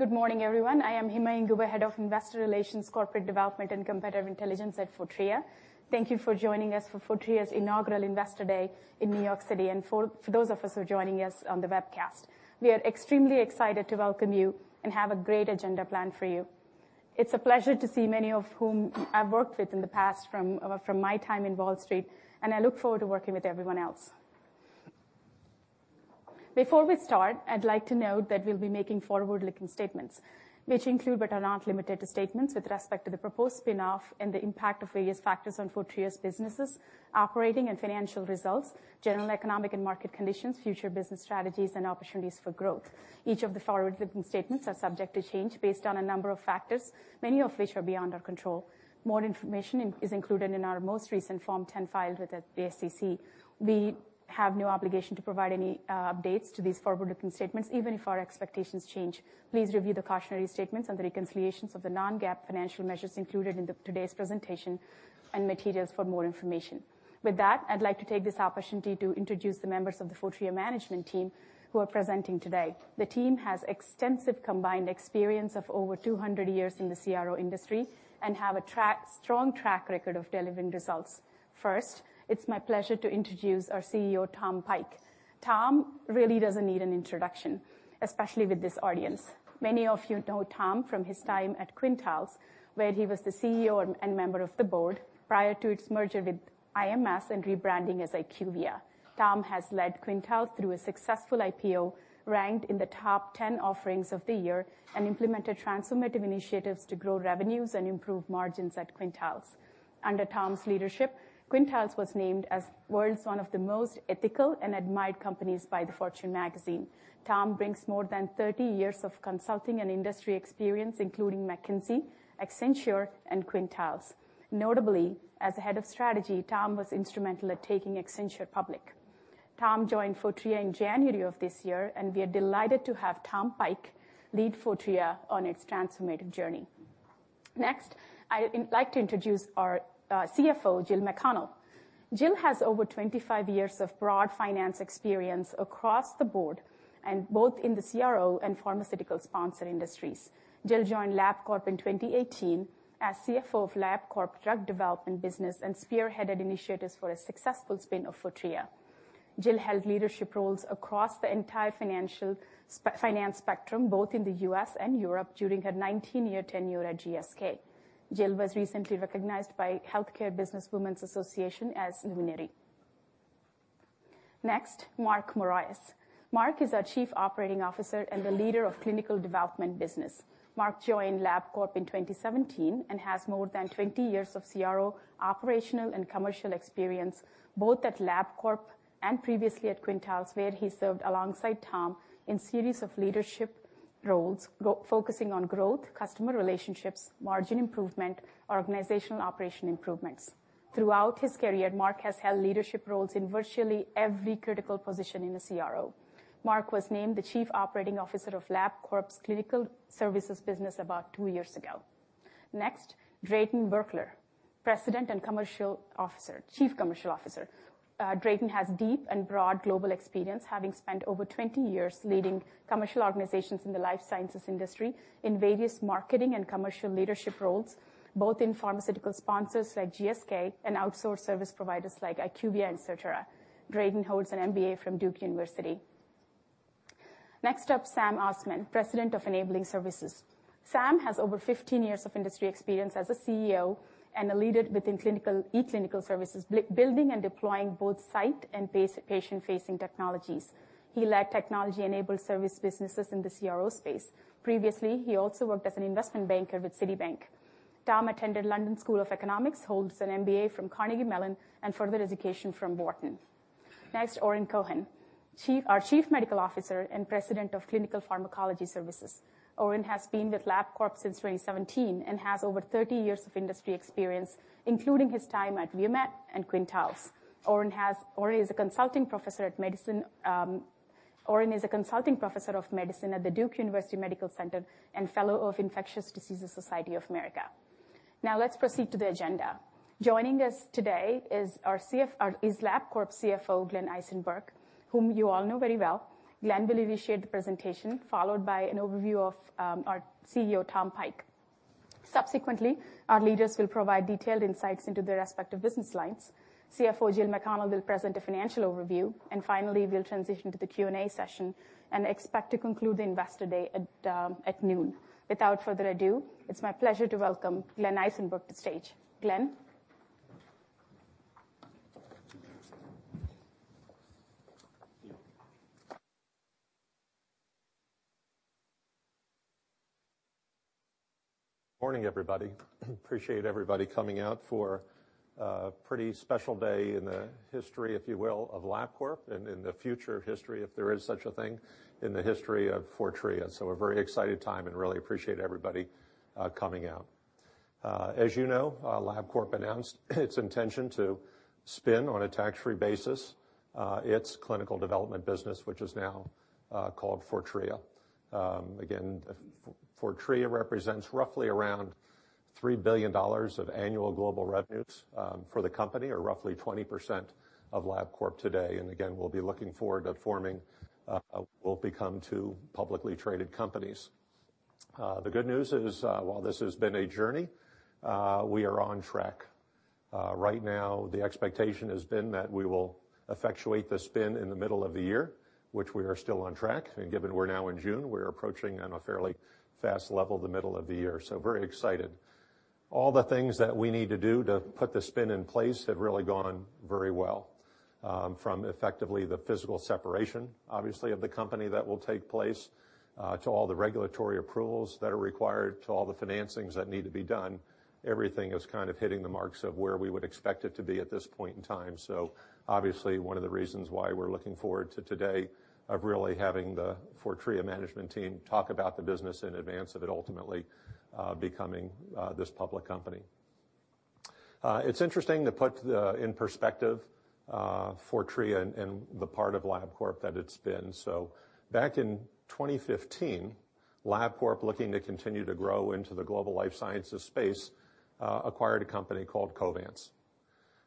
Good morning, everyone. I am Hima Inguva, Head of Investor Relations, Corporate Development, and Competitive Intelligence at Fortrea. Thank you for joining us for Fortrea's inaugural Investor Day in New York City, and for those of us who are joining us on the webcast. We are extremely excited to welcome you and have a great agenda planned for you. It's a pleasure to see many of whom I've worked with in the past from my time in Wall Street, and I look forward to working with everyone else. Before we start, I'd like to note that we'll be making forward-looking statements, which include, but are not limited to, statements with respect to the proposed spin-off and the impact of various factors on Fortrea's businesses, operating and financial results, general economic and market conditions, future business strategies, and opportunities for growth. Each of the forward-looking statements are subject to change based on a number of factors, many of which are beyond our control. More information is included in our most recent Form 10-K filed with the SEC. We have no obligation to provide any updates to these forward-looking statements, even if our expectations change. Please review the cautionary statements and the reconciliations of the non-GAAP financial measures included in the today's presentation and materials for more information. With that, I'd like to take this opportunity to introduce the members of the Fortrea management team who are presenting today. The team has extensive combined experience of over 200 years in the CRO industry and have a strong track record of delivering results. First, it's my pleasure to introduce our CEO, Tom Pike. Tom really doesn't need an introduction, especially with this audience. Many of you know Tom from his time at Quintiles, where he was the CEO and member of the board prior to its merger with IMS and rebranding as IQVIA. Tom has led Quintiles through a successful IPO, ranked in the top 10 offerings of the year. Implemented transformative initiatives to grow revenues and improve margins at Quintiles. Under Tom's leadership, Quintiles was named as world's one of the most ethical and admired companies by Fortune magazine. Tom brings more than 30 years of consulting and industry experience, including McKinsey, Accenture, and Quintiles. Notably, as the head of strategy, Tom was instrumental at taking Accenture public. Tom joined Fortrea in January of this year. We are delighted to have Tom Pike lead Fortrea on its transformative journey. Next, I'd like to introduce our CFO, Jill McConnell. Jill has over 25 years of broad finance experience across the board and both in the CRO and pharmaceutical sponsor industries. Jill joined Labcorp in 2018 as CFO of Labcorp drug development business and spearheaded initiatives for a successful spin of Fortrea. Jill held leadership roles across the entire finance spectrum, both in the US and Europe, during her 19-year tenure at GSK. Jill was recently recognized by Healthcare Businesswomen's Association as Luminary. Mark Morais. Mark is our Chief Operations Officer and the leader of Clinical Development business. Mark joined Labcorp in 2017 and has more than 20 years of CRO, operational, and commercial experience, both at Labcorp and previously at Quintiles, where he served alongside Tom in series of leadership roles, focusing on growth, customer relationships, margin improvement, organizational operation improvements. Throughout his career, Mark has held leadership roles in virtually every critical position in the CRO. Mark was named the chief operating officer of Labcorp's Clinical Services business about two years ago. Drayton Virkler, President and Chief Commercial Officer. Drayton has deep and broad global experience, having spent over 20 years leading commercial organizations in the life sciences industry in various marketing and commercial leadership roles, both in pharmaceutical sponsors like GSK and outsourced service providers like IQVIA and Syneos. Drayton holds an MBA from Duke University. Sam Osman, President of Enabling Services. Sam has over 15 years of industry experience as a CEO and a leader within clinical, eClinical services, building and deploying both site and patient-facing technologies. He led technology-enabled service businesses in the CRO space. Previously, he also worked as an investment banker with Citibank. Sam attended London School of Economics, holds an MBA from Carnegie Mellon, and further education from Wharton. Next, Oren Cohen, Chief Medical Officer and President of Clinical Pharmacology Services. Oren has been with Labcorp since 2017 and has over 30 years of industry experience, including his time at ViiV Healthcare and Quintiles. Oren is a consulting professor of medicine at the Duke University Medical Center and fellow of Infectious Diseases Society of America. Let's proceed to the agenda. Joining us today is Labcorp CFO, Glenn Eisenberg, whom you all know very well. Glenn will lead us shared the presentation, followed by an overview of our CEO, Tom Pike. Subsequently, our leaders will provide detailed insights into their respective business lines. CFO Jill McConnell will present a financial overview, and finally, we'll transition to the Q&A session and expect to conclude the Investor Day at noon. Without further ado, it's my pleasure to welcome Glenn Eisenberg to stage. Glenn? Morning, everybody. Appreciate everybody coming out for a pretty special day in the history, if you will, of Labcorp, and in the future of history, if there is such a thing, in the history of Fortrea. A very excited time, and really appreciate everybody, coming out. As you know, Labcorp announced its intention to spin on a tax-free basis, its clinical development business, which is now, called Fortrea. Again, Fortrea represents roughly around-... $3 billion of annual global revenues, for the company, or roughly 20% of Labcorp today. Again, we'll be looking forward to forming, what will become two publicly traded companies. The good news is, while this has been a journey, we are on track. Right now, the expectation has been that we will effectuate the spin in the middle of the year, which we are still on track. Given we're now in June, we're approaching on a fairly fast level, the middle of the year. Very excited. All the things that we need to do to put the spin in place have really gone very well. From effectively the physical separation, obviously, of the company that will take place, to all the regulatory approvals that are required, to all the financings that need to be done, everything is kind of hitting the marks of where we would expect it to be at this point in time. Obviously, one of the reasons why we're looking forward to today, of really having the Fortrea management team talk about the business in advance of it ultimately, becoming, this public company. It's interesting to put the, in perspective, Fortrea and the part of Labcorp that it's been. Back in 2015, Labcorp, looking to continue to grow into the global life sciences space, acquired a company called Covance.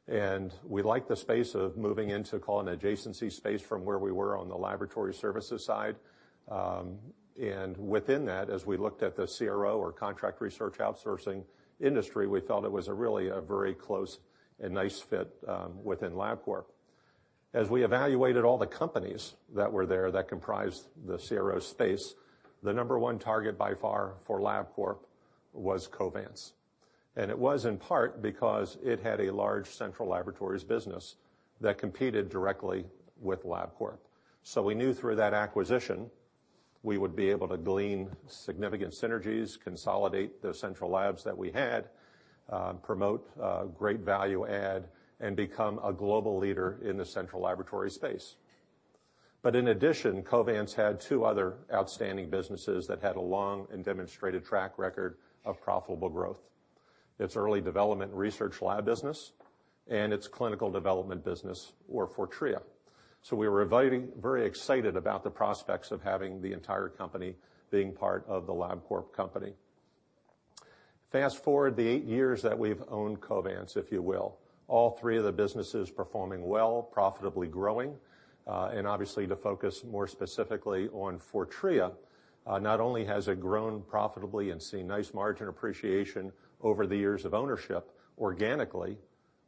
We liked the space of moving into, call it, an adjacency space from where we were on the laboratory services side. Within that, as we looked at the CRO, or contract research outsourcing industry, we felt it was a really, a very close and nice fit, within Labcorp. As we evaluated all the companies that were there that comprised the CRO space, the number one target by far for Labcorp was Covance. It was in part because it had a large central laboratories business that competed directly with Labcorp. We knew through that acquisition, we would be able to glean significant synergies, consolidate the central labs that we had, promote great value add, and become a global leader in the central laboratory space. In addition, Covance had two other outstanding businesses that had a long and demonstrated track record of profitable growth. Its early development research lab business and its clinical development business, or Fortrea. We were very excited about the prospects of having the entire company being part of the Labcorp company. Fast-forward the 8 years that we've owned Covance, if you will, all 3 of the businesses performing well, profitably growing. Obviously, to focus more specifically on Fortrea, not only has it grown profitably and seen nice margin appreciation over the years of ownership organically,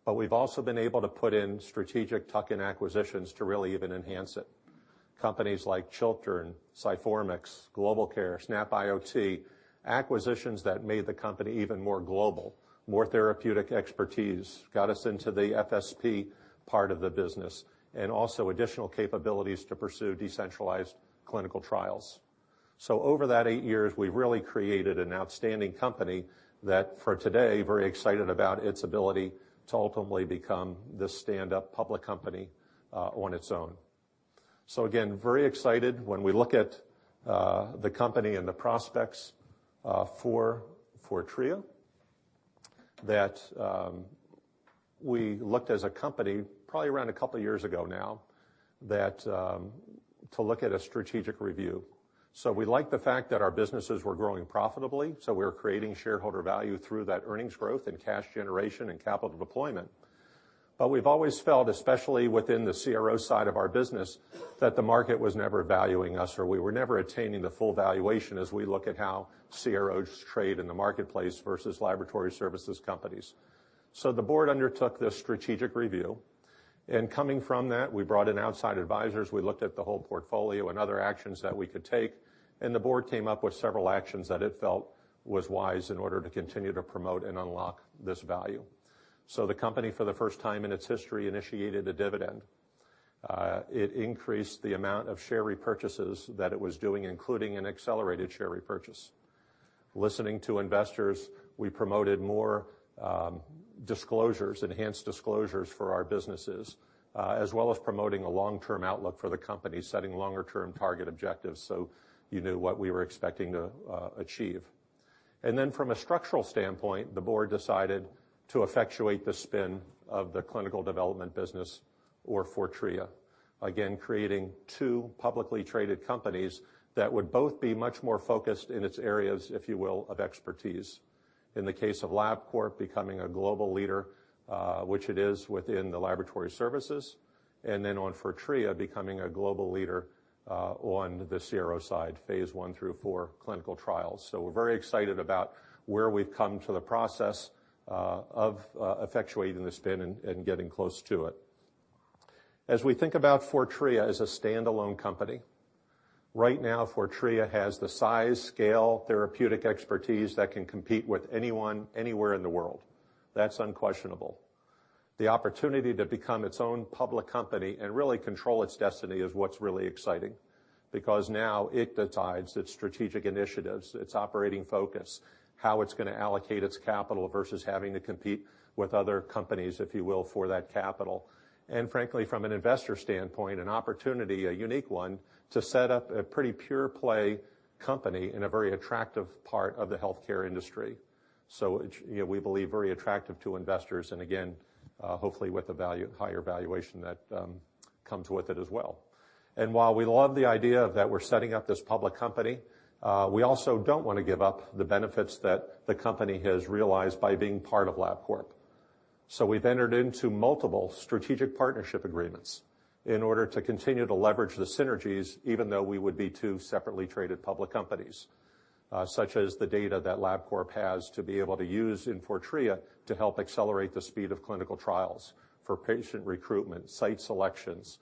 but we've also been able to put in strategic tuck-in acquisitions to really even enhance it. Companies like Chiltern, Sciformix, GlobalCare, snapIoT, acquisitions that made the company even more global, more therapeutic expertise, got us into the FSP part of the business, and also additional capabilities to pursue decentralized clinical trials. Over that 8 years, we've really created an outstanding company that for today, very excited about its ability to ultimately become this stand-up public company on its own. Again, very excited when we look at the company and the prospects for Fortrea, that we looked as a company, probably around 2 years ago now, to look at a strategic review. We liked the fact that our businesses were growing profitably, so we were creating shareholder value through that earnings growth and cash generation and capital deployment. We've always felt, especially within the CRO side of our business, that the market was never valuing us, or we were never attaining the full valuation as we look at how CROs trade in the marketplace versus laboratory services companies. The board undertook this strategic review, and coming from that, we brought in outside advisors. We looked at the whole portfolio and other actions that we could take, and the board came up with several actions that it felt was wise in order to continue to promote and unlock this value. The company, for the first time in its history, initiated a dividend. It increased the amount of share repurchases that it was doing, including an accelerated share repurchase. Listening to investors, we promoted more disclosures, enhanced disclosures for our businesses, as well as promoting a long-term outlook for the company, setting longer-term target objectives so you knew what we were expecting to achieve. From a structural standpoint, the board decided to effectuate the spin of the clinical development business, or Fortrea. Again, creating two publicly traded companies that would both be much more focused in its areas, if you will, of expertise. In the case of Labcorp, becoming a global leader, which it is within the laboratory services, and then on Fortrea, becoming a global leader, on the CRO side, phase 1 through 4 clinical trials. We're very excited about where we've come to the process of effectuating the spin and getting close to it. As we think about Fortrea as a standalone company, right now, Fortrea has the size, scale, therapeutic expertise that can compete with anyone, anywhere in the world. That's unquestionable. The opportunity to become its own public company and really control its destiny is what's really exciting, because now it decides its strategic initiatives, its operating focus, how it's gonna allocate its capital, versus having to compete with other companies, if you will, for that capital. Frankly, from an investor standpoint, an opportunity, a unique one, to set up a pretty pure play company in a very attractive part of the healthcare industry. So it, you know, we believe, very attractive to investors, and again, hopefully with a higher valuation that comes with it as well. While we love the idea that we're setting up this public company, we also don't want to give up the benefits that the company has realized by being part of Labcorp. We've entered into multiple strategic partnership agreements in order to continue to leverage the synergies, even though we would be two separately traded public companies, such as the data that Labcorp has to be able to use in Fortrea to help accelerate the speed of clinical trials for patient recruitment, site selections,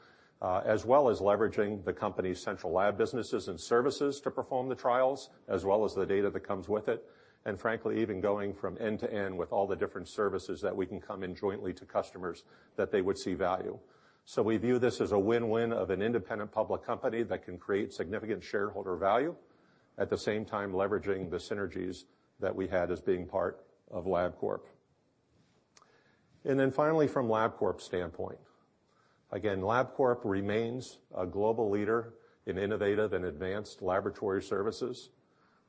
as well as leveraging the company's central lab businesses and services to perform the trials, as well as the data that comes with it, and frankly, even going from end to end with all the different services that we can come in jointly to customers that they would see value. We view this as a win-win of an independent public company that can create significant shareholder value, at the same time, leveraging the synergies that we had as being part of Labcorp. Finally, from Labcorp's standpoint. Again, Labcorp remains a global leader in innovative and advanced laboratory services.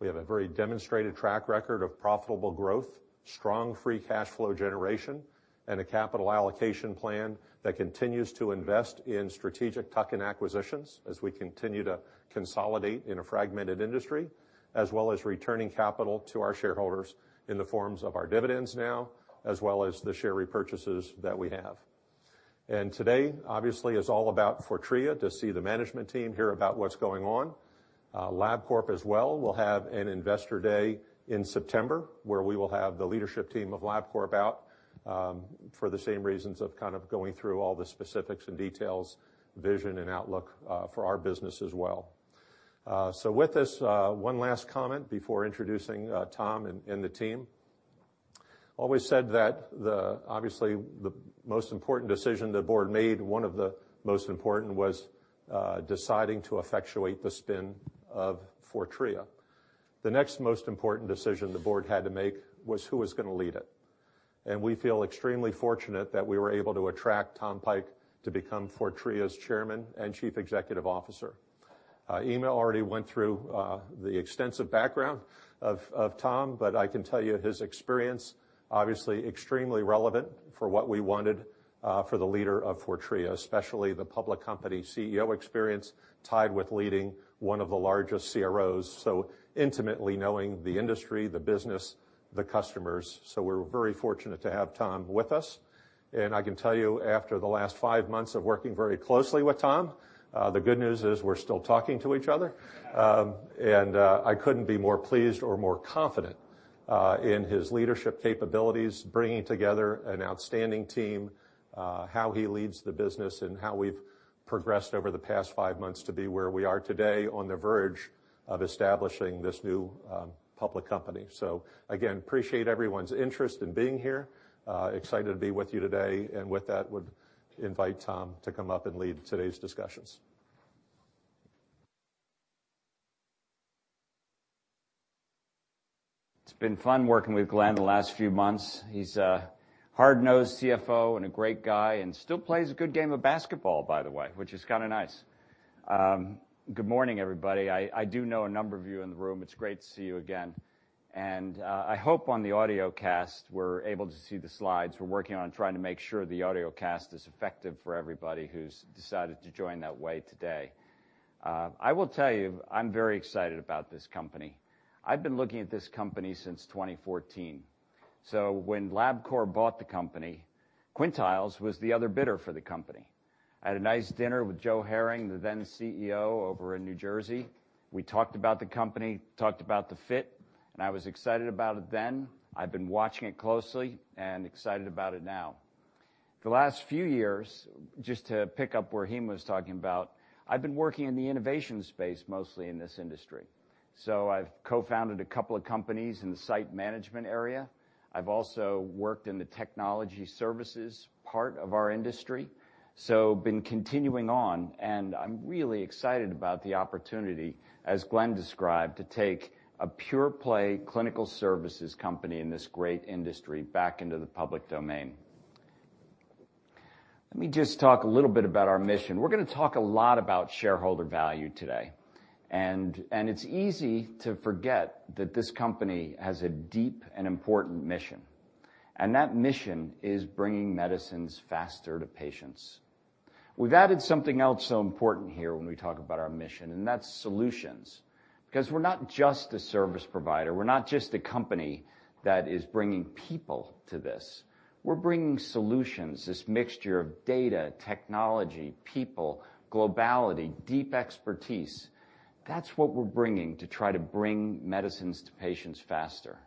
We have a very demonstrated track record of profitable growth, strong free cash flow generation, and a capital allocation plan that continues to invest in strategic tuck-in acquisitions as we continue to consolidate in a fragmented industry, as well as returning capital to our shareholders in the forms of our dividends now, as well as the share repurchases that we have. Today, obviously, is all about Fortrea, to see the management team, hear about what's going on. Labcorp as well, will have an Investor Day in September, where we will have the leadership team of Labcorp out, for the same reasons of kind of going through all the specifics and details, vision, and outlook, for our business as well. With this, one last comment before introducing Tom and the team. Always said that obviously, the most important decision the board made, one of the most important, was deciding to effectuate the spin of Fortrea. The next most important decision the board had to make was who was going to lead it. We feel extremely fortunate that we were able to attract Tom Pike to become Fortrea's Chairman and Chief Executive Officer. Hima already went through the extensive background of Tom, I can tell you his experience, obviously extremely relevant for what we wanted for the leader of Fortrea, especially the public company CEO experience, tied with leading one of the largest CROs, so intimately knowing the industry, the business, the customers. We're very fortunate to have Tom with us. I can tell you, after the last 5 months of working very closely with Tom, the good news is we're still talking to each other. I couldn't be more pleased or more confident in his leadership capabilities, bringing together an outstanding team, how he leads the business and how we've progressed over the past 5 months to be where we are today, on the verge of establishing this new public company. Again, appreciate everyone's interest in being here. Excited to be with you today, and with that, would invite Tom to come up and lead today's discussions. It's been fun working with Glenn the last few months. He's a hard-nosed CFO and a great guy, and still plays a good game of basketball, by the way, which is kind of nice. Good morning, everybody. I do know a number of you in the room. It's great to see you again. I hope on the audiocast, we're able to see the slides. We're working on trying to make sure the audiocast is effective for everybody who's decided to join that way today. I will tell you, I'm very excited about this company. I've been looking at this company since 2014. When Labcorp bought the company, Quintiles was the other bidder for the company. I had a nice dinner with Joe Herring, the then CEO, over in New Jersey. We talked about the company, talked about the fit. I was excited about it then. I've been watching it closely and excited about it now. The last few years, just to pick up where Hima was talking about, I've been working in the innovation space, mostly in this industry. I've co-founded a couple of companies in the site management area. I've also worked in the technology services part of our industry, been continuing on. I'm really excited about the opportunity, as Glenn described, to take a pure play clinical services company in this great industry back into the public domain. Let me just talk a little bit about our mission. We're going to talk a lot about shareholder value today, and it's easy to forget that this company has a deep and important mission. That mission is bringing medicines faster to patients. We've added something else so important here when we talk about our mission, and that's solutions, because we're not just a service provider. We're not just a company that is bringing people to this. We're bringing solutions, this mixture of data, technology, people, globality, deep expertise. That's what we're bringing to try to bring medicines to patients faster.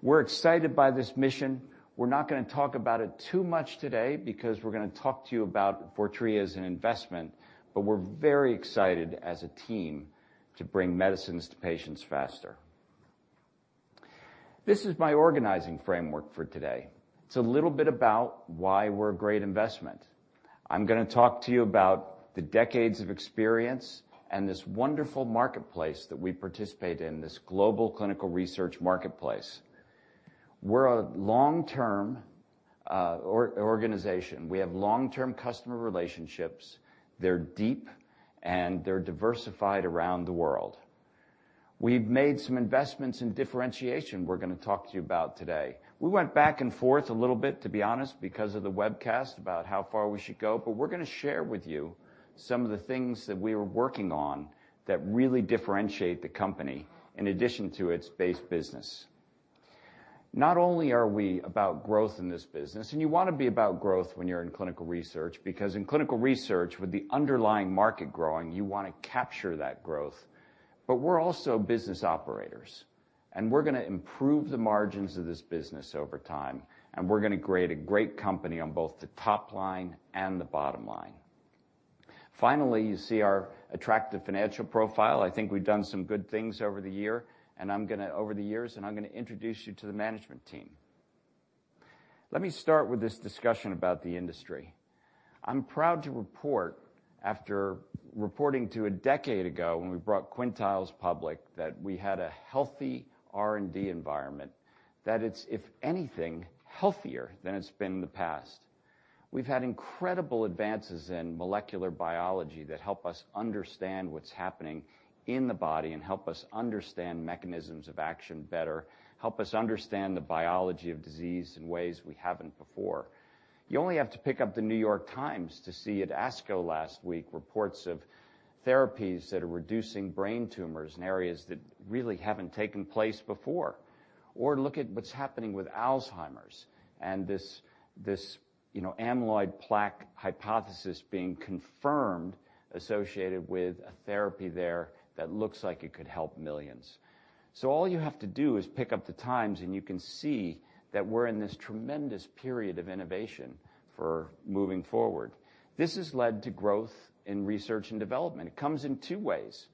We're excited by this mission. We're not going to talk about it too much today because we're going to talk to you about Fortrea as an investment. We're very excited as a team to bring medicines to patients faster. This is my organizing framework for today. It's a little bit about why we're a great investment. I'm going to talk to you about the decades of experience and this wonderful marketplace that we participate in, this global clinical research marketplace. We're a long-term organization. We have long-term customer relationships. They're deep, and they're diversified around the world. We've made some investments in differentiation we're going to talk to you about today. We went back and forth a little bit, to be honest, because of the webcast, about how far we should go, but we're going to share with you some of the things that we are working on that really differentiate the company in addition to its base business. Not only are we about growth in this business, and you want to be about growth when you're in clinical research, because in clinical research, with the underlying market growing, you want to capture that growth. We're also business operators, and we're going to improve the margins of this business over time, and we're going to create a great company on both the top line and the bottom line. Finally, you see our attractive financial profile. I think we've done some good things over the year, over the years, and I'm going to introduce you to the management team. Let me start with this discussion about the industry. I'm proud to report, after reporting to a decade ago, when we brought Quintiles public, that we had a healthy R&D environment, that it's, if anything, healthier than it's been in the past. We've had incredible advances in molecular biology that help us understand what's happening in the body and help us understand mechanisms of action better, help us understand the biology of disease in ways we haven't before. You only have to pick up the New York Times to see at ASCO last week, reports of therapies that are reducing brain tumors in areas that really haven't taken place before. Look at what's happening with Alzheimer's and this, you know, amyloid plaque hypothesis being confirmed associated with a therapy there that looks like it could help millions. All you have to do is pick up the Times, and you can see that we're in this tremendous period of innovation for moving forward. This has led to growth in research and development. It comes in two ways.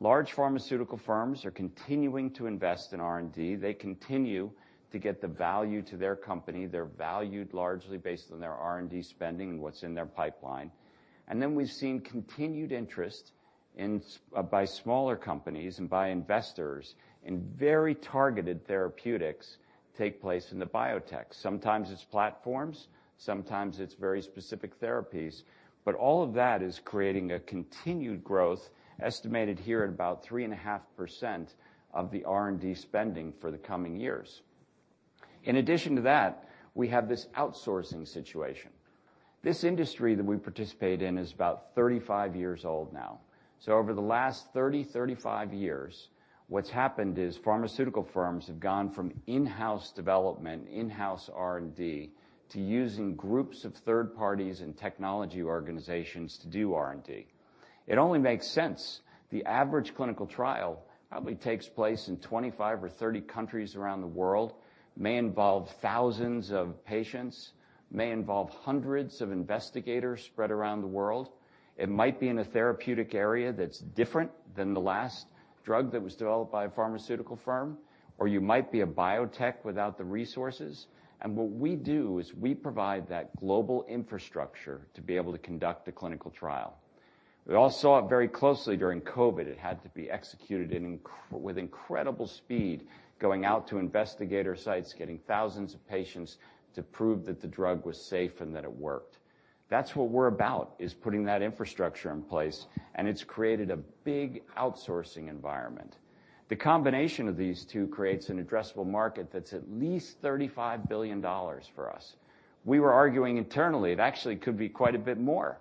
Large pharmaceutical firms are continuing to invest in R&D. They continue to get the value to their company. They're valued largely based on their R&D spending and what's in their pipeline. We've seen continued interest by smaller companies and by investors in very targeted therapeutics take place in the biotech. Sometimes it's platforms, sometimes it's very specific therapies. All of that is creating a continued growth, estimated here at about 3.5% of the R&D spending for the coming years. In addition to that, we have this outsourcing situation. This industry that we participate in is about 35 years old now. Over the last 30, 35 years, what's happened is pharmaceutical firms have gone from in-house development, in-house R&D, to using groups of third parties and technology organizations to do R&D. It only makes sense. The average clinical trial probably takes place in 25 or 30 countries around the world, may involve thousands of patients, may involve hundreds of investigators spread around the world. It might be in a therapeutic area that's different than the last drug that was developed by a pharmaceutical firm, you might be a biotech without the resources. What we do is we provide that global infrastructure to be able to conduct a clinical trial. We all saw it very closely during COVID. It had to be executed with incredible speed, going out to investigator sites, getting thousands of patients to prove that the drug was safe and that it worked. That's what we're about, is putting that infrastructure in place, and it's created a big outsourcing environment. The combination of these two creates an addressable market that's at least $35 billion for us. We were arguing internally, it actually could be quite a bit more,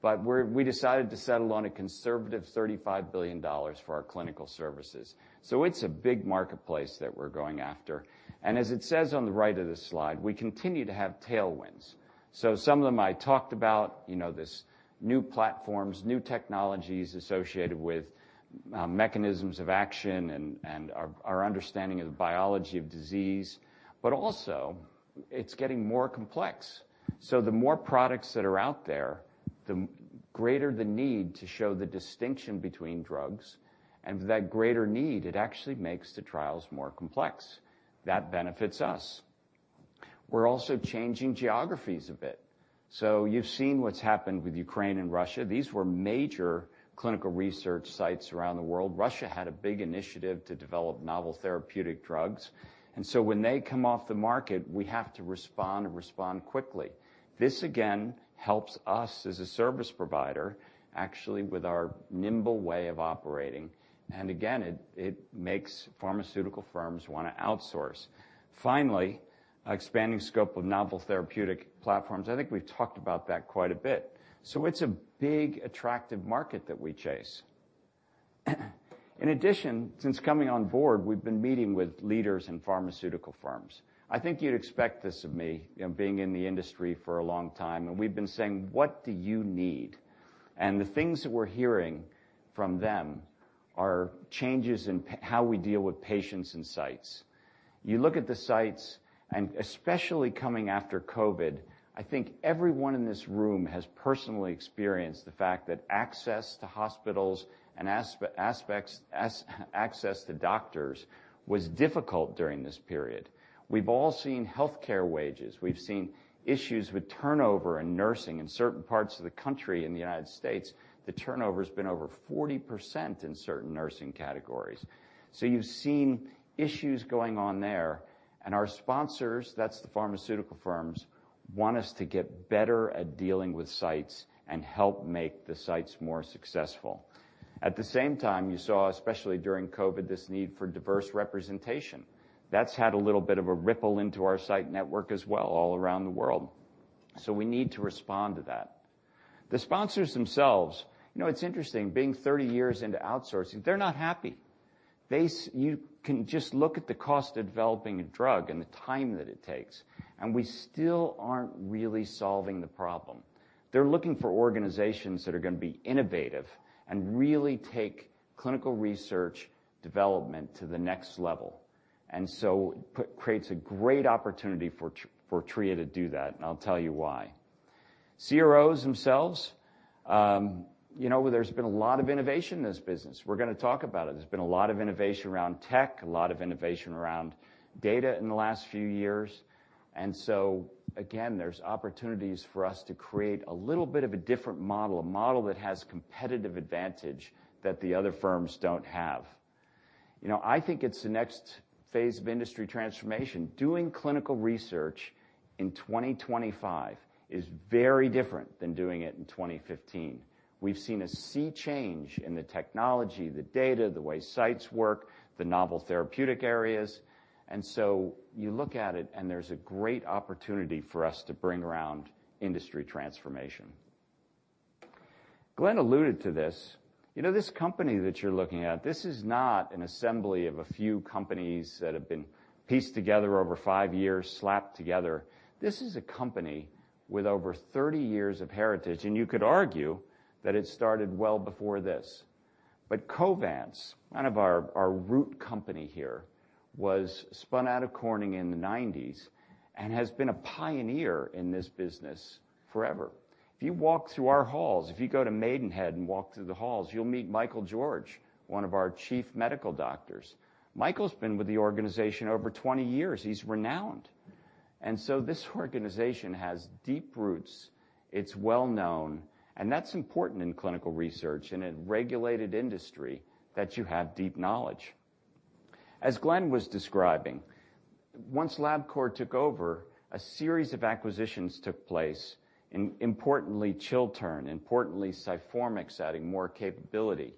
but we decided to settle on a conservative $35 billion for our clinical services. It's a big marketplace that we're going after. As it says on the right of this slide, we continue to have tailwinds. Some of them I talked about, you know, this new platforms, new technologies associated with mechanisms of action and our understanding of the biology of disease, but also it's getting more complex. The more products that are out there, the greater the need to show the distinction between drugs, and with that greater need, it actually makes the trials more complex. That benefits us. We're also changing geographies a bit. You've seen what's happened with Ukraine and Russia. These were major clinical research sites around the world. Russia had a big initiative to develop novel therapeutic drugs, and so when they come off the market, we have to respond and respond quickly. This, again, helps us as a service provider, actually, with our nimble way of operating. Again, it makes pharmaceutical firms want to outsource. Finally, expanding scope of novel therapeutic platforms. I think we've talked about that quite a bit. It's a big, attractive market that we chase. In addition, since coming on board, we've been meeting with leaders in pharmaceutical firms. I think you'd expect this of me, you know, being in the industry for a long time, and we've been saying: What do you need? The things that we're hearing from them are changes in how we deal with patients and sites. You look at the sites, and especially coming after COVID, I think everyone in this room has personally experienced the fact that access to hospitals and access to doctors was difficult during this period. We've all seen healthcare wages. We've seen issues with turnover in nursing in certain parts of the country. In the United States, the turnover has been over 40% in certain nursing categories. You've seen issues going on there, and our sponsors, that's the pharmaceutical firms, want us to get better at dealing with sites and help make the sites more successful. At the same time, you saw, especially during COVID, this need for diverse representation. That's had a little bit of a ripple into our site network as well, all around the world. We need to respond to that. The sponsors themselves, you know, it's interesting, being 30 years into outsourcing, they're not happy. You can just look at the cost of developing a drug and the time that it takes, and we still aren't really solving the problem. They're looking for organizations that are going to be innovative and really take clinical research development to the next level. It creates a great opportunity for Fortrea todo that, and I'll tell you why. CROs themselves, you know, there's been a lot of innovation in this business. We're going to talk about it. There's been a lot of innovation around tech, a lot of innovation around data in the last few years. Again, there's opportunities for us to create a little bit of a different model, a model that has competitive advantage that the other firms don't have. You know, I think it's the next phase of industry transformation. Doing clinical research in 2025 is very different than doing it in 2015. We've seen a sea change in the technology, the data, the way sites work, the novel therapeutic areas. You look at it, and there's a great opportunity for us to bring around industry transformation. Glenn alluded to this. You know, this company that you're looking at, this is not an assembly of a few companies that have been pieced together over five years, slapped together. This is a company with over 30 years of heritage, and you could argue that it started well before this. Covance, kind of our root company here, was spun out of Corning in the 1990s and has been a pioneer in this business forever. If you walk through our halls, if you go to Maidenhead and walk through the halls, you'll meet Michael George, one of our chief medical doctors. Michael's been with the organization over 20 years. He's renowned. This organization has deep roots. It's well-known, and that's important in clinical research and in regulated industry, that you have deep knowledge. As Glenn was describing, once Labcorp took over, a series of acquisitions took place, importantly, Chiltern, importantly, Sciformix, adding more capability.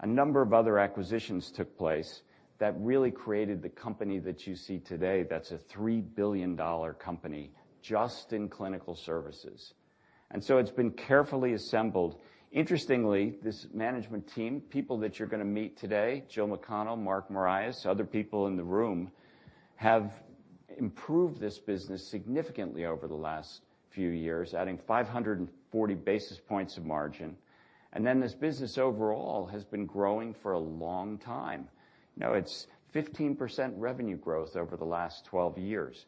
A number of other acquisitions took place that really created the company that you see today, that's a $3 billion company just in clinical services. It's been carefully assembled. Interestingly, this management team, people that you're going to meet today, Jill McConnell, Mark Morais, other people in the room, have improved this business significantly over the last few years, adding 540 basis points of margin. This business overall has been growing for a long time. It's 15% revenue growth over the last 12 years.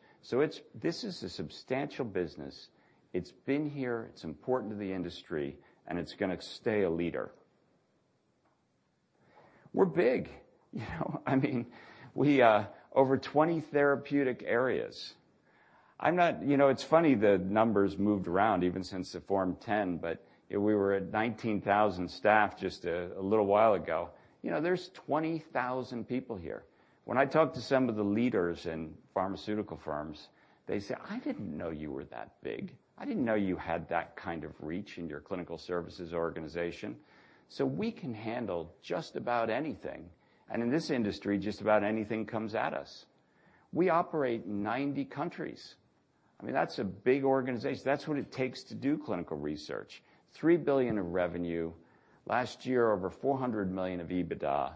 This is a substantial business. It's been here, it's important to the industry, and it's going to stay a leader. We're big, you know? I mean, we... Over 20 therapeutic areas. You know, it's funny, the numbers moved around even since the Form 10, but we were at 19,000 staff just a little while ago. You know, there's 20,000 people here. When I talk to some of the leaders in pharmaceutical firms, they say, "I didn't know you were that big. I didn't know you had that kind of reach in your clinical services organization." We can handle just about anything, and in this industry, just about anything comes at us. We operate in 90 countries. I mean, that's a big organization. That's what it takes to do clinical research. $3 billion in revenue. Last year, over $400 million of EBITDA,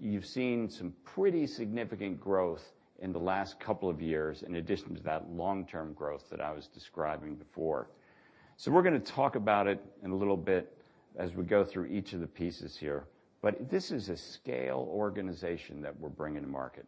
you've seen some pretty significant growth in the last couple of years, in addition to that long-term growth that I was describing before. We're going to talk about it in a little bit as we go through each of the pieces here. This is a scale organization that we're bringing to market.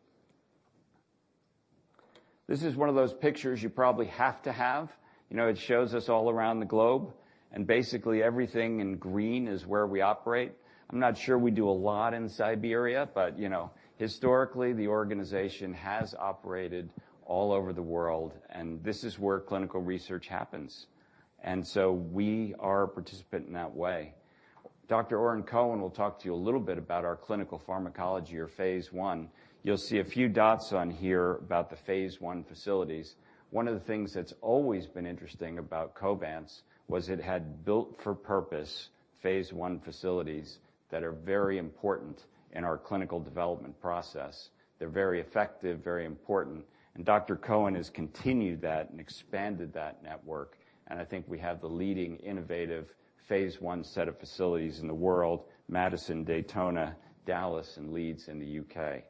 This is one of those pictures you probably have to have. You know, it shows us all around the globe, and basically, everything in green is where we operate. I'm not sure we do a lot in Siberia, but, you know, historically, the organization has operated all over the world, and this is where clinical research happens. We are a participant in that way. Dr. Oren Cohen will talk to you a little bit about our clinical pharmacology or phase I. You'll see a few dots on here about the phase I facilities. One of the things that's always been interesting about Covance was it had built-for-purpose phase I facilities that are very important in our clinical development process. They're very effective, very important, and Dr. Cohen has continued that and expanded that network, and I think we have the leading innovative phase I set of facilities in the world, Madison, Daytona, Dallas, and Leeds in the UK.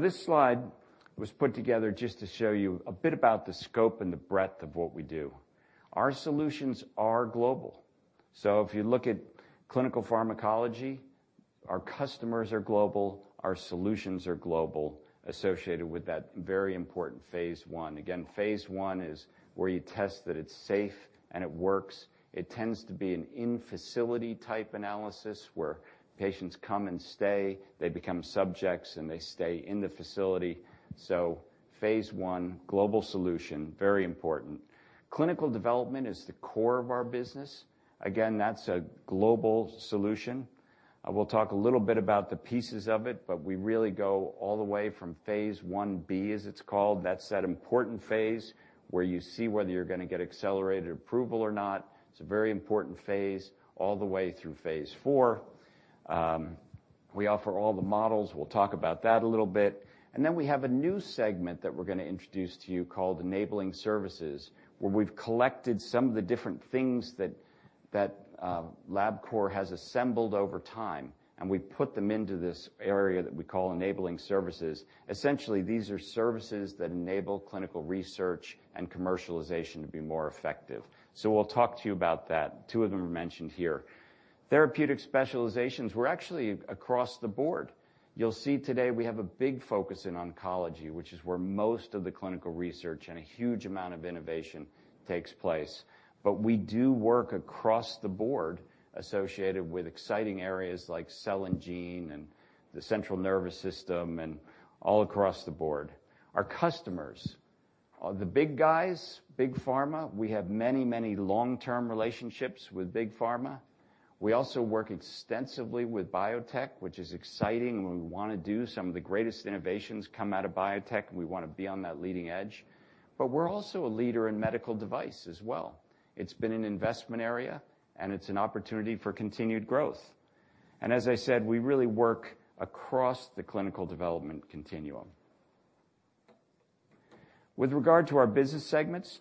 This slide was put together just to show you a bit about the scope and the breadth of what we do. Our solutions are global. If you look at clinical pharmacology, our customers are global, our solutions are global, associated with that very important phase I. Again, phase I is where you test that it's safe and it works. It tends to be an in-facility type analysis, where patients come and stay, they become subjects, and they stay in the facility. phase I, global solution, very important. Clinical development is the core of our business. That's a global solution. We'll talk a little bit about the pieces of it, but we really go all the way from phase Ib, as it's called. That's that important phase where you see whether you're going to get accelerated approval or not. It's a very important phase all the way through phase IV. We offer all the models. We'll talk about that a little bit. Then we have a new segment that we're going to introduce to you called Enabling Services, where we've collected some of the different things that Labcorp has assembled over time, and we've put them into this area that we call Enabling Services. Essentially, these are services that enable clinical research and commercialization to be more effective. We'll talk to you about that. Two of them are mentioned here. Therapeutic specializations, we're actually across the board. You'll see today we have a big focus in oncology, which is where most of the clinical research and a huge amount of innovation takes place. We do work across the board associated with exciting areas like cell and gene and the Central Nervous System, and all across the board. Our customers are the big guys, Big Pharma. We have many long-term relationships with Big Pharma. We also work extensively with biotech, which is exciting, and we want to. Some of the greatest innovations come out of biotech, and we want to be on that leading edge. We're also a leader in medical device as well. It's been an investment area, and it's an opportunity for continued growth. As I said, we really work across the clinical development continuum. With regard to our business segments,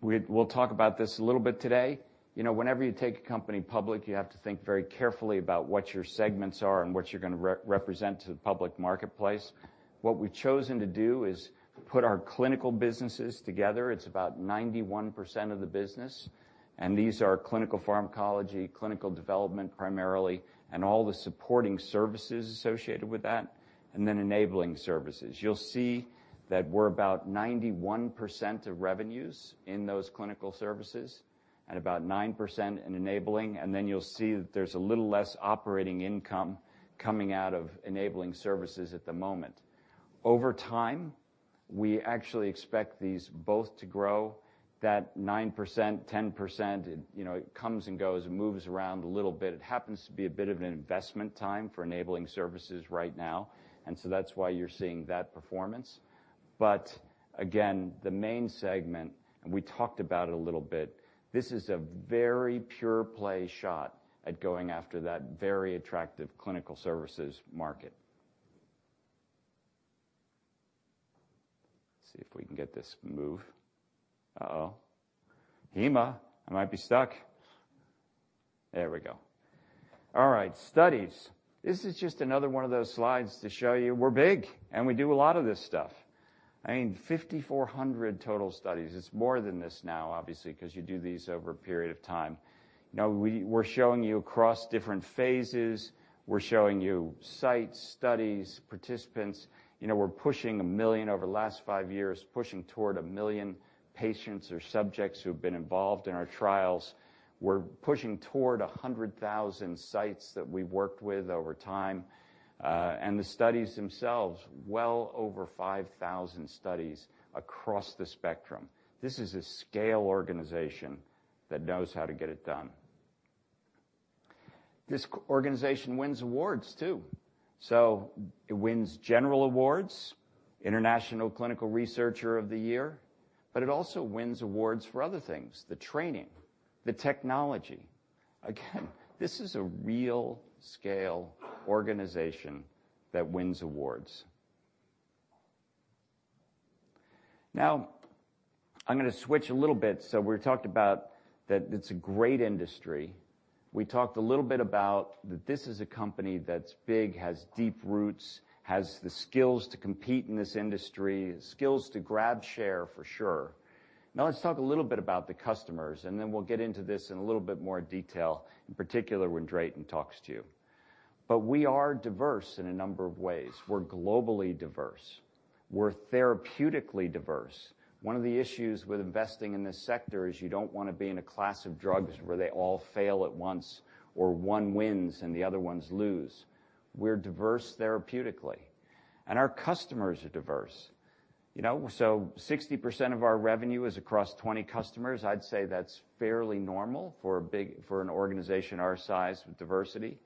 we'll talk about this a little bit today. You know, whenever you take a company public, you have to think very carefully about what your segments are and what you're going to re-represent to the public marketplace. What we've chosen to do is put our clinical businesses together. It's about 91% of the business, and these are clinical pharmacology, clinical development, primarily, and all the supporting services associated with that, and then enabling services. You'll see that we're about 91% of revenues in those clinical services and about 9% in enabling, and then you'll see that there's a little less operating income coming out of enabling services at the moment. Over time, we actually expect these both to grow. That 9%, 10%, you know, it comes and goes and moves around a little bit. It happens to be a bit of an investment time for Enabling Services right now, that's why you're seeing that performance. Again, the main segment, and we talked about it a little bit, this is a very pure play shot at going after that very attractive clinical services market. Let's see if we can get this to move. Uh-oh. Hima, I might be stuck. There we go. All right, studies. This is just another one of those slides to show you we're big, and we do a lot of this stuff. I mean 5,400 total studies. It's more than this now, obviously, because you do these over a period of time. We're showing you across different phases. We're showing you sites, studies, participants. You know, we're pushing 1 million over the last five years, pushing toward 1 million patients or subjects who've been involved in our trials. We're pushing toward 100,000 sites that we've worked with over time. The studies themselves, well over 5,000 studies across the spectrum. This is a scale organization that knows how to get it done. This organization wins awards, too. It wins general awards, International Clinical Researcher of the Year, it also wins awards for other things, the training, the technology. Again, this is a real scale organization that wins awards. I'm going to switch a little bit. We talked about that it's a great industry. We talked a little bit about that this is a company that's big, has deep roots, has the skills to compete in this industry, skills to grab share for sure. Let's talk a little bit about the customers, and then we'll get into this in a little bit more detail, in particular, when Drayton talks to you. We are diverse in a number of ways. We're globally diverse. We're therapeutically diverse. One of the issues with investing in this sector is you don't want to be in a class of drugs where they all fail at once or one wins and the other ones lose. We're diverse therapeutically, our customers are diverse. You know, 60% of our revenue is across 20 customers. I'd say that's fairly normal for an organization our size with diversity.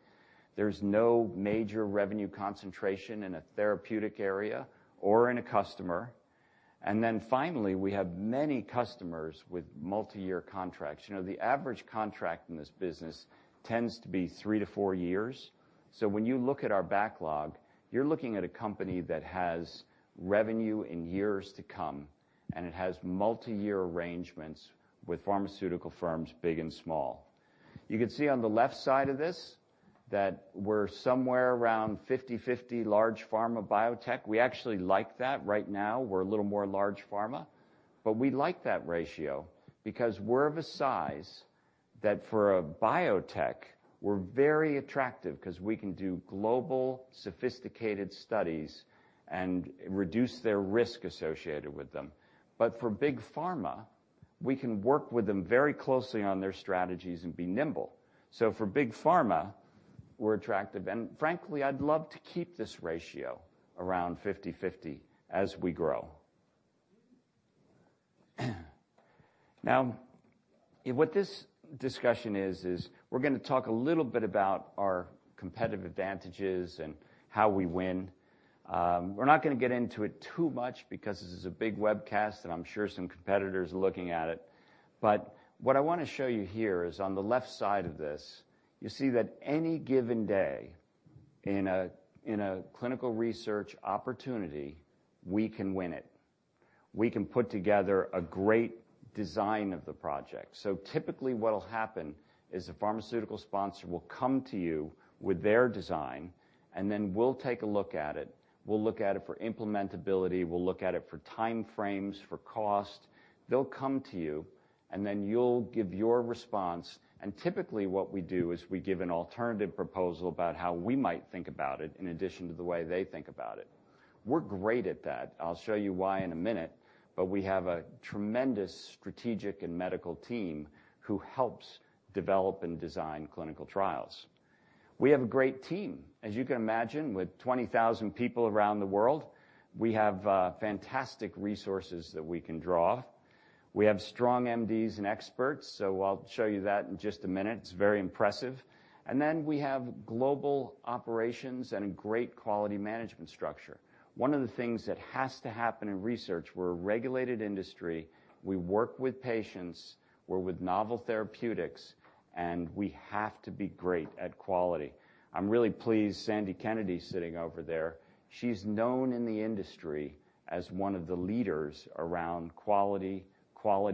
There's no major revenue concentration in a therapeutic area or in a customer. Finally, we have many customers with multiyear contracts. You know, the average contract in this business tends to be 3 to 4 years. When you look at our backlog, you're looking at a company that has revenue in years to come, and it has multiyear arrangements with pharmaceutical firms, big and small. You can see on the left side of this, that we're somewhere around 50/50 large pharma, biotech. We actually like that. Right now, we're a little more large pharma, but we like that ratio because we're of a size that for a biotech, we're very attractive because we can do global, sophisticated studies and reduce their risk associated with them. For Big Pharma, we can work with them very closely on their strategies and be nimble. For Big Pharma, we're attractive, and frankly, I'd love to keep this ratio around 50/50 as we grow. What this discussion is we're going to talk a little bit about our competitive advantages and how we win. We're not gonna get into it too much because this is a big webcast, and I'm sure some competitors are looking at it. What I wanna show you here is on the left side of this, you see that any given day in a, in a clinical research opportunity, we can win it. We can put together a great design of the project. Typically, what'll happen is the pharmaceutical sponsor will come to you with their design, and then we'll take a look at it. We'll look at it for implementability. We'll look at it for time frames, for cost. They'll come to you, and then you'll give your response, and typically, what we do is we give an alternative proposal about how we might think about it, in addition to the way they think about it. We're great at that. I'll show you why in a minute, we have a tremendous strategic and medical team who helps develop and design clinical trials. We have a great team. As you can imagine, with 20,000 people around the world, we have fantastic resources that we can draw. We have strong MDs and experts, I'll show you that in just a minute. It's very impressive. We have global operations and a great quality management structure. One of the things that has to happen in research, we're a regulated industry, we work with patients, we're with novel therapeutics, and we have to be great at quality. I'm really pleased Sandy Kennedy's sitting over there. She's known in the industry as one of the leaders around quality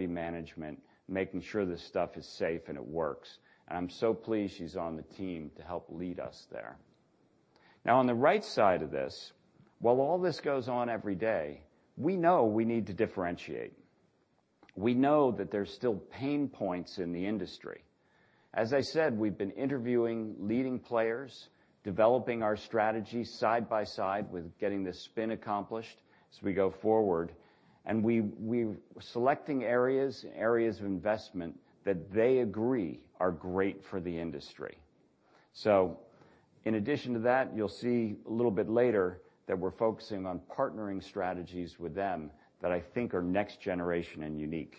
management, making sure this stuff is safe and it works, and I'm so pleased she's on the team to help lead us there. On the right side of this, while all this goes on every day, we know we need to differentiate. We know that there's still pain points in the industry. As I said, we've been interviewing leading players, developing our strategy side by side with getting this spin accomplished as we go forward, we selecting areas of investment that they agree are great for the industry. In addition to that, you'll see a little bit later that we're focusing on partnering strategies with them that I think are next generation and unique.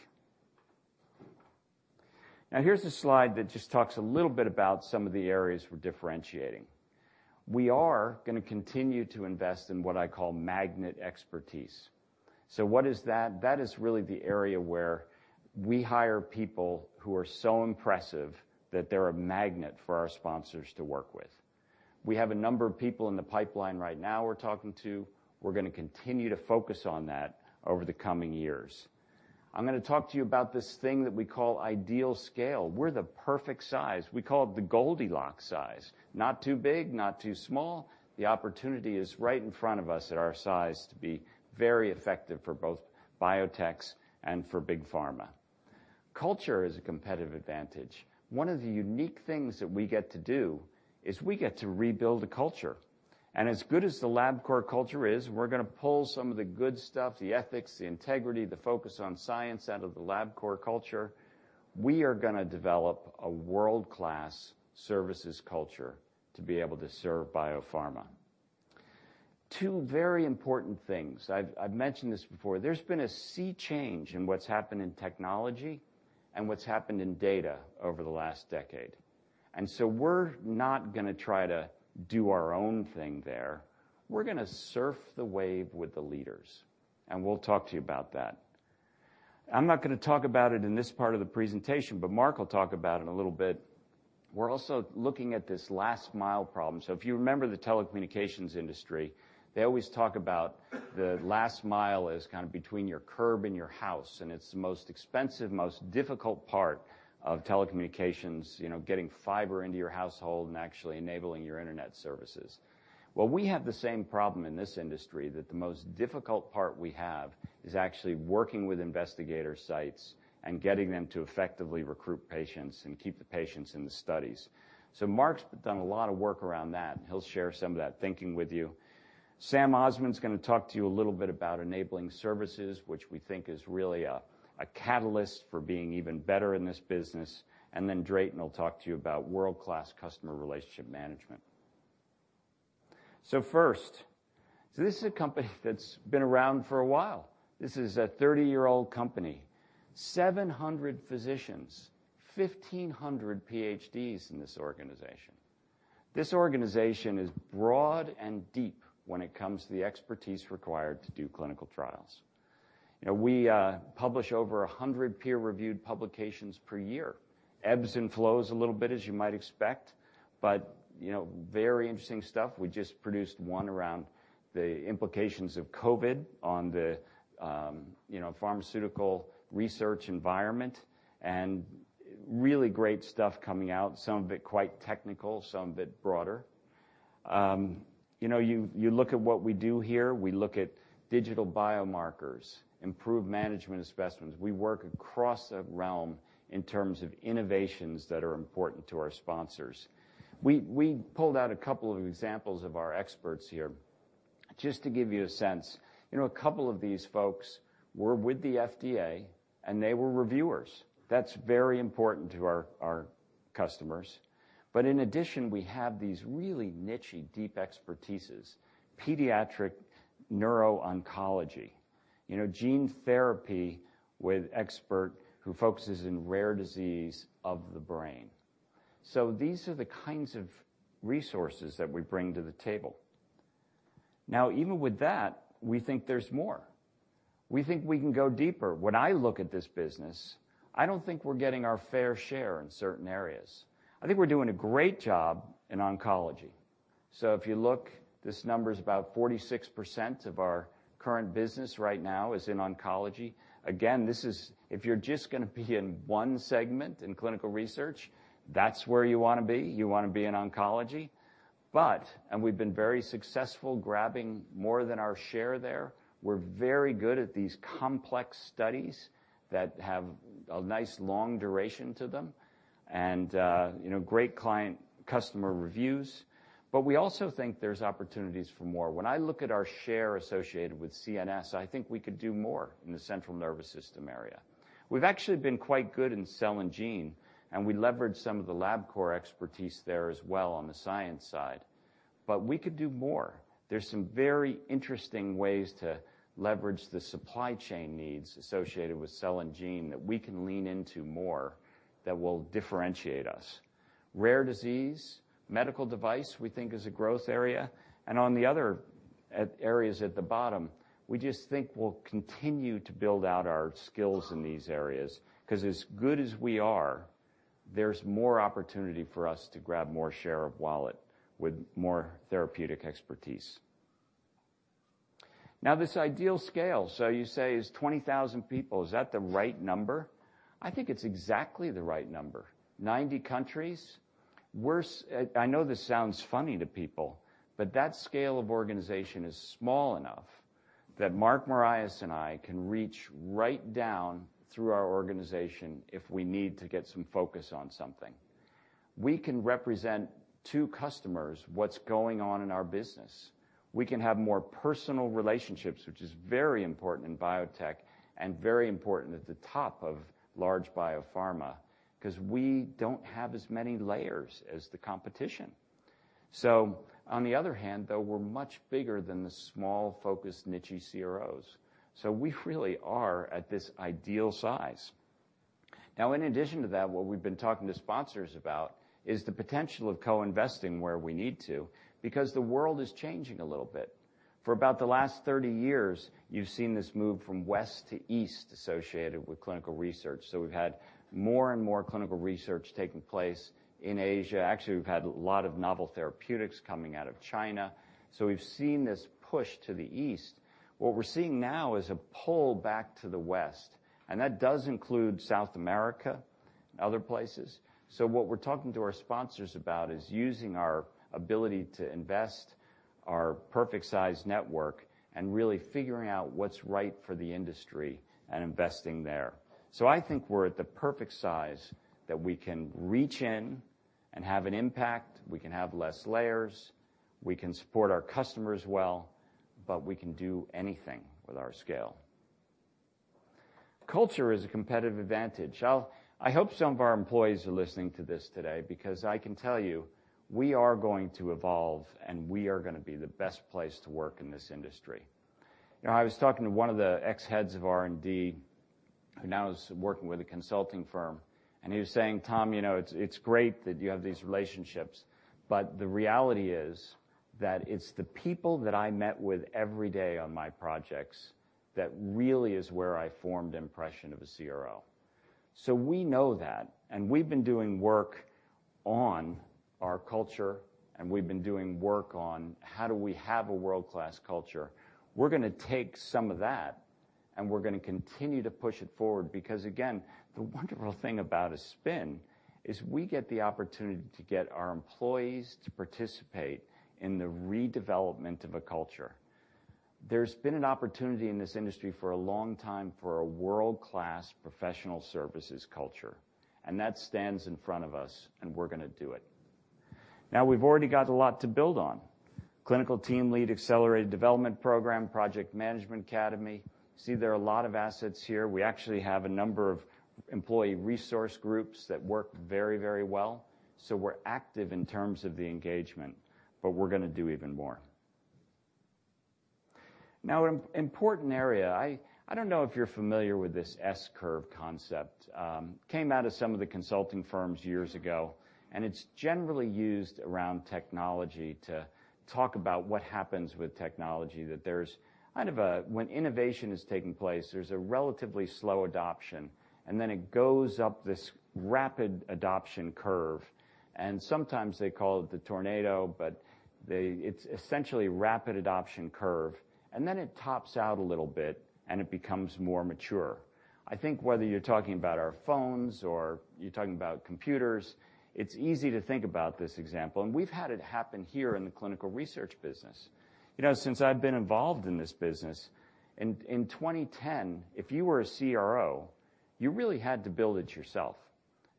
Here's a slide that just talks a little bit about some of the areas we're differentiating. We are gonna continue to invest in what I call magnet expertise. What is that? That is really the area where we hire people who are so impressive that they're a magnet for our sponsors to work with. We have a number of people in the pipeline right now we're talking to. We're gonna continue to focus on that over the coming years. I'm gonna talk to you about this thing that we call ideal scale. We're the perfect size. We call it the Goldilocks size. Not too big, not too small. The opportunity is right in front of us at our size to be very effective for both biotechs and for big pharma. Culture is a competitive advantage. One of the unique things that we get to do is we get to rebuild a culture, and as good as the Labcorp culture is, we're gonna pull some of the good stuff, the ethics, the integrity, the focus on science out of the Labcorp culture. We are gonna develop a world-class services culture to be able to serve biopharma. Two very important things. I've mentioned this before. There's been a sea change in what's happened in technology and what's happened in data over the last decade. So we're not gonna try to do our own thing there. We're gonna surf the wave with the leaders, and we'll talk to you about that. I'm not gonna talk about it in this part of the presentation, but Mark will talk about it a little bit. We're also looking at this last mile problem. If you remember the telecommunications industry, they always talk about the last mile as kind of between your curb and your house, and it's the most expensive, most difficult part of telecommunications, you know, getting fiber into your household and actually enabling your internet services. We have the same problem in this industry, that the most difficult part we have is actually working with investigator sites and getting them to effectively recruit patients and keep the patients in the studies. Mark's done a lot of work around that, and he'll share some of that thinking with you. Sam Osman's gonna talk to you a little bit about enabling services, which we think is really a catalyst for being even better in this business, and then Drayton will talk to you about world-class customer relationship management. First, this is a company that's been around for a while. This is a 30-year-old company, 700 physicians, 1,500 PhDs in this organization. This organization is broad and deep when it comes to the expertise required to do clinical trials. You know, we publish over 100 peer-reviewed publications per year. Ebbs and flows a little bit, as you might expect, but, you know, very interesting stuff. We just produced one around the implications of COVID on the, you know, pharmaceutical research environment, and really great stuff coming out, some of it quite technical, some of it broader. You know, you look at what we do here. We look at digital biomarkers, improved management of specimens. We work across the realm in terms of innovations that are important to our sponsors. We pulled out a couple of examples of our experts here just to give you a sense. You know, a couple of these folks were with the FDA, and they were reviewers. That's very important to our customers. In addition, we have these really niche-y, deep expertises, pediatric neuro-oncology, you know, gene therapy with expert who focuses in rare disease of the brain. These are the kinds of resources that we bring to the table. Even with that, we think there's more. We think we can go deeper. When I look at this business, I don't think we're getting our fair share in certain areas. I think we're doing a great job in oncology. If you look, this number is about 46% of our current business right now is in oncology. This is if you're just going to be in one segment in clinical research, that's where you want to be. You want to be in oncology. We've been very successful grabbing more than our share there. We're very good at these complex studies that have a nice, long duration to them and, you know, great client customer reviews. We also think there's opportunities for more. When I look at our share associated with CNS, I think we could do more in the central nervous system area. We've actually been quite good in cell and gene, we leveraged some of the Labcorp expertise there as well on the science side, we could do more. There's some very interesting ways to leverage the supply chain needs associated with cell and gene that we can lean into more that will differentiate us. Rare disease, medical device, we think is a growth area. On the other areas at the bottom, we just think we'll continue to build out our skills in these areas. As good as we are, there's more opportunity for us to grab more share of wallet with more therapeutic expertise. This ideal scale, so you say, is 20,000 people. Is that the right number? I think it's exactly the right number. 90 countries. I know this sounds funny to people, but that scale of organization is small enough that Mark Morais and I can reach right down through our organization if we need to get some focus on something. We can represent to customers what's going on in our business. We can have more personal relationships, which is very important in biotech and very important at the top of large biopharma, 'cause we don't have as many layers as the competition. On the other hand, though, we're much bigger than the small, focused, niche CROs. We really are at this ideal size. Now, in addition to that, what we've been talking to sponsors about is the potential of co-investing where we need to, because the world is changing a little bit. For about the last 30 years, you've seen this move from west to east associated with clinical research. We've had more and more clinical research taking place in Asia. Actually, we've had a lot of novel therapeutics coming out of China, so we've seen this push to the East. What we're seeing now is a pull back to the West, and that does include South America and other places. What we're talking to our sponsors about is using our ability to invest, our perfect size network, and really figuring out what's right for the industry and investing there. I think we're at the perfect size that we can reach in and have an impact. We can have less layers, we can support our customers well, but we can do anything with our scale. Culture is a competitive advantage. I hope some of our employees are listening to this today, because I can tell you, we are going to evolve, and we are going to be the best place to work in this industry. You know, I was talking to one of the ex-heads of R&D, who now is working with a consulting firm, and he was saying, "Tom, you know, it's great that you have these relationships, but the reality is that it's the people that I met with every day on my projects that really is where I formed impression of a CRO." We know that, and we've been doing work on our culture, and we've been doing work on how do we have a world-class culture. We're going to take some of that, and we're going to continue to push it forward because, again, the wonderful thing about a spin is we get the opportunity to get our employees to participate in the redevelopment of a culture. There's been an opportunity in this industry for a long time for a world-class professional services culture, and that stands in front of us, and we're going to do it. We've already got a lot to build on. Clinical Team Lead, Accelerated Development Program, Project Management Academy. There are a lot of assets here. We actually have a number of employee resource groups that work very, very well. We're active in terms of the engagement, but we're going to do even more. An important area, I don't know if you're familiar with this S-curve concept. Came out of some of the consulting firms years ago. It's generally used around technology to talk about what happens with technology, that there's kind of a when innovation is taking place, there's a relatively slow adoption. Then it goes up this rapid adoption curve. Sometimes they call it the tornado, but it's essentially rapid adoption curve. Then it tops out a little bit, and it becomes more mature. I think whether you're talking about our phones or you're talking about computers, it's easy to think about this example. We've had it happen here in the clinical research business. You know, since I've been involved in this business, in 2010, if you were a CRO, you really had to build it yourself.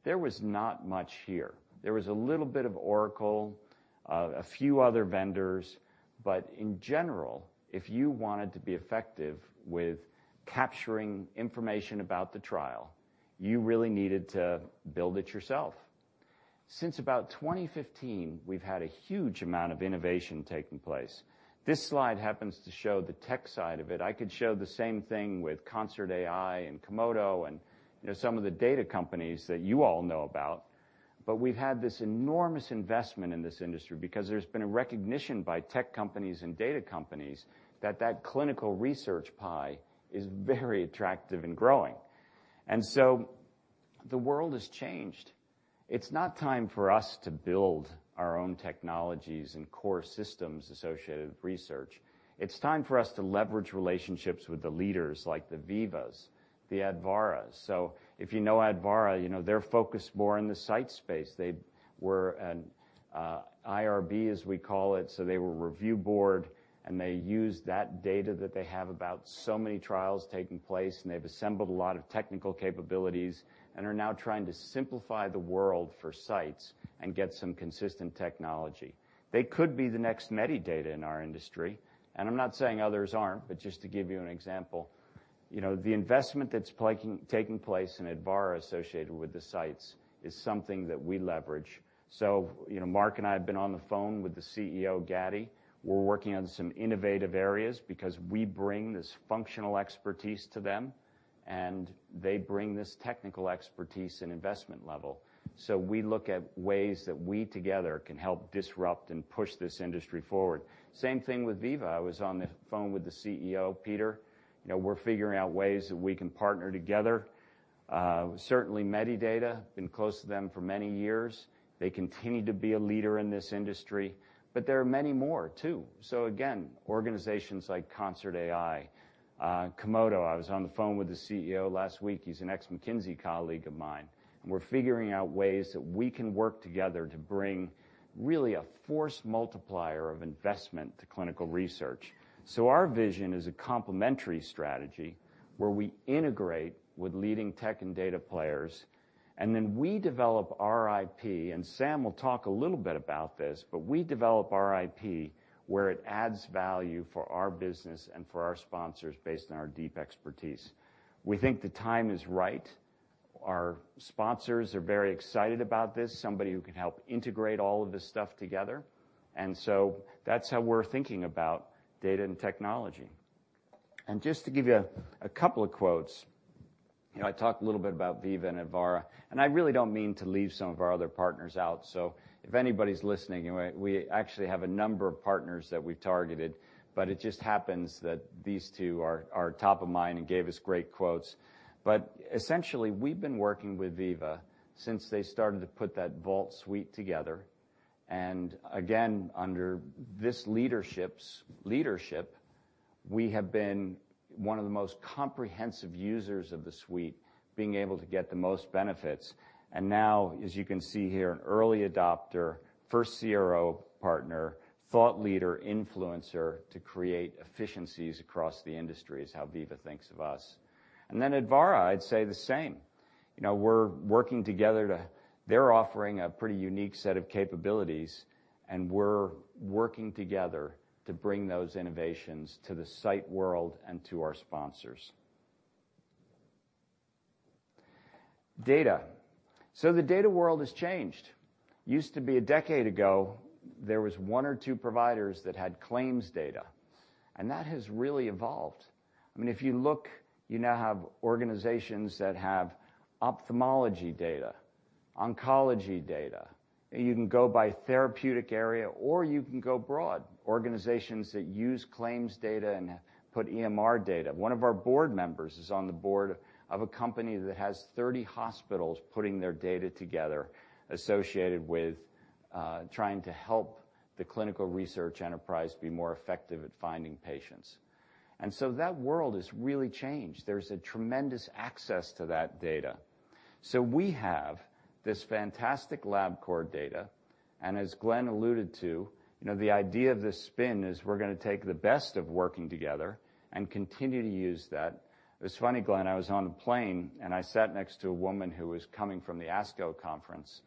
There was not much here. There was a little bit of Oracle, a few other vendors, but in general, if you wanted to be effective with capturing information about the trial, you really needed to build it yourself. Since about 2015, we've had a huge amount of innovation taking place. This slide happens to show the tech side of it. I could show the same thing with ConcertAI and Komodo and, you know, some of the data companies that you all know about. We've had this enormous investment in this industry because there's been a recognition by tech companies and data companies that that clinical research pie is very attractive and growing. The world has changed. It's not time for us to build our own technologies and core systems associated with research. It's time for us to leverage relationships with the leaders like the Veevas, the Advarras. If you know Advara, you know they're focused more on the site space. They were an IRB, as we call it, so they were a review board, and they used that data that they have about so many trials taking place, and they've assembled a lot of technical capabilities and are now trying to simplify the world for sites and get some consistent technology. They could be the next Medidata in our industry, and I'm not saying others aren't, but just to give you an example, you know, the investment that's taking place in Advarra associated with the sites is something that we leverage. You know, Mark and I have been on the phone with the CEO, Gaddy. We're working on some innovative areas because we bring this functional expertise to them, and they bring this technical expertise and investment level. We look at ways that we, together, can help disrupt and push this industry forward. Same thing with Veeva. I was on the phone with the CEO, Peter. You know, we're figuring out ways that we can partner together. Certainly Medidata, been close to them for many years. They continue to be a leader in this industry. There are many more, too. Again, organizations like ConcertAI, Komodo. I was on the phone with the CEO last week. He's an ex-McKinsey colleague of mine, and we're figuring out ways that we can work together to bring really a force multiplier of investment to clinical research. Our vision is a complementary strategy, where we integrate with leading tech and data players, and then we develop our IP, and Sam will talk a little bit about this, but we develop our IP, where it adds value for our business and for our sponsors based on our deep expertise. We think the time is right. Our sponsors are very excited about this, somebody who can help integrate all of this stuff together. That's how we're thinking about data and technology. Just to give you a couple of quotes. You know, I talked a little bit about Veeva and Advarra, and I really don't mean to leave some of our other partners out, so if anybody's listening, we actually have a number of partners that we've targeted, but it just happens that these two are top of mind and gave us great quotes. Essentially, we've been working with Veeva since they started to put that Vault suite together. Again, under this leadership's leadership, we have been one of the most comprehensive users of the suite, being able to get the most benefits. Now, as you can see here, an early adopter, first CRO partner, thought leader, influencer, to create efficiencies across the industry is how Veeva thinks of us. Then Advarra, I'd say the same. You know, we're working together to... They're offering a pretty unique set of capabilities, and we're working together to bring those innovations to the site world and to our sponsors. Data. The data world has changed. Used to be a decade ago, there was one or two providers that had claims data, and that has really evolved. I mean, if you look, you now have organizations that have ophthalmology data, oncology data. You can go by therapeutic area, or you can go broad. Organizations that use claims data and put EMR data. One of our board members is on the board of a company that has 30 hospitals putting their data together, associated with trying to help the clinical research enterprise be more effective at finding patients. That world has really changed. There's a tremendous access to that data. We have this fantastic Labcorp data, and as Glenn alluded to, you know, the idea of this spin is we're going to take the best of working together and continue to use that. It's funny, Glenn, I was on a plane, and I sat next to a woman who was coming from the ASCO conference,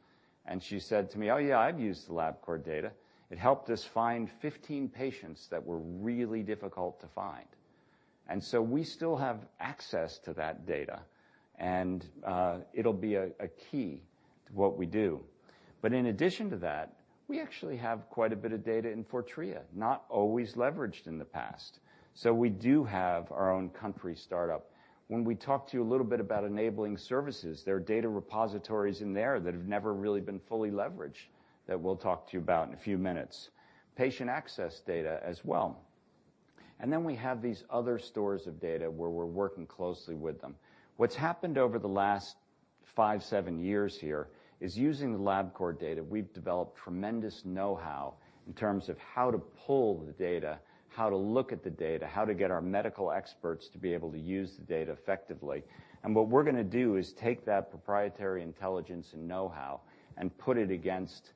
and she said to me, "Oh, yeah, I've used the Labcorp data. It helped us find 15 patients that were really difficult to find." We still have access to that data, and it'll be a key to what we do. In addition to that, we actually have quite a bit of data in Fortrea, not always leveraged in the past. We do have our own country startup. When we talk to you a little bit about Enabling Services, there are data repositories in there that have never really been fully leveraged, that we'll talk to you about in a few minutes. Patient access data as well. Then we have these other stores of data where we're working closely with them. What's happened over the last 5, 7 years here is using the Labcorp data, we've developed tremendous know-how in terms of how to pull the data, how to look at the data, how to get our medical experts to be able to use the data effectively. What we're gonna do is take that proprietary intelligence and know-how and put it against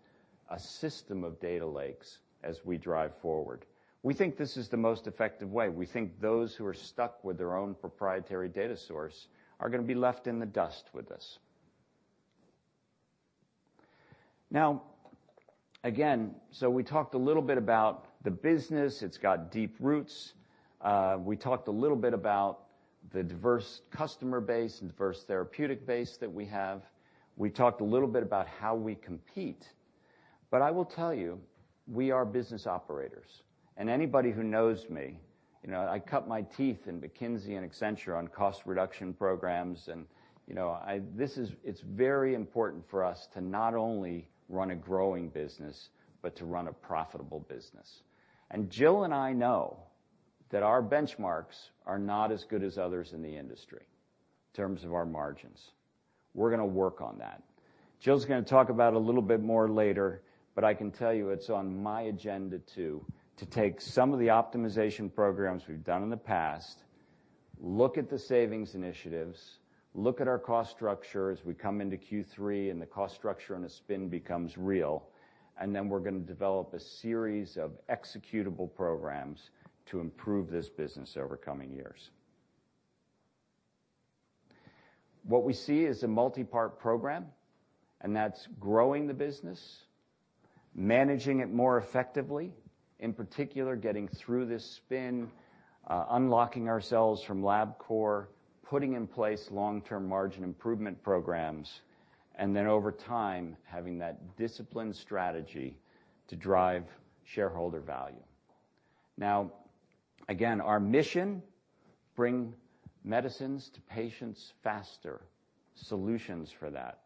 a system of data lakes as we drive forward. We think this is the most effective way. We think those who are stuck with their own proprietary data source are gonna be left in the dust with this. Again, we talked a little bit about the business. It's got deep roots. We talked a little bit about the diverse customer base and diverse therapeutic base that we have. We talked a little bit about how we compete. I will tell you, we are business operators, and anybody who knows me, you know, I cut my teeth in McKinsey and Accenture on cost reduction programs and, you know, it's very important for us to not only run a growing business, but to run a profitable business. Jill and I know that our benchmarks are not as good as others in the industry in terms of our margins. We're going to work on that. Jill's going to talk about it a little bit more later, but I can tell you it's on my agenda, too, to take some of the optimization programs we've done in the past, look at the savings initiatives, look at our cost structure as we come into Q3. The cost structure on the spin becomes real, then we're going to develop a series of executable programs to improve this business over coming years. What we see is a multipart program, that's growing the business, managing it more effectively, in particular, getting through this spin, unlocking ourselves from Labcorp, putting in place long-term margin improvement programs, then, over time, having that disciplined strategy to drive shareholder value. Again, our mission, bring medicines to patients faster, solutions for that.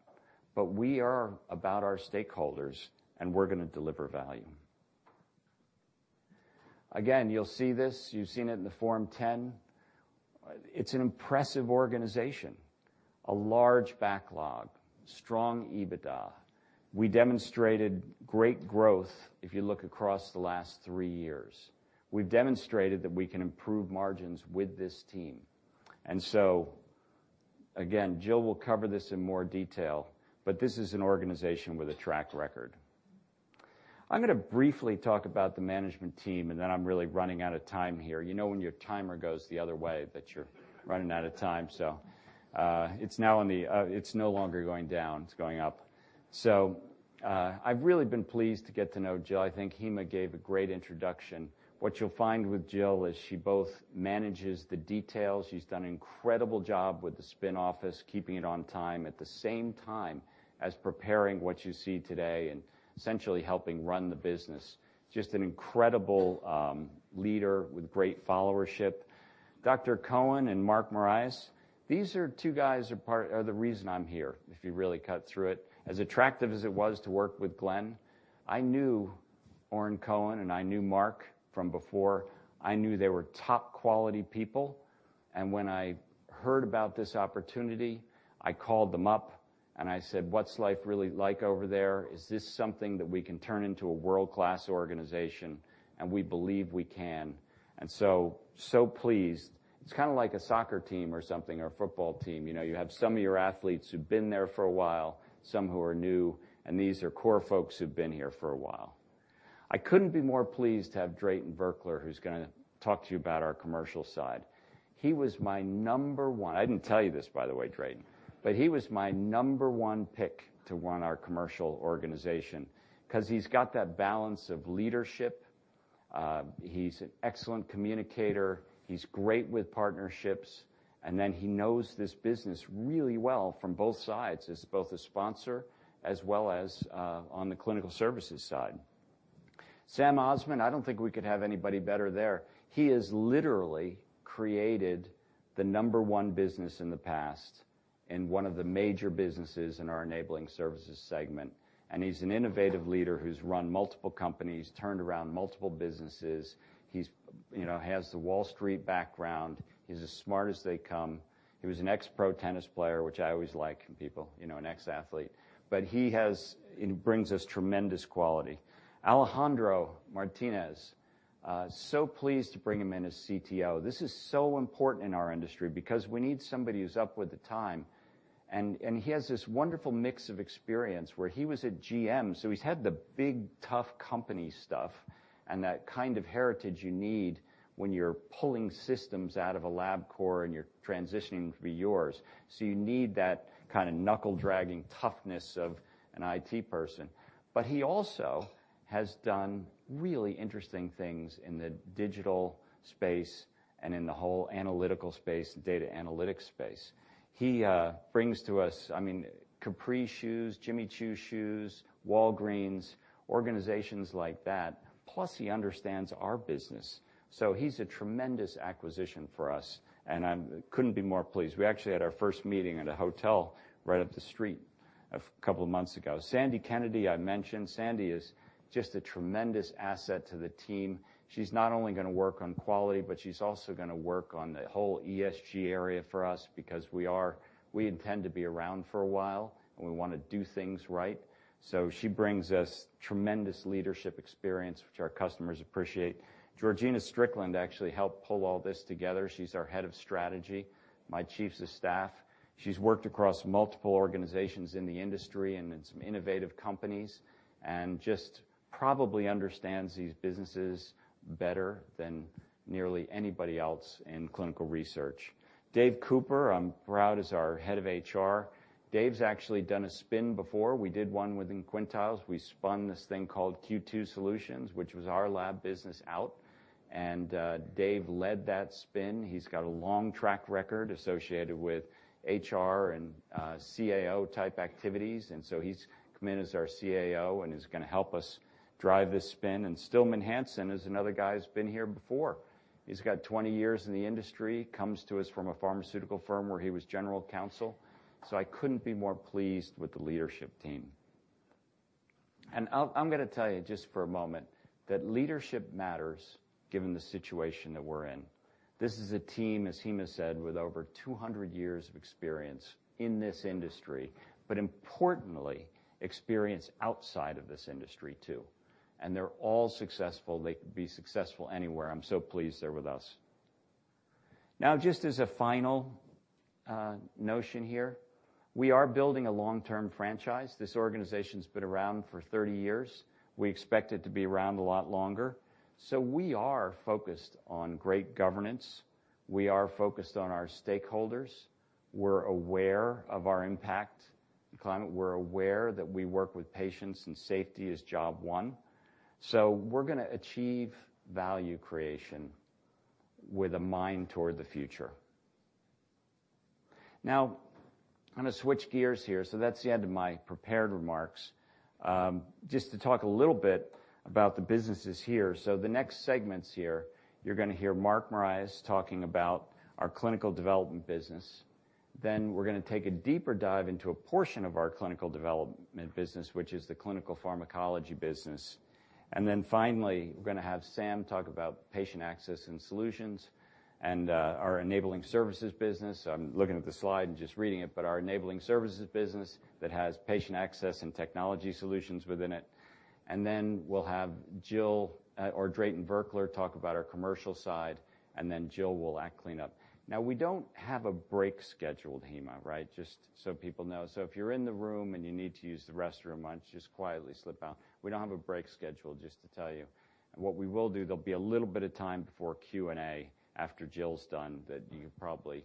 We are about our stakeholders, we're going to deliver value. Again, you'll see this. You've seen it in the Form Ten. It's an impressive organization, a large backlog, strong EBITDA. We demonstrated great growth if you look across the last three years. We've demonstrated that we can improve margins with this team. Again, Jill will cover this in more detail, but this is an organization with a track record. I'm going to briefly talk about the management team, and then I'm really running out of time here. You know, when your timer goes the other way, that you're running out of time. It's no longer going down, it's going up. I've really been pleased to get to know Jill. I think Hima gave a great introduction. What you'll find with Jill is she both manages the details. She's done an incredible job with the spin office, keeping it on time, at the same time as preparing what you see today and essentially helping run the business. Just an incredible leader with great followership. Dr. Cohen and Mark Morais, these two guys are the reason I'm here, if you really cut through it. As attractive as it was to work with Glenn, I knew Oren Cohen, and I knew Mark from before. I knew they were top-quality people, and when I heard about this opportunity, I called them up and I said, "What's life really like over there? Is this something that we can turn into a world-class organization?" We believe we can. So pleased. It's kind of like a soccer team or something, or a football team. You know, you have some of your athletes who've been there for a while, some who are new, and these are core folks who've been here for a while. I couldn't be more pleased to have Drayton Virkler, who's gonna talk to you about our commercial side. He was my number one. I didn't tell you this, by the way, Drayton, but he was my number one pick to run our commercial organization because he's got that balance of leadership, he's an excellent communicator, he's great with partnerships, he knows this business really well from both sides, as both a sponsor as well as on the clinical services side. Sam Osman, I don't think we could have anybody better there. He has literally created the number 1 business in the past and 1 of the major businesses in our Enabling Services segment. He's an innovative leader who's run multiple companies, turned around multiple businesses. He's, you know, has the Wall Street background. He's as smart as they come. He was an ex-pro tennis player, which I always like in people, you know, an ex-athlete, but he brings us tremendous quality. Alejandro Martinez, so pleased to bring him in as CTO. This is so important in our industry because we need somebody who's up with the time, and he has this wonderful mix of experience where he was at GM, so he's had the big, tough company stuff and that kind of heritage you need when you're pulling systems out of a Labcorp and you're transitioning them to be yours. You need that kind of knuckle-dragging toughness of an IT person. He also has done really interesting things in the digital space and in the whole analytical space, the data analytics space. He brings to us, I mean, Capri shoes, Jimmy Choo shoes, Walgreens, organizations like that. He understands our business, so he's a tremendous acquisition for us, and I couldn't be more pleased. We actually had our first meeting at a hotel right up the street 2 months ago. Sandy Kennedy, I mentioned. Sandy is just a tremendous asset to the team. She's not only going to work on quality, but she's also going to work on the whole ESG area for us because we intend to be around for a while, and we want to do things right. She brings us tremendous leadership experience, which our customers appreciate. Georgina Strickland actually helped pull all this together. She's our head of strategy, my chiefs of staff. She's worked across multiple organizations in the industry and in some innovative companies and just probably understands these businesses better than nearly anybody else in clinical research. Dave Cooper, I'm proud, is our head of HR. Dave's actually done a spin before. We did 1 within Quintiles. We spun this thing called Q2 Solutions, which was our lab business, out, Dave led that spin. He's got a long track record associated with HR and CAO-type activities, so he's come in as our CAO and is going to help us drive this spin. Stillman Hanson is another guy who's been here before. He's got 20 years in the industry, comes to us from a pharmaceutical firm where he was general counsel. I couldn't be more pleased with the leadership team. I'll, I'm gonna tell you just for a moment, that leadership matters, given the situation that we're in. This is a team, as Hima said, with over 200 years of experience in this industry, but importantly, experience outside of this industry, too. They're all successful. They could be successful anywhere. I'm so pleased they're with us. Now, just as a final notion here, we are building a long-term franchise. This organization's been around for 30 years. We expect it to be around a lot longer. We are focused on great governance. We are focused on our stakeholders. We're aware of our impact on the climate. We're aware that we work with patients, and safety is job one. We're gonna achieve value creation with a mind toward the future. Now, I'm gonna switch gears here. That's the end of my prepared remarks. Just to talk a little bit about the businesses here. The next segments here, you're gonna hear Mark Morais talking about our clinical development business. Then we're gonna take a deeper dive into a portion of our clinical development business, which is the clinical pharmacology business. Then finally, we're gonna have Sam talk about patient access and solutions and our enabling services business. I'm looking at the slide and just reading it, but our enabling services business that has patient access and technology solutions within it. Then we'll have Jill, or Drayton Virkler, talk about our commercial side, and then Jill will act clean up. We don't have a break scheduled, Hima, right? Just so people know. If you're in the room and you need to use the restroom, why don't you just quietly slip out. We don't have a break scheduled, just to tell you. What we will do, there'll be a little bit of time before Q&A, after Jill's done, that you probably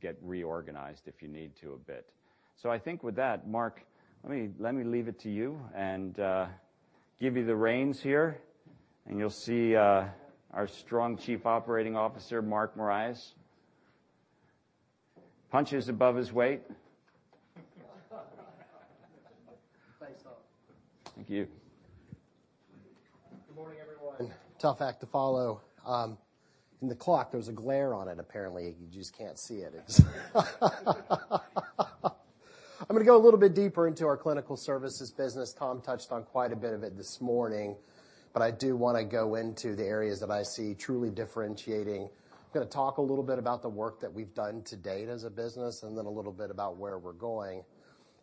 get reorganized, if you need to, a bit. I think with that, Mark, let me leave it to you and give you the reins here, and you'll see our strong Chief Operations Officer, Mark Morais. Punches above his weight. Thanks, Tom. Thank you. Good morning, everyone. Tough act to follow. In the clock, there's a glare on it, apparently. You just can't see it. I'm gonna go a little bit deeper into our clinical services business. Tom touched on quite a bit of it this morning, but I do wanna go into the areas that I see truly differentiating. I'm gonna talk a little bit about the work that we've done to date as a business, and then a little bit about where we're going.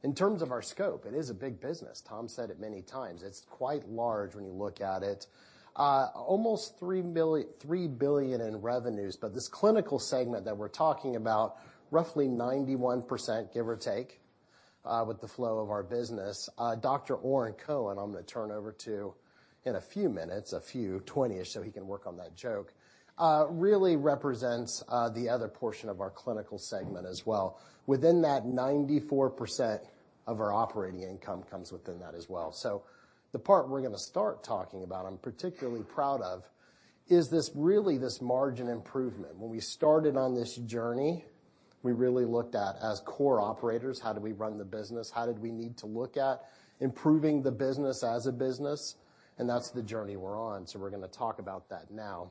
In terms of our scope, it is a big business. Tom said it many times. It's quite large when you look at it. Almost $3 billion in revenues, but this clinical segment that we're talking about, roughly 91%, give or take, with the flow of our business. Dr. Oren Cohen, I'm gonna turn over to in a few minutes, a few, 20-ish, so he can work on that joke, really represents the other portion of our clinical segment as well. Within that, 94% of our operating income comes within that as well. The part we're gonna start talking about, I'm particularly proud of, is this really, this margin improvement. When we started on this journey, we really looked at, as core operators, how do we run the business? How did we need to look at improving the business as a business? That's the journey we're on. We're gonna talk about that now.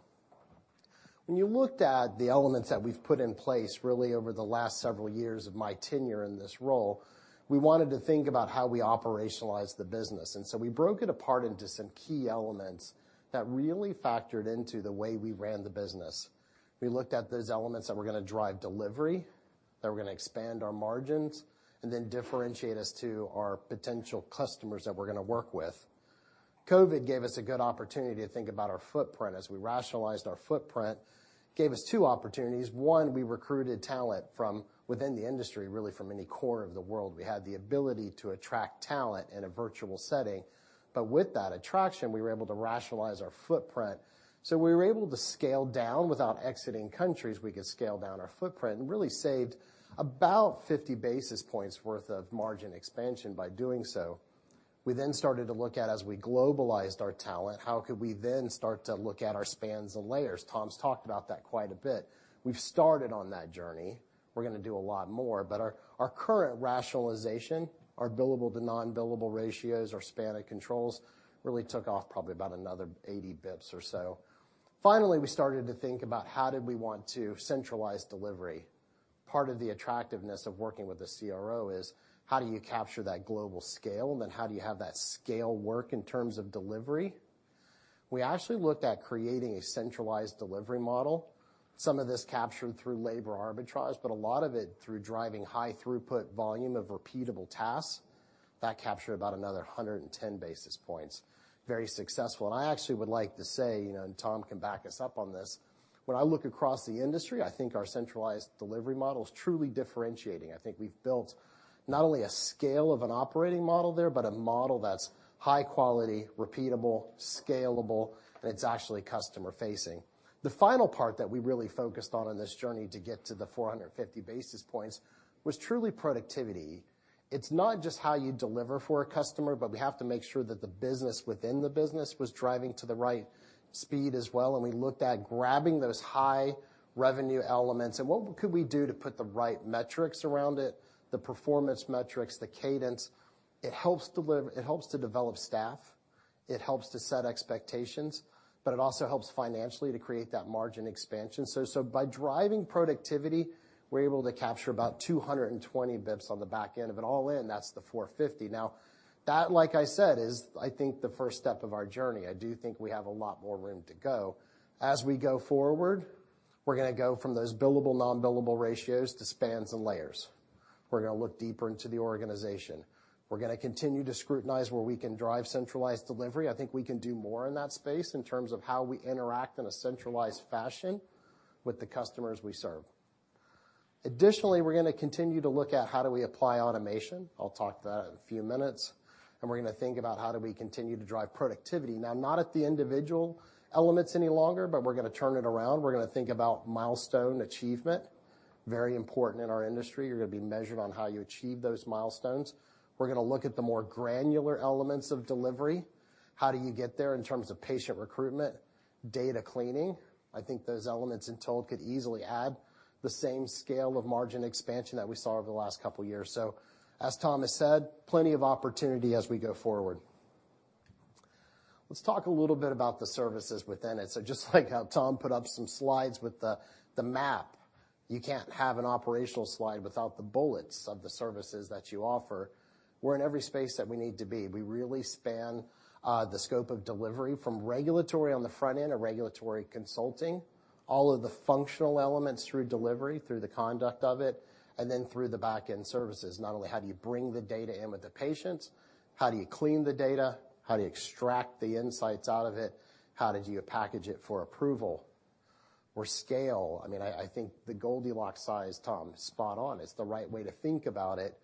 When you looked at the elements that we've put in place, really over the last several years of my tenure in this role, we wanted to think about how we operationalize the business. We broke it apart into some key elements that really factored into the way we ran the business. We looked at those elements that were going to drive delivery, that were going to expand our margins, and then differentiate us to our potential customers that we're going to work with. COVID gave us a good opportunity to think about our footprint. As we rationalized our footprint, gave us two opportunities. One, we recruited talent from within the industry, really from any corner of the world. We had the ability to attract talent in a virtual setting, but with that attraction, we were able to rationalize our footprint. We were able to scale down. Without exiting countries, we could scale down our footprint, and really saved about 50 basis points worth of margin expansion by doing so. We started to look at, as we globalized our talent, how could we then start to look at our spans and layers? Tom's talked about that quite a bit. We've started on that journey. We're gonna do a lot more, but our current rationalization, our billable to non-billable ratios, our span of controls, really took off probably about another 80 basis points or so. We started to think about how did we want to centralize delivery. Part of the attractiveness of working with the CRO is: how do you capture that global scale? How do you have that scale work in terms of delivery? We actually looked at creating a centralized delivery model. Some of this captured through labor arbitrage, but a lot of it through driving high throughput volume of repeatable tasks. That captured about another 110 basis points. Very successful. I actually would like to say, you know, Tom can back us up on this, when I look across the industry, I think our centralized delivery model is truly differentiating. I think we've built not only a scale of an operating model there, but a model that's high quality, repeatable, scalable, and it's actually customer-facing. The final part that we really focused on in this journey to get to the 450 basis points was truly productivity. It's not just how you deliver for a customer, but we have to make sure that the business within the business was driving to the right speed as well, and we looked at grabbing those high-revenue elements and what could we do to put the right metrics around it, the performance metrics, the cadence. It helps to develop staff. It helps to set expectations, but it also helps financially to create that margin expansion. By driving productivity, we're able to capture about 220 basis points on the back end of it. All in, that's the 450. That, like I said, is, I think, the first step of our journey. I do think we have a lot more room to go. As we go forward, we're gonna go from those billable, non-billable ratios to spans and layers. We're gonna look deeper into the organization. We're gonna continue to scrutinize where we can drive centralized delivery. I think we can do more in that space in terms of how we interact in a centralized fashion with the customers we serve. We're gonna continue to look at how do we apply automation. I'll talk to that in a few minutes, we're gonna think about how do we continue to drive productivity. Now, not at the individual elements any longer, but we're gonna turn it around. We're gonna think about milestone achievement, very important in our industry. You're gonna be measured on how you achieve those milestones. We're gonna look at the more granular elements of delivery. How do you get there in terms of patient recruitment, data cleaning? I think those elements in total could easily add the same scale of margin expansion that we saw over the last couple of years. As Tom has said, plenty of opportunity as we go forward. Let's talk a little bit about the services within it. Just like how Tom put up some slides with the map, you can't have an operational slide without the bullets of the services that you offer. We're in every space that we need to be. We really span the scope of delivery from regulatory on the front end or regulatory consulting, all of the functional elements through delivery, through the conduct of it, and then through the back-end services. Not only how do you bring the data in with the patients, how do you clean the data? How do you extract the insights out of it? How did you package it for approval or scale? I mean, I think the Goldilocks size, Tom, is spot on. It's the right way to think about it.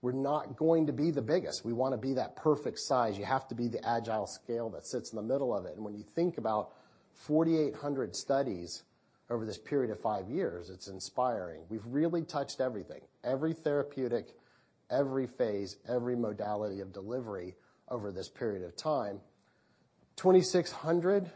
We're not going to be the biggest. We want to be that perfect size. You have to be the agile scale that sits in the middle of it. When you think about 4,800 studies over this period of five years, it's inspiring. We've really touched everything, every therapeutic, every phase, every modality of delivery over this period of time. 2,600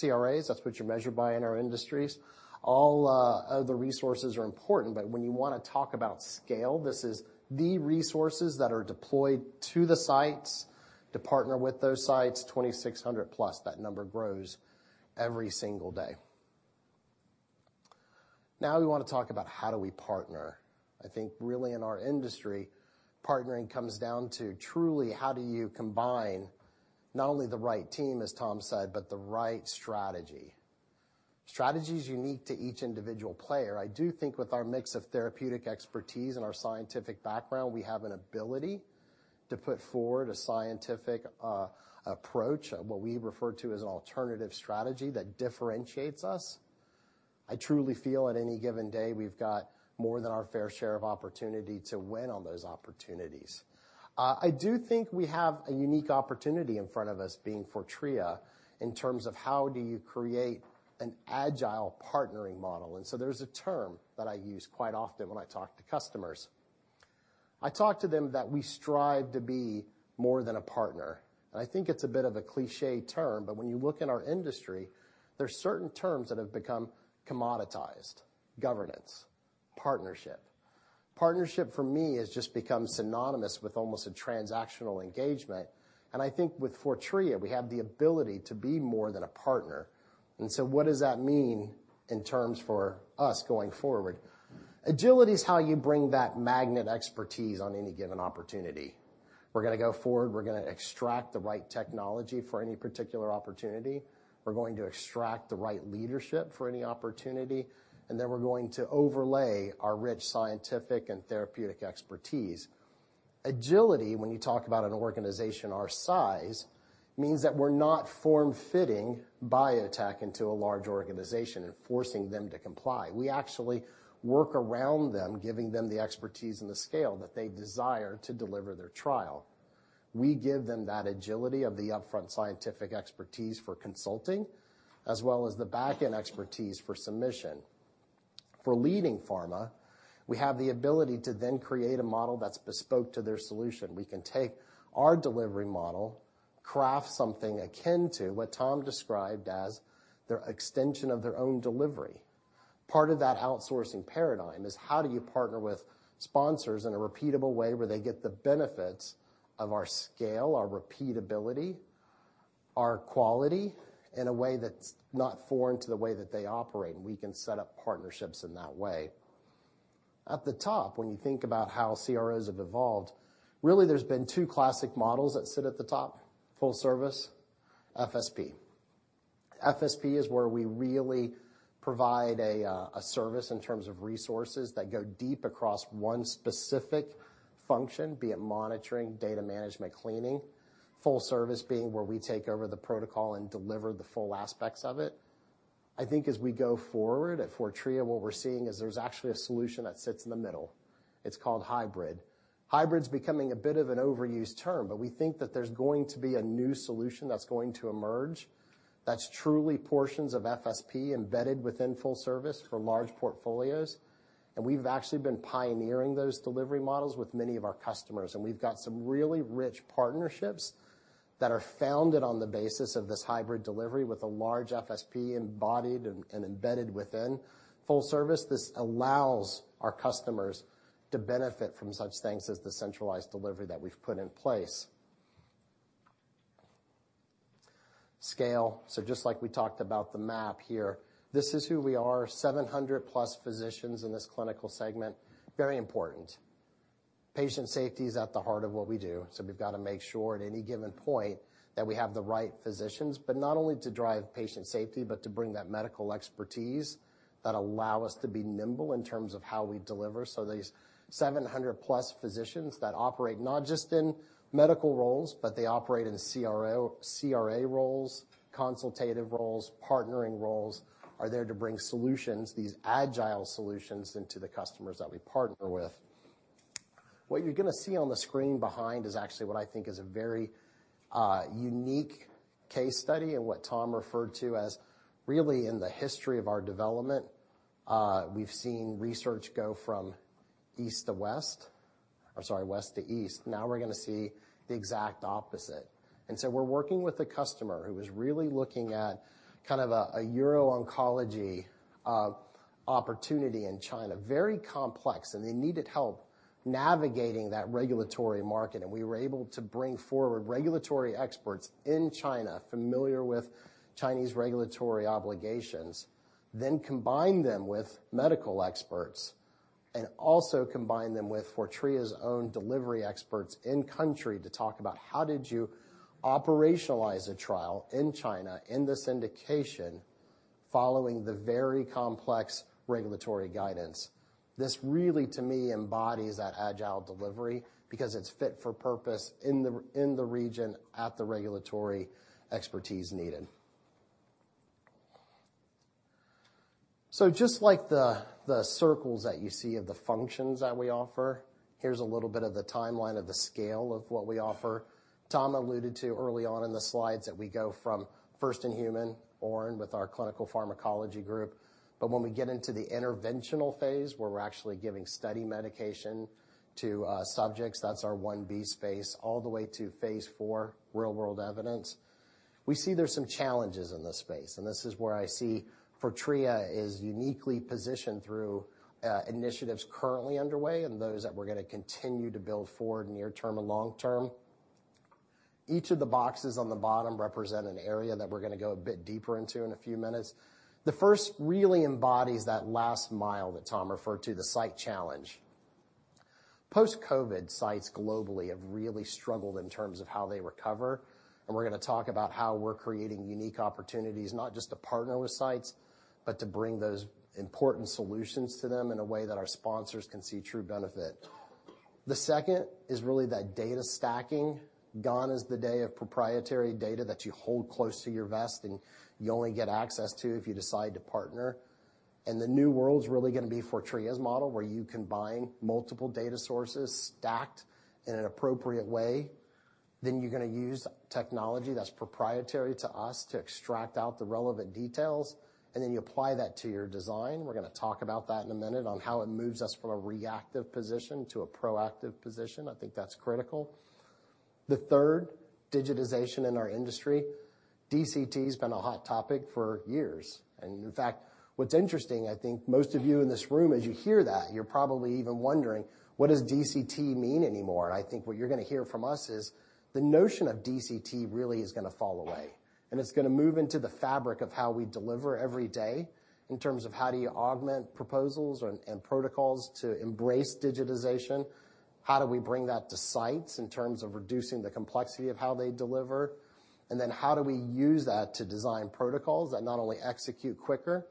CRAs, that's what you're measured by in our industries. All other resources are important, but when you want to talk about scale, this is the resources that are deployed to the sites to partner with those sites, 2,600+. That number grows every single day. We want to talk about how do we partner. I think really in our industry, partnering comes down to truly how do you combine not only the right team, as Tom said, but the right strategy. Strategy is unique to each individual player. I do think with our mix of therapeutic expertise and our scientific background, we have an ability to put forward a scientific approach of what we refer to as an alternative strategy that differentiates us. I truly feel at any given day, we've got more than our fair share of opportunity to win on those opportunities. I do think we have a unique opportunity in front of us, being Fortrea, in terms of how do you create an agile partnering model. There's a term that I use quite often when I talk to customers. I talk to them that we strive to be more than a partner, and I think it's a bit of a cliché term, but when you look in our industry, there are certain terms that have become commoditized: governance, partnership. Partnership, for me, has just become synonymous with almost a transactional engagement, and I think with Fortrea, we have the ability to be more than a partner. What does that mean in terms for us going forward? Agility is how you bring that magnet expertise on any given opportunity. We're gonna go forward, we're gonna extract the right technology for any particular opportunity, we're going to extract the right leadership for any opportunity, and then we're going to overlay our rich scientific and therapeutic expertise. Agility, when you talk about an organization our size, means that we're not form-fitting biotech into a large organization and forcing them to comply. We actually work around them, giving them the expertise and the scale that they desire to deliver their trial. We give them that agility of the upfront scientific expertise for consulting, as well as the back-end expertise for submission. For leading pharma, we have the ability to create a model that's bespoke to their solution. We can take our delivery model, craft something akin to what Tom described as their extension of their own delivery. Part of that outsourcing paradigm is how do you partner with sponsors in a repeatable way where they get the benefits of our scale, our repeatability, our quality, in a way that's not foreign to the way that they operate. We can set up partnerships in that way. At the top, when you think about how CROs have evolved, really, there's been two classic models that sit at the top, full service, FSP. FSP is where we really provide a service in terms of resources that go deep across one specific function, be it monitoring, data management, cleaning. Full service being where we take over the protocol and deliver the full aspects of it. I think as we go forward at Fortrea, what we're seeing is there's actually a solution that sits in the middle. It's called hybrid. Hybrid's becoming a bit of an overused term, but we think that there's going to be a new solution that's going to emerge that's truly portions of FSP embedded within full service for large portfolios. We've got some really rich partnerships that are founded on the basis of this hybrid delivery with a large FSP embodied and embedded within. Full service. This allows our customers to benefit from such things as the centralized delivery that we've put in place. Scale. Just like we talked about the map here, this is who we are, 700 plus physicians in this clinical segment, very important. Patient safety is at the heart of what we do, we've got to make sure at any given point that we have the right physicians, but not only to drive patient safety, but to bring that medical expertise that allow us to be nimble in terms of how we deliver. These 700 plus physicians that operate not just in medical roles, but they operate in CRO, CRA roles, consultative roles, partnering roles, are there to bring solutions, these agile solutions, into the customers that we partner with. What you're going to see on the screen behind is actually what I think is a very unique case study and what Tom referred to as really in the history of our development, we've seen research go from east to west. I'm sorry, west to east. Now we're going to see the exact opposite. We're working with a customer who is really looking at kind of a euro-oncology opportunity in China. Very complex, and they needed help navigating that regulatory market, and we were able to bring forward regulatory experts in China, familiar with Chinese regulatory obligations, then combine them with medical experts, and also combine them with Fortrea's own delivery experts in country to talk about how did you operationalize a trial in China, in this indication, following the very complex regulatory guidance. This really, to me, embodies that agile delivery because it's fit for purpose in the region at the regulatory expertise needed. Just like the circles that you see of the functions that we offer, here's a little bit of the timeline of the scale of what we offer. Tom alluded to early on in the slides that we go from first in human, ORN, with our clinical pharmacology group. When we get into the interventional phase, where we're actually giving study medication to subjects, that's our One B space, all the way to phase 4, real-world evidence. We see there's some challenges in this space, and this is where I see Fortrea is uniquely positioned through initiatives currently underway and those that we're going to continue to build forward near term and long term. Each of the boxes on the bottom represent an area that we're going to go a bit deeper into in a few minutes. The first really embodies that last mile that Tom referred to, the site challenge. Post-COVID, sites globally have really struggled in terms of how they recover, and we're going to talk about how we're creating unique opportunities, not just to partner with sites, but to bring those important solutions to them in a way that our sponsors can see true benefit. The second is really that data stacking. Gone is the day of proprietary data that you hold close to your vest, and you only get access to if you decide to partner. The new world's really going to be Fortrea's model, where you combine multiple data sources stacked in an appropriate way. You're going to use technology that's proprietary to us to extract out the relevant details, and then you apply that to your design. We're going to talk about that in a minute on how it moves us from a reactive position to a proactive position. I think that's critical. The third, digitization in our industry. DCT has been a hot topic for years. In fact, what's interesting, I think most of you in this room, as you hear that, you're probably even wondering, what does DCT mean anymore? I think what you're going to hear from us is the notion of DCT really is going to fall away, and it's going to move into the fabric of how we deliver every day in terms of how do you augment proposals and protocols to embrace digitization? How do we bring that to sites in terms of reducing the complexity of how they deliver? How do we use that to design protocols that not only execute quicker,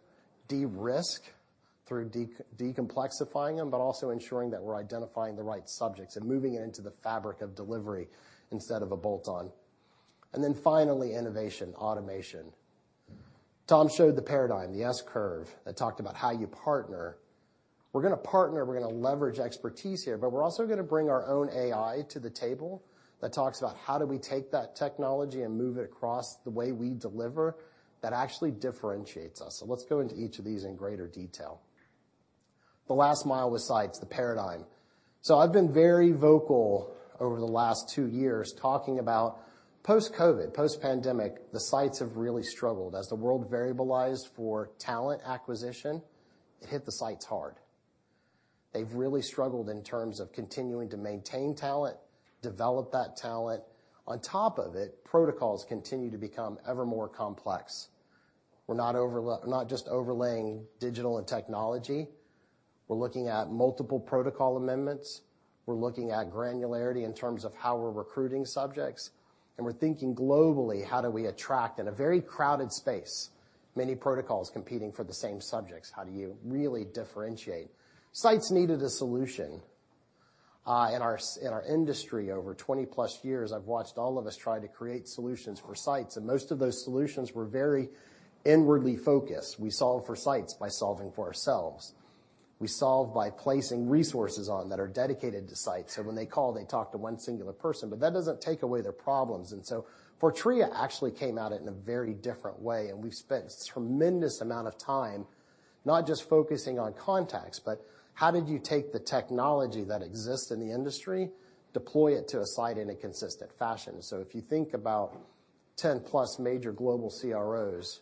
de-risk through decomplexifying them, but also ensuring that we're identifying the right subjects and moving it into the fabric of delivery instead of a bolt-on. Finally, innovation, automation. Tom showed the paradigm, the S curve, that talked about how you partner. We're going to partner, we're going to leverage expertise here, but we're also going to bring our own AI to the table that talks about how do we take that technology and move it across the way we deliver that actually differentiates us. Let's go into each of these in greater detail. The last mile with sites, the paradigm. I've been very vocal over the last two years talking about post-COVID, post-pandemic, the sites have really struggled. As the world variabilized for talent acquisition, it hit the sites hard. They've really struggled in terms of continuing to maintain talent, develop that talent. On top of it, protocols continue to become ever more complex. We're not just overlaying digital and technology. We're looking at multiple protocol amendments. We're looking at granularity in terms of how we're recruiting subjects. We're thinking globally, how do we attract in a very crowded space, many protocols competing for the same subjects, how do you really differentiate? Sites needed a solution. In our industry over 20-plus years, I've watched all of us try to create solutions for sites, and most of those solutions were very inwardly focused. We solve for sites by solving for ourselves. We solve by placing resources on that are dedicated to sites, so when they call, they talk to one singular person, but that doesn't take away their problems. Fortrea actually came at it in a very different way, and we've spent tremendous amount of time not just focusing on contacts, but how did you take the technology that exists in the industry, deploy it to a site in a consistent fashion? If you think about 10+ major global CROs,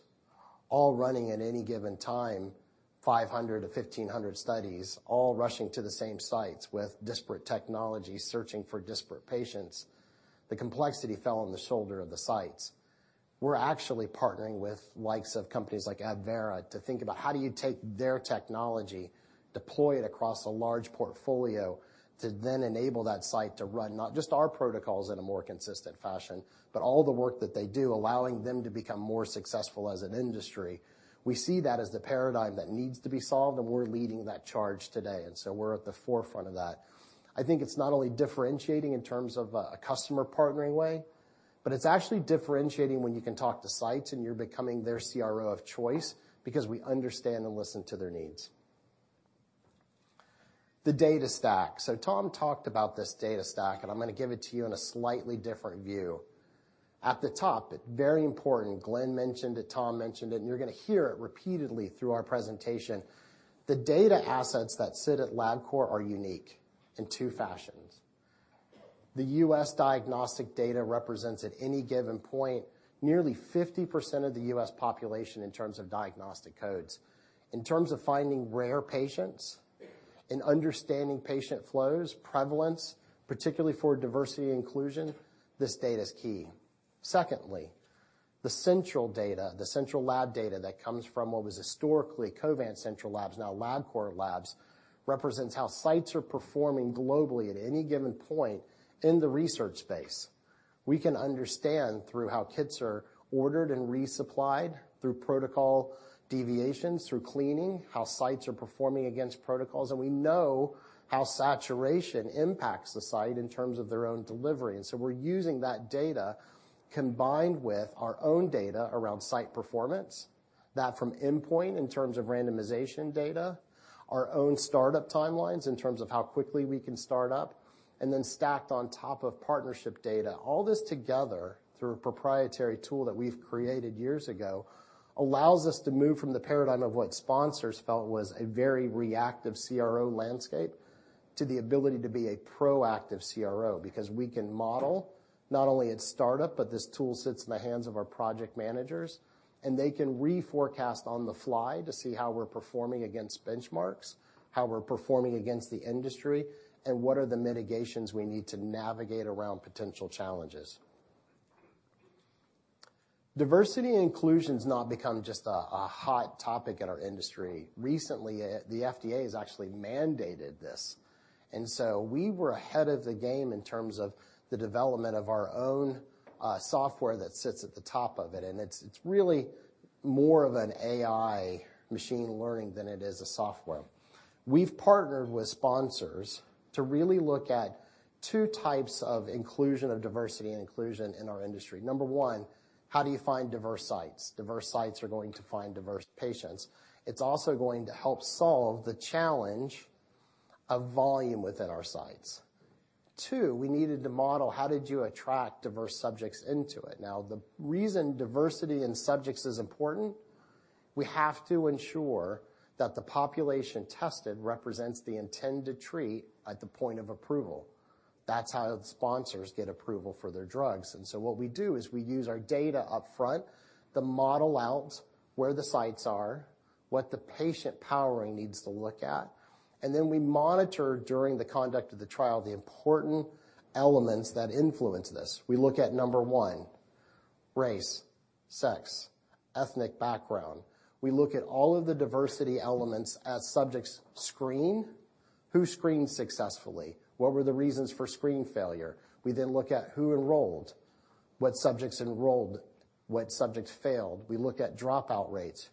all running at any given time, 500-1,500 studies, all rushing to the same sites with disparate technologies, searching for disparate patients. The complexity fell on the shoulder of the sites. We're actually partnering with likes of companies like Advarra to think about how do you take their technology, deploy it across a large portfolio, to then enable that site to run not just our protocols in a more consistent fashion, but all the work that they do, allowing them to become more successful as an industry. We see that as the paradigm that needs to be solved, and we're leading that charge today, and so we're at the forefront of that. I think it's not only differentiating in terms of a customer partnering way, but it's actually differentiating when you can talk to sites and you're becoming their CRO of choice because we understand and listen to their needs. The data stack. Tom talked about this data stack, and I'm gonna give it to you in a slightly different view. At the top, very important, Glenn mentioned it, Tom mentioned it, and you're gonna hear it repeatedly through our presentation. The data assets that sit at Labcorp are unique in two fashions. The U.S. diagnostic data represents, at any given point, nearly 50% of the U.S. population in terms of diagnostic codes. In terms of finding rare patients and understanding patient flows, prevalence, particularly for diversity inclusion, this data is key. Secondly, the central data, the central lab data that comes from what was historically Covance Central Labs, now Labcorp Labs, represents how sites are performing globally at any given point in the research space. We can understand through how kits are ordered and resupplied, through protocol deviations, through cleaning, how sites are performing against protocols, and we know how saturation impacts the site in terms of their own delivery. We're using that data, combined with our own data around site performance, that from Endpoint in terms of randomization data, our own startup timelines in terms of how quickly we can start up, and then stacked on top of partnership data. All this together, through a proprietary tool that we've created years ago, allows us to move from the paradigm of what sponsors felt was a very reactive CRO landscape, to the ability to be a proactive CRO. We can model not only at startup, but this tool sits in the hands of our project managers, and they can reforecast on the fly to see how we're performing against benchmarks, how we're performing against the industry, and what are the mitigations we need to navigate around potential challenges. Diversity and inclusion's not become just a hot topic in our industry. Recently, the FDA has actually mandated this. We were ahead of the game in terms of the development of our own software that sits at the top of it, and it's really more of an AI machine learning than it is a software. We've partnered with sponsors to really look at 2 types of inclusion of diversity and inclusion in our industry. 1, how do you find diverse sites? Diverse sites are going to find diverse patients. It's also going to help solve the challenge of volume within our sites. 2, we needed to model how did you attract diverse subjects into it? The reason diversity in subjects is important, we have to ensure that the population tested represents the intended treat at the point of approval. That's how the sponsors get approval for their drugs. What we do is we use our data upfront to model out where the sites are, what the patient powering needs to look at, and then we monitor, during the conduct of the trial, the important elements that influence this. We look at, number one, race, sex, ethnic background. We look at all of the diversity elements as subjects screen. Who screened successfully? What were the reasons for screen failure? We look at who enrolled, what subjects enrolled, what subjects failed. We look at dropout rates.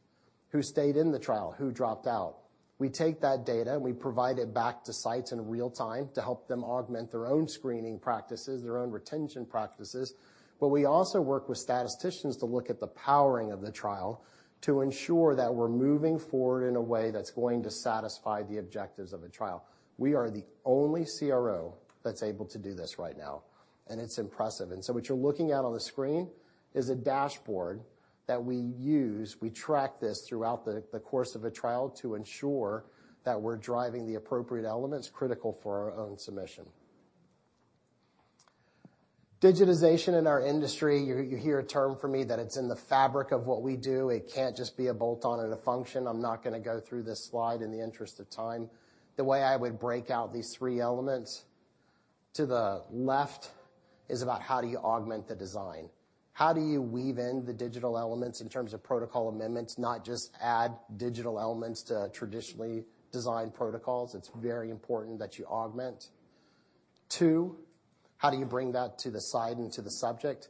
Who stayed in the trial? Who dropped out? We take that data, and we provide it back to sites in real time to help them augment their own screening practices, their own retention practices. We also work with statisticians to look at the powering of the trial to ensure that we're moving forward in a way that's going to satisfy the objectives of a trial. We are the only CRO that's able to do this right now, and it's impressive. What you're looking at on the screen is a dashboard that we use. We track this throughout the course of a trial to ensure that we're driving the appropriate elements critical for our own submission. Digitization in our industry, you hear a term from me that it's in the fabric of what we do. It can't just be a bolt-on or a function. I'm not gonna go through this slide in the interest of time. The way I would break out these three elements, to the left is about how do you augment the design? How do you weave in the digital elements in terms of protocol amendments, not just add digital elements to traditionally designed protocols? It's very important that you augment. Two, how do you bring that to the site and to the subject?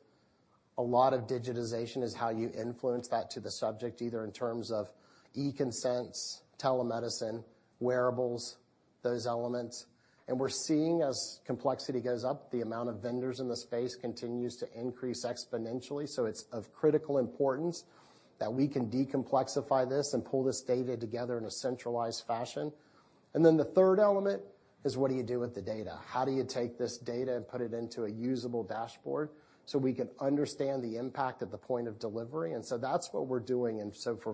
A lot of digitization is how you influence that to the subject, either in terms of e-consent, telemedicine, wearables, those elements. We're seeing as complexity goes up, the amount of vendors in the space continues to increase exponentially, so it's of critical importance that we can decomplexify this and pull this data together in a centralized fashion. The third element is what do you do with the data? How do you take this data and put it into a usable dashboard so we can understand the impact at the point of delivery? That's what we're doing. For.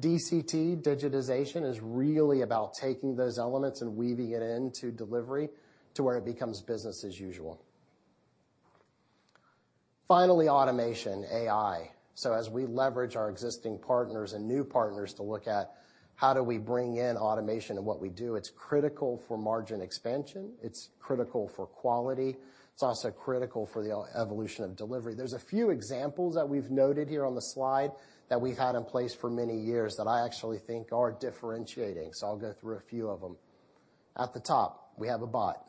DCT, digitization, is really about taking those elements and weaving it into delivery to where it becomes business as usual. Automation, AI. As we leverage our existing partners and new partners to look at how do we bring in automation in what we do, it's critical for margin expansion, it's critical for quality, it's also critical for the evolution of delivery. There's a few examples that we've noted here on the slide that we've had in place for many years that I actually think are differentiating, so I'll go through a few of them. At the top, we have a bot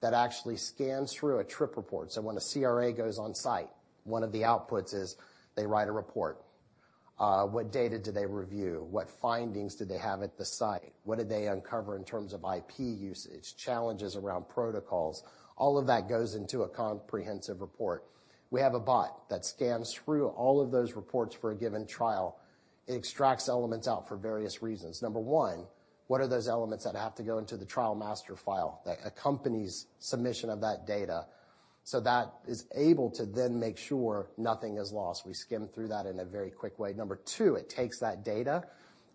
that actually scans through a trip report. When a CRA goes on site, one of the outputs is they write a report. What data do they review? What findings do they have at the site? What did they uncover in terms of IP usage, challenges around protocols? All of that goes into a comprehensive report. We have a bot that scans through all of those reports for a given trial. It extracts elements out for various reasons. Number one, what are those elements that have to go into the trial master file that accompanies submission of that data? That is able to then make sure nothing is lost. We skim through that in a very quick way. Number two, it takes that data,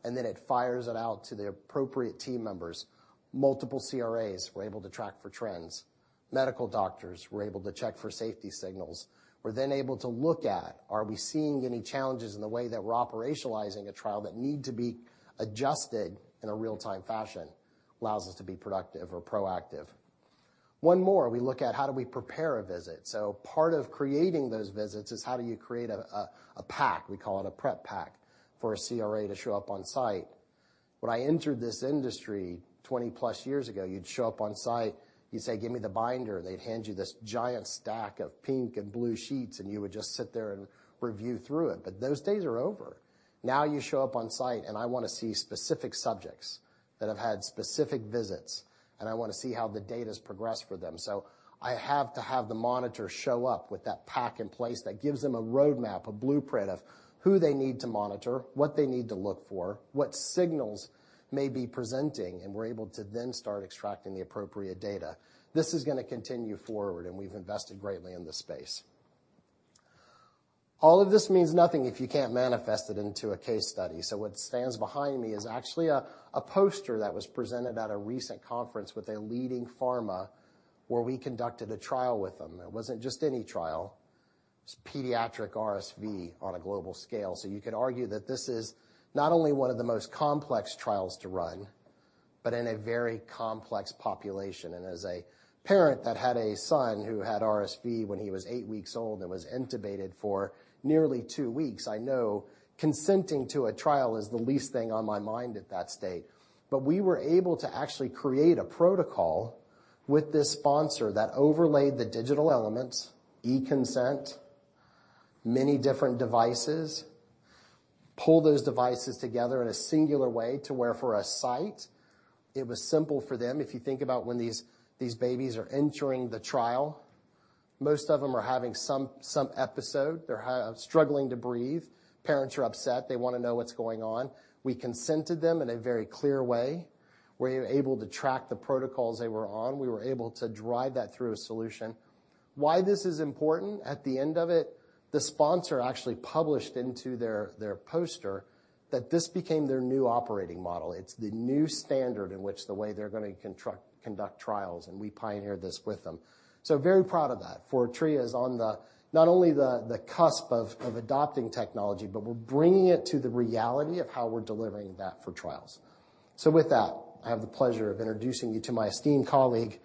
and then it fires it out to the appropriate team members. Multiple CRAs were able to track for trends. Medical doctors were able to check for safety signals. We're then able to look at, are we seeing any challenges in the way that we're operationalizing a trial that need to be adjusted in a real-time fashion? Allows us to be productive or proactive. One more, we look at how do we prepare a visit? Part of creating those visits is how do you create a pack, we call it a prep pack, for a CRA to show up on site. When I entered this industry 20-plus years ago, you'd show up on site, you'd say: "Give me the binder." They'd hand you this giant stack of pink and blue sheets, and you would just sit there and review through it. Those days are over. Now you show up on site, I want to see specific subjects that have had specific visits, and I want to see how the data's progressed for them. I have to have the monitor show up with that pack in place. That gives them a roadmap, a blueprint of who they need to monitor, what they need to look for, what signals may be presenting. We're able to then start extracting the appropriate data. This is going to continue forward. We've invested greatly in this space. All of this means nothing if you can't manifest it into a case study. What stands behind me is actually a poster that was presented at a recent conference with a leading pharma, where we conducted a trial with them. It wasn't just any trial, it's pediatric RSV on a global scale. You could argue that this is not only one of the most complex trials to run, but in a very complex population. As a parent that had a son who had RSV when he was 8 weeks old and was intubated for nearly 2 weeks, I know consenting to a trial is the least thing on my mind at that state. We were able to actually create a protocol with this sponsor that overlaid the digital elements, e-consent, many different devices, pull those devices together in a singular way to where for a site, it was simple for them. If you think about when these babies are entering the trial, most of them are having some episode. They're struggling to breathe. Parents are upset. They want to know what's going on. We consented them in a very clear way. We were able to track the protocols they were on. We were able to drive that through a solution. Why this is important? At the end of it, the sponsor actually published into their poster that this became their new operating model. It's the new standard in which the way they're going to conduct trials, and we pioneered this with them. Very proud of that, Fortrea is on the not only the cusp of adopting technology, but we're bringing it to the reality of how we're delivering that for trials. With that, I have the pleasure of introducing you to my esteemed colleague,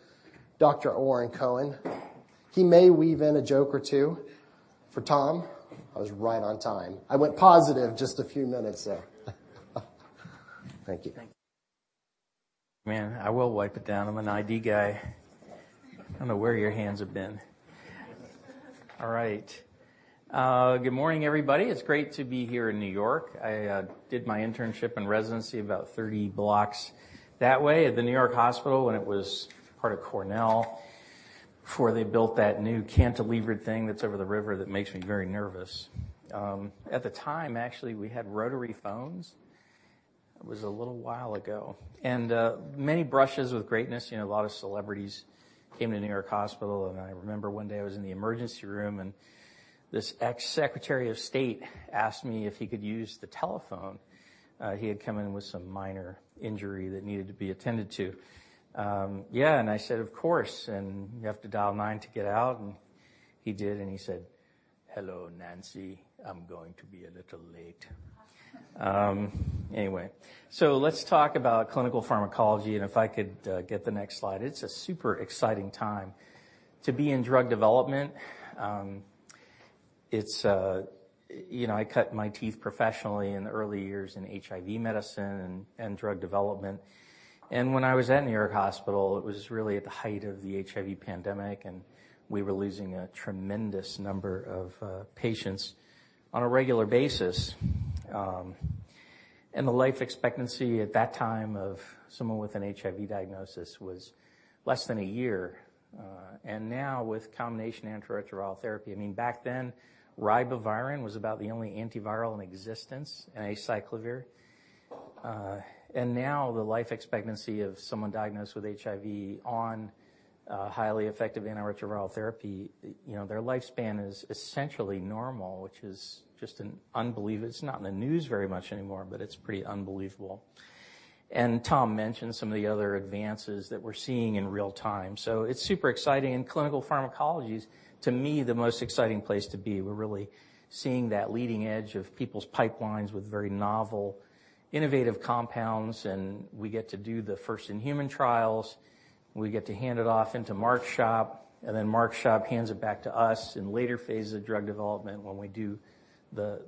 Dr. Oren Cohen. He may weave in a joke or two. Tom, I was right on time. I went positive just a few minutes there. Thank you. Man, I will wipe it down. I'm an ID guy. I don't know where your hands have been. All right. Good morning, everybody. It's great to be here in New York. I did my internship and residency about 30 blocks that way at the New York Hospital, when it was part of Cornell, before they built that new cantilevered thing that's over the river that makes me very nervous. At the time, actually, we had rotary phones. It was a little while ago. Many brushes with greatness, you know, a lot of celebrities came to New York Hospital, and I remember one day I was in the emergency room, and this ex-Secretary of State asked me if he could use the telephone. He had come in with some minor injury that needed to be attended to. Yeah, and I said: "Of course. You have to dial 9 to get out." He did, and he said, "Hello, Nancy, I'm going to be a little late." Anyway, so let's talk about clinical pharmacology, and if I could get the next slide. It's a super exciting time to be in drug development. It's. You know, I cut my teeth professionally in the early years in HIV medicine and drug development. When I was at New York Hospital, it was really at the height of the HIV pandemic, and we were losing a tremendous number of patients on a regular basis. The life expectancy at that time of someone with an HIV diagnosis was less than 1 year. Now, with combination antiretroviral therapy. I mean, back then, ribavirin was about the only antiviral in existence, and acyclovir.... Now the life expectancy of someone diagnosed with HIV on highly effective antiretroviral therapy, you know, their lifespan is essentially normal, which is just an unbelievable. It's not in the news very much anymore, but it's pretty unbelievable. Tom mentioned some of the other advances that we're seeing in real time. It's super exciting, and clinical pharmacology is, to me, the most exciting place to be. We're really seeing that leading edge of people's pipelines with very novel, innovative compounds, and we get to do the first in-human trials. We get to hand it off into Mark's shop, and then Mark's shop hands it back to us in later phases of drug development when we do the,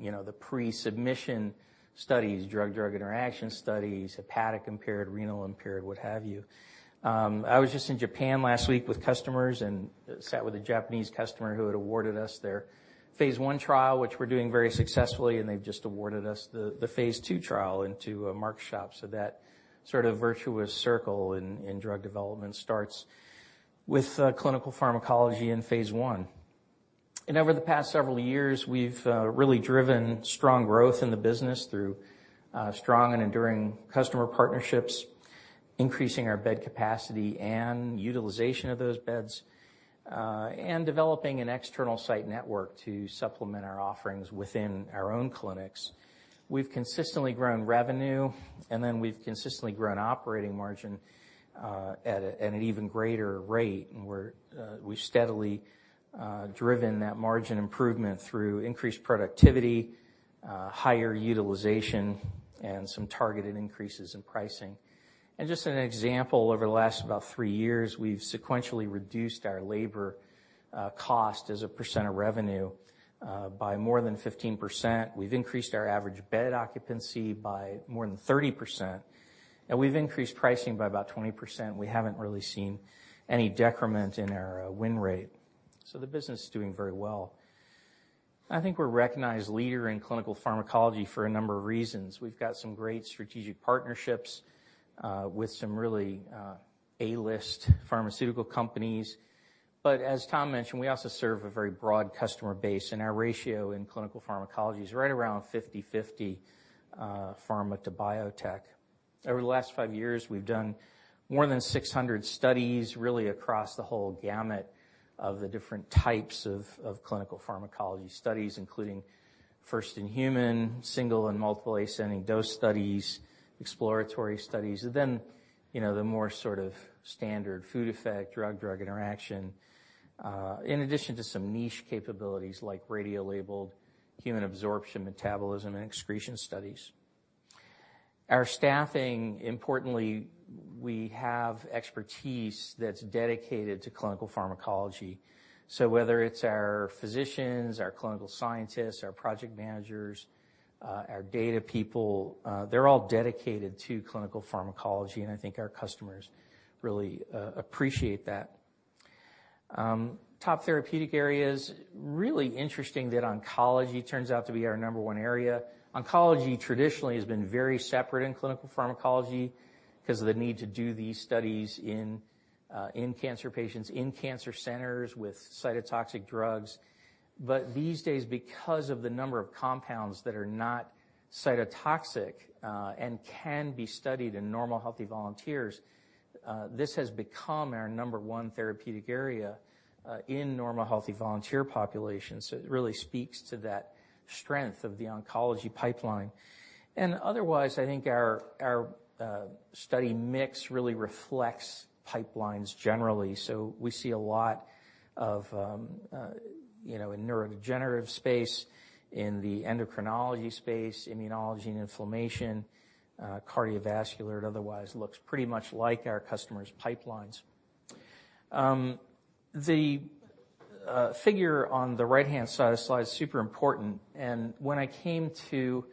you know, the pre-submission studies, drug-drug interaction studies, hepatic impaired, renal impaired, what have you. I was just in Japan last week with customers and sat with a Japanese customer who had awarded us their phase I trial, which we're doing very successfully, and they've just awarded us the phase II trial into Mark's shop. That sort of virtuous circle in drug development starts with clinical pharmacology in phase I. Over the past several years, we've really driven strong growth in the business through strong and enduring customer partnerships, increasing our bed capacity and utilization of those beds, and developing an external site network to supplement our offerings within our own clinics. We've consistently grown revenue, we've consistently grown operating margin at an even greater rate. We've steadily driven that margin improvement through increased productivity, higher utilization, and some targeted increases in pricing. Just an example, over the last about three years, we've sequentially reduced our labor cost as a percent of revenue by more than 15%. We've increased our average bed occupancy by more than 30%, and we've increased pricing by about 20%. We haven't really seen any decrement in our win rate, so the business is doing very well. I think we're a recognized leader in clinical pharmacology for a number of reasons. We've got some great strategic partnerships with some really A-list pharmaceutical companies. As Tom mentioned, we also serve a very broad customer base, and our ratio in clinical pharmacology is right around 50/50 pharma to biotech. Over the last 5 years, we've done more than 600 studies, really across the whole gamut of the different types of clinical pharmacology studies, including first in human, single and multiple-ascending dose studies, exploratory studies, and then, you know, the more sort of standard food effect, drug-drug interaction, in addition to some niche capabilities like radiolabeled, human absorption, metabolism, and excretion studies. Our staffing, importantly, we have expertise that's dedicated to clinical pharmacology. Whether it's our physicians, our clinical scientists, our project managers, our data people, they're all dedicated to clinical pharmacology, and I think our customers really appreciate that. Top therapeutic areas, really interesting that oncology turns out to be our number 1 area. Oncology, traditionally, has been very separate in clinical pharmacology because of the need to do these studies in cancer patients, in cancer centers with cytotoxic drugs. These days, because of the number of compounds that are not cytotoxic and can be studied in normal, healthy volunteers, this has become our number one therapeutic area in normal, healthy volunteer populations. It really speaks to that strength of the oncology pipeline. Otherwise, I think our study mix really reflects pipelines generally. We see a lot of, you know, in neurodegenerative space, in the endocrinology space, immunology and inflammation, cardiovascular. It otherwise looks pretty much like our customers' pipelines. The figure on the right-hand side of the slide is super important. When I came to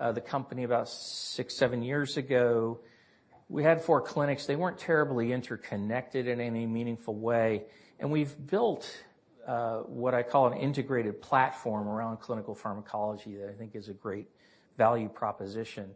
the company about 6, 7 years ago, we had four clinics. They weren't terribly interconnected in any meaningful way, and we've built what I call an integrated platform around clinical pharmacology that I think is a great value proposition.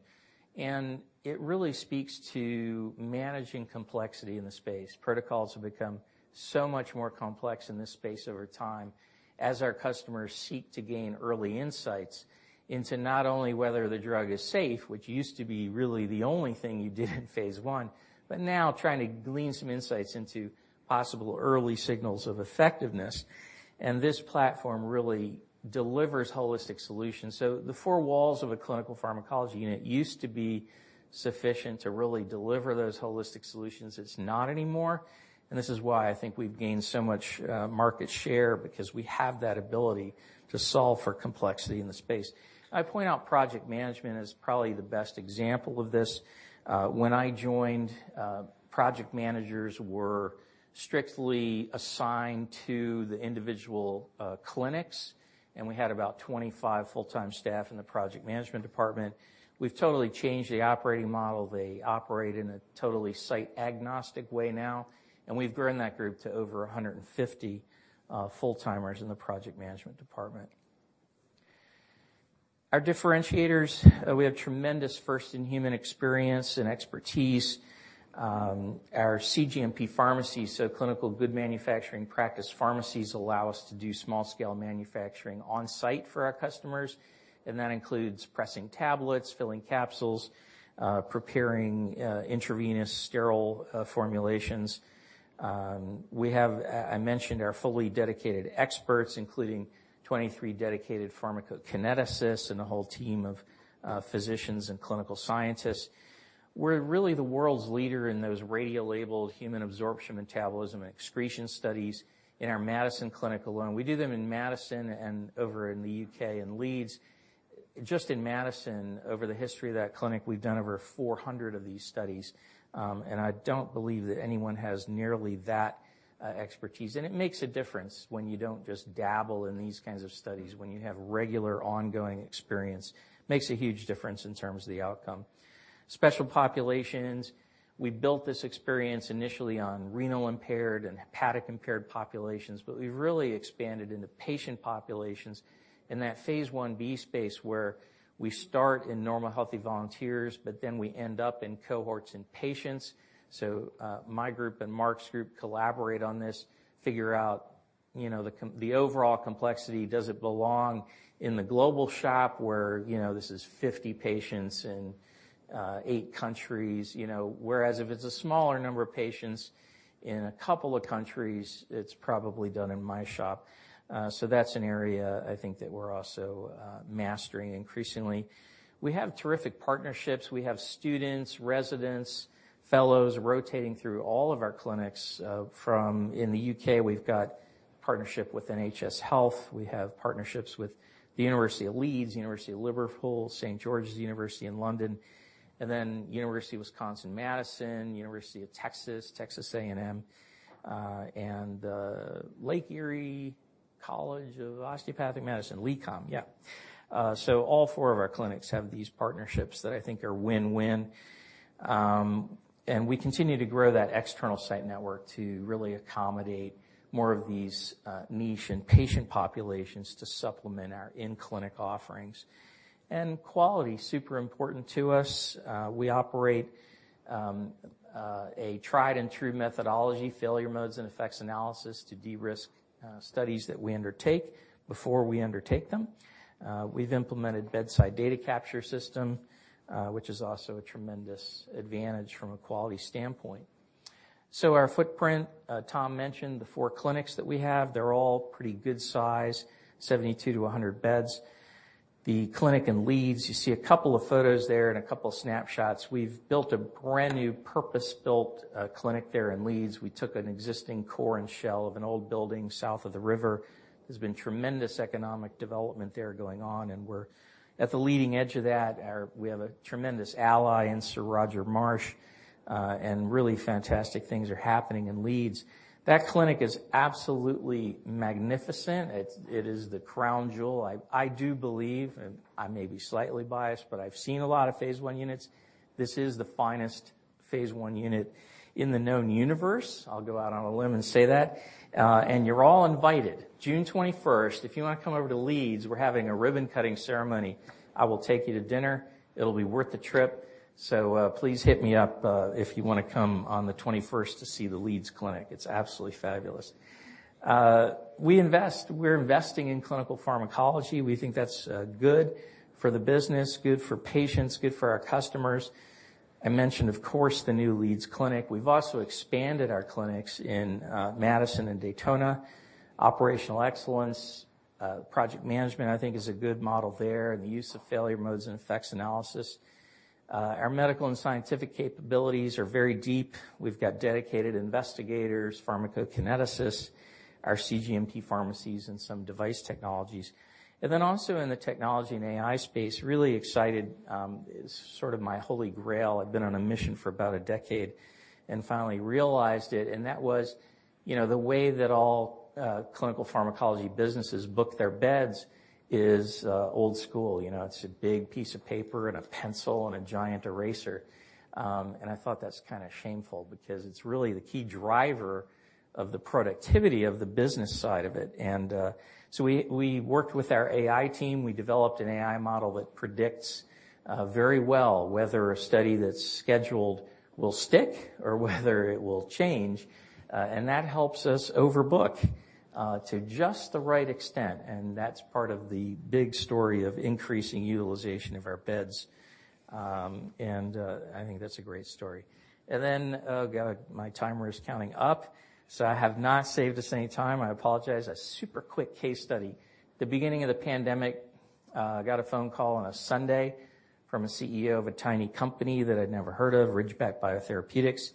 It really speaks to managing complexity in the space. Protocols have become so much more complex in this space over time as our customers seek to gain early insights into not only whether the drug is safe, which used to be really the only thing you did in phase I, but now trying to glean some insights into possible early signals of effectiveness. This platform really delivers holistic solutions. The 4 walls of a clinical pharmacology unit used to be sufficient to really deliver those holistic solutions. It's not anymore. This is why I think we've gained so much market share because we have that ability to solve for complexity in the space. I point out Project Management is probably the best example of this. When I joined, project managers were strictly assigned to the individual clinics, and we had about 25 full-time staff in the Project Management department. We've totally changed the operating model. They operate in a totally site-agnostic way now, and we've grown that group to over 150 full-timers in the Project Management department. Our differentiators, we have tremendous first-in-human experience and expertise. Our cGMP pharmacy, so Current Good Manufacturing Practice pharmacies, allow us to do small-scale manufacturing on-site for our customers, and that includes pressing tablets, filling capsules, preparing intravenous sterile formulations. We have, I mentioned, our fully dedicated experts, including 23 dedicated pharmacokineticists and a whole team of physicians and clinical scientists. We're really the world's leader in those radiolabeled human absorption, metabolism, and excretion studies in our Madison clinic alone. We do them in Madison and over in the U.K., in Leeds. Just in Madison, over the history of that clinic, we've done over 400 of these studies, and I don't believe that anyone has nearly that expertise. It makes a difference when you don't just dabble in these kinds of studies. When you have regular, ongoing experience, makes a huge difference in terms of the outcome. Special populations. We built this experience initially on renal-impaired and hepatic-impaired populations, we've really expanded into patient populations in that Phase Ib space, where we start in normal, healthy volunteers, but then we end up in cohorts in patients. My group and Mark's group collaborate on this, figure out, you know, the overall complexity. Does it belong in the global shop where, you know, this is 50 patients in 8 countries? You know, whereas if it's a smaller number of patients in a couple of countries, it's probably done in my shop. That's an area I think that we're also mastering increasingly. We have terrific partnerships. We have students, residents, fellows, rotating through all of our clinics. In the U.K., we've got partnership with NHS. We have partnerships with the University of Leeds, University of Liverpool, St. George's University in London, University of Wisconsin, Madison, University of Texas A&M, and the Lake Erie College of Osteopathic Medicine, LECOM. All four of our clinics have these partnerships that I think are win-win. We continue to grow that external site network to really accommodate more of these niche and patient populations to supplement our in-clinic offerings. Quality, super important to us. We operate a tried-and-true methodology, Failure Modes and Effects Analysis to de-risk studies that we undertake before we undertake them. We've implemented bedside data capture system, which is also a tremendous advantage from a quality standpoint. Our footprint, Tom mentioned the four clinics that we have, they're all pretty good size, 72-100 beds. The clinic in Leeds, you see a couple of photos there and a couple of snapshots. We've built a brand-new, purpose-built, clinic there in Leeds. We took an existing core and shell of an old building south of the river. There's been tremendous economic development there going on, and we're at the leading edge of that. We have a tremendous ally in Sir Roger Marsh, and really fantastic things are happening in Leeds. That clinic is absolutely magnificent. It is the crown jewel. I do believe, and I may be slightly biased, but I've seen a lot of phase 1 units. This is the finest phase I unit in the known universe. I'll go out on a limb and say that. And you're all invited. June 21st, if you want to come over to Leeds, we're having a ribbon-cutting ceremony. I will take you to dinner. It'll be worth the trip. Please hit me up if you want to come on the 21st to see the Leeds clinic. It's absolutely fabulous. We're investing in clinical pharmacology. We think that's good for the business, good for patients, good for our customers. I mentioned, of course, the new Leeds clinic. We've also expanded our clinics in Madison and Daytona. Operational excellence, project management, I think, is a good model there, and the use of Failure Modes and Effects Analysis. Our medical and scientific capabilities are very deep. We've got dedicated investigators, pharmacokineticists, our cGMP pharmacies, and some device technologies. Also five in the technology and AI space, really excited, it's sort of my Holy Grail. I've been on a mission for about a decade and finally realized it, and that was, you know, the way that all clinical pharmacology businesses book their beds is old school. You know, it's a big piece of paper and a pencil and a giant eraser. I thought that's kinda shameful because it's really the key driver of the productivity of the business side of it. We worked with our AI team. We developed an AI model that predicts very well whether a study that's scheduled will stick or whether it will change, and that helps us overbook to just the right extent, and that's part of the big story of increasing utilization of our beds. I think that's a great story. God, my timer is counting up, so I have not saved us any time. I apologize. A super quick case study. The beginning of the pandemic, I got a phone call on a Sunday from a CEO of a tiny company that I'd never heard of, Ridgeback Biotherapeutics.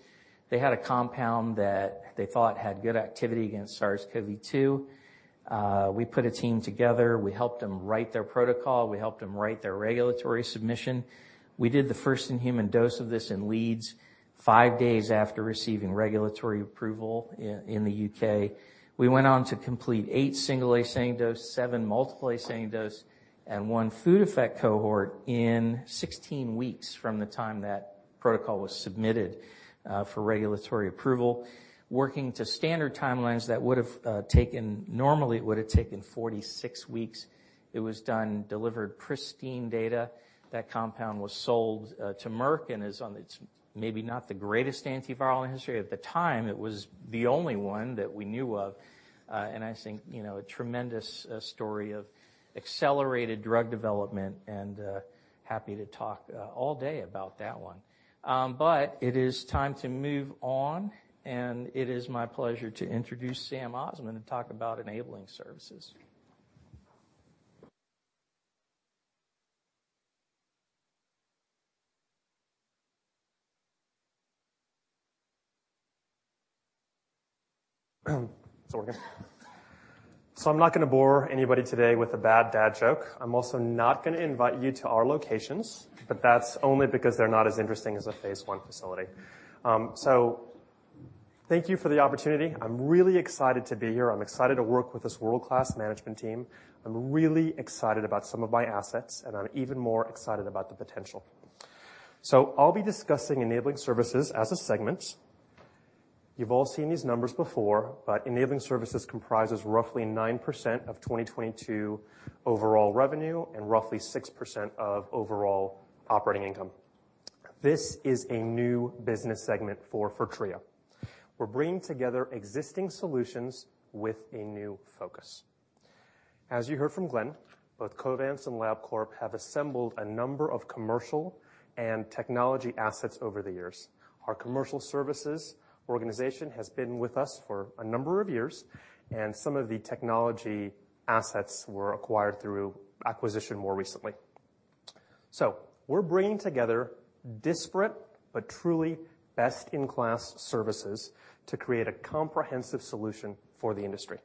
They had a compound that they thought had good activity against SARS-CoV-2. We put a team together. We helped them write their protocol. We helped them write their regulatory submission. We did the first in-human dose of this in Leeds, five days after receiving regulatory approval in the U.K. We went on to complete eight single-ascending dose, seven multiple-ascending dose, and 1 food effect cohort in 16 weeks from the time that protocol was submitted for regulatory approval. Working to standard timelines that would have normally, it would have taken 46 weeks. It was done, delivered pristine data. That compound was sold to Merck and it's maybe not the greatest antiviral in history. At the time, it was the only one that we knew of, and I think, you know, a tremendous story of accelerated drug development, and happy to talk all day about that one. It is time to move on. It is my pleasure to introduce Sam Osman to talk about Enabling Services. Sorry. I'm not going to bore anybody today with a bad dad joke. I'm also not going to invite you to our locations, but that's only because they're not as interesting as a phase I facility. Thank you for the opportunity. I'm really excited to be here. I'm excited to work with this world-class management team. I'm really excited about some of my assets, and I'm even more excited about the potential. I'll be discussing enabling services as a segment. You've all seen these numbers before, but enabling services comprises roughly 9% of 2022 overall revenue and roughly 6% of overall operating income. This is a new business segment for Fortrea. We're bringing together existing solutions with a new focus. As you heard from Glenn, both Covance and Labcorp have assembled a number of commercial and technology assets over the years. Our commercial services organization has been with us for a number of years. Some of the technology assets were acquired through acquisition more recently. We're bringing together disparate but truly best-in-class services to create a comprehensive solution for the industry.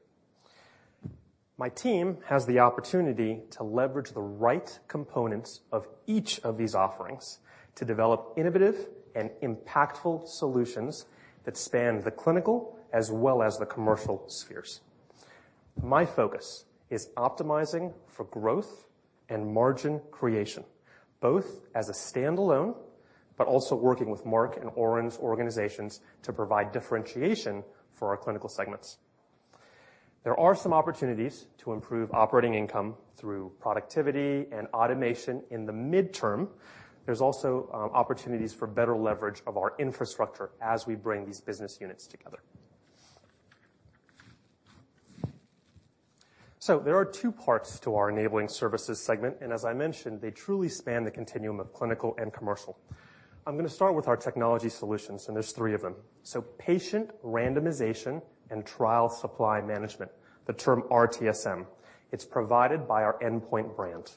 My team has the opportunity to leverage the right components of each of these offerings to develop innovative and impactful solutions that span the clinical as well as the commercial spheres. My focus is optimizing for growth and margin creation, both as a standalone, but also working with Mark and Oren's organizations to provide differentiation for our clinical segments. There are some opportunities to improve operating income through productivity and automation in the midterm. There's also opportunities for better leverage of our infrastructure as we bring these business units together. There are two parts to our Enabling Services segment, and as I mentioned, they truly span the continuum of clinical and commercial. I'm going to start with our technology solutions, and there's three of them. Patient randomization and trial supply management, the term RTSM. It's provided by our Endpoint brand.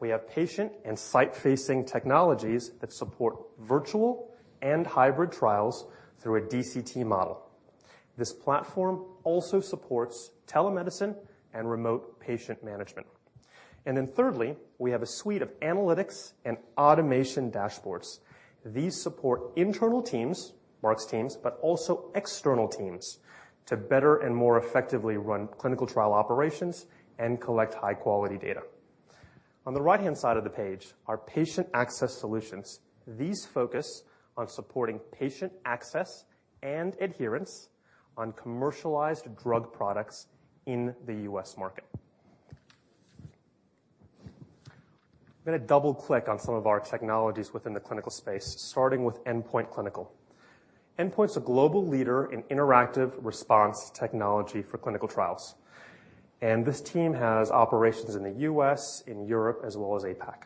We have patient and site-facing technologies that support virtual and hybrid trials through a DCT model. This platform also supports telemedicine and remote patient management. Thirdly, we have a suite of analytics and automation dashboards. These support internal teams, Mark's teams, but also external teams, to better and more effectively run clinical trial operations and collect high-quality data. On the right-hand side of the page, are patient access solutions. These focus on supporting patient access and adherence on commercialized drug products in the U.S. market. I'm going to double-click on some of our technologies within the clinical space, starting with Endpoint Clinical. Endpoint's a global leader in interactive response technology for clinical trials. This team has operations in the U.S., in Europe, as well as APAC.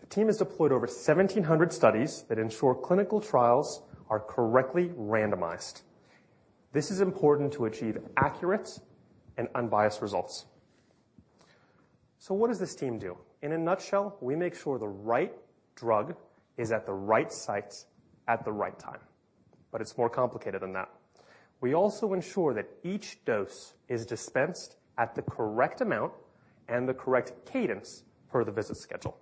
The team has deployed over 1,700 studies that ensure clinical trials are correctly randomized. This is important to achieve accurate and unbiased results. What does this team do? In a nutshell, we make sure the right drug is at the right site at the right time. It's more complicated than that. We also ensure that each dose is dispensed at the correct amount and the correct cadence per the visit schedule.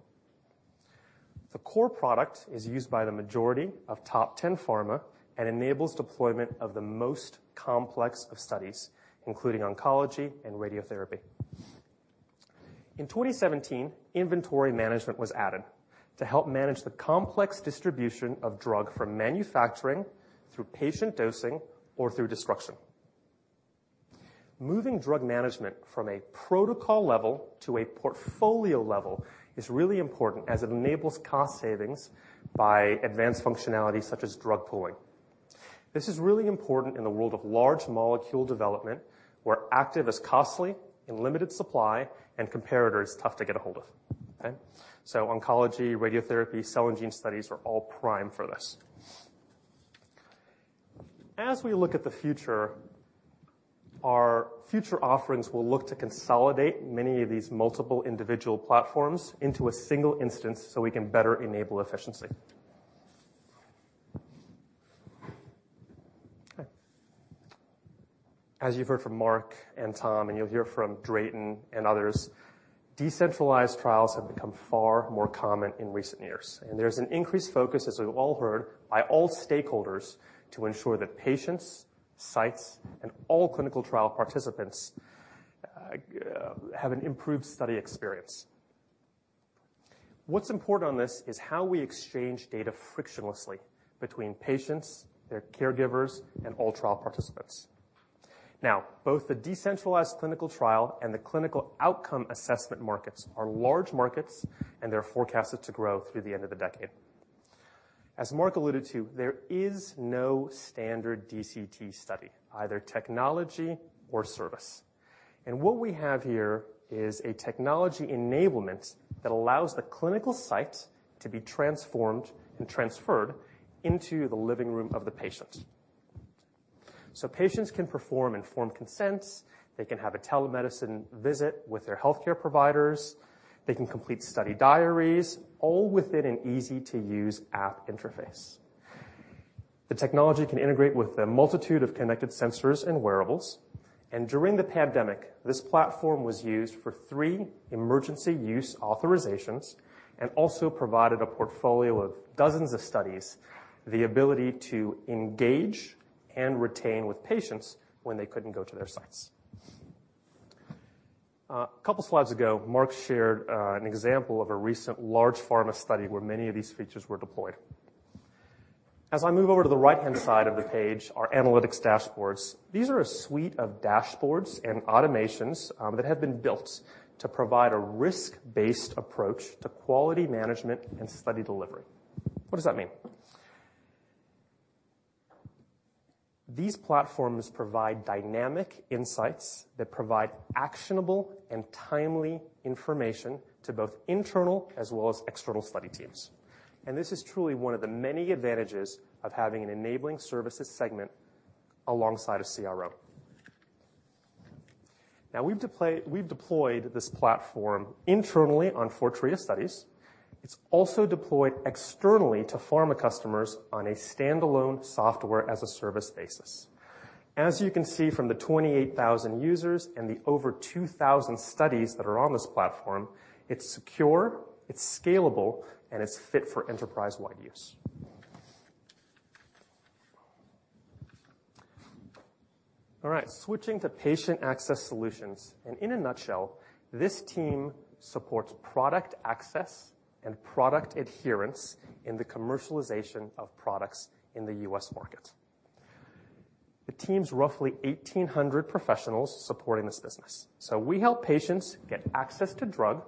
The core product is used by the majority of top 10 pharma and enables deployment of the most complex of studies, including oncology and radiotherapy. In 2017, inventory management was added to help manage the complex distribution of drug from manufacturing through patient dosing or through disruption. Moving drug management from a protocol level to a portfolio level is really important as it enables cost savings by advanced functionality such as drug pooling. This is really important in the world of large molecule development, where active is costly and limited supply and comparator is tough to get a hold of, okay? Oncology, radiotherapy, cell and gene studies are all prime for this. As we look at the future, our future offerings will look to consolidate many of these multiple individual platforms into a single instance, so we can better enable efficiency. As you've heard from Mark and Tom, and you'll hear from Drayton and others, decentralized trials have become far more common in recent years, and there's an increased focus, as we've all heard, by all stakeholders, to ensure that patients, sites, and all clinical trial participants have an improved study experience. What's important on this is how we exchange data frictionlessly between patients, their caregivers, and all trial participants. Both the decentralized clinical trial and the clinical outcome assessment markets are large markets, and they're forecasted to grow through the end of the decade. As Mark alluded to, there is no standard DCT study, either technology or service. What we have here is a technology enablement that allows the clinical site to be transformed and transferred into the living room of the patient. Patients can perform informed consents, they can have a telemedicine visit with their healthcare providers, they can complete study diaries, all within an easy-to-use app interface. The technology can integrate with a multitude of connected sensors and wearables, and during the pandemic, this platform was used for 3 emergency use authorizations and also provided a portfolio of dozens of studies, the ability to engage and retain with patients when they couldn't go to their sites. A couple slides ago, Mark shared an example of a recent large pharma study where many of these features were deployed. As I move over to the right-hand side of the page, our analytics dashboards. These are a suite of dashboards and automations that have been built to provide a risk-based approach to quality management and study delivery. What does that mean? These platforms provide dynamic insights that provide actionable and timely information to both internal as well as external study teams. This is truly one of the many advantages of having an enabling services segment alongside a CRO. Now, we've deployed this platform internally on Fortrea studies. It's also deployed externally to pharma customers on a standalone software-as-a-service basis. As you can see from the 28,000 users and the over 2,000 studies that are on this platform, it's secure, it's scalable, and it's fit for enterprise-wide use. Switching to patient access solutions, in a nutshell, this team supports product access and product adherence in the commercialization of products in the U.S. market. The team's roughly 1,800 professionals supporting this business. We help patients get access to drug,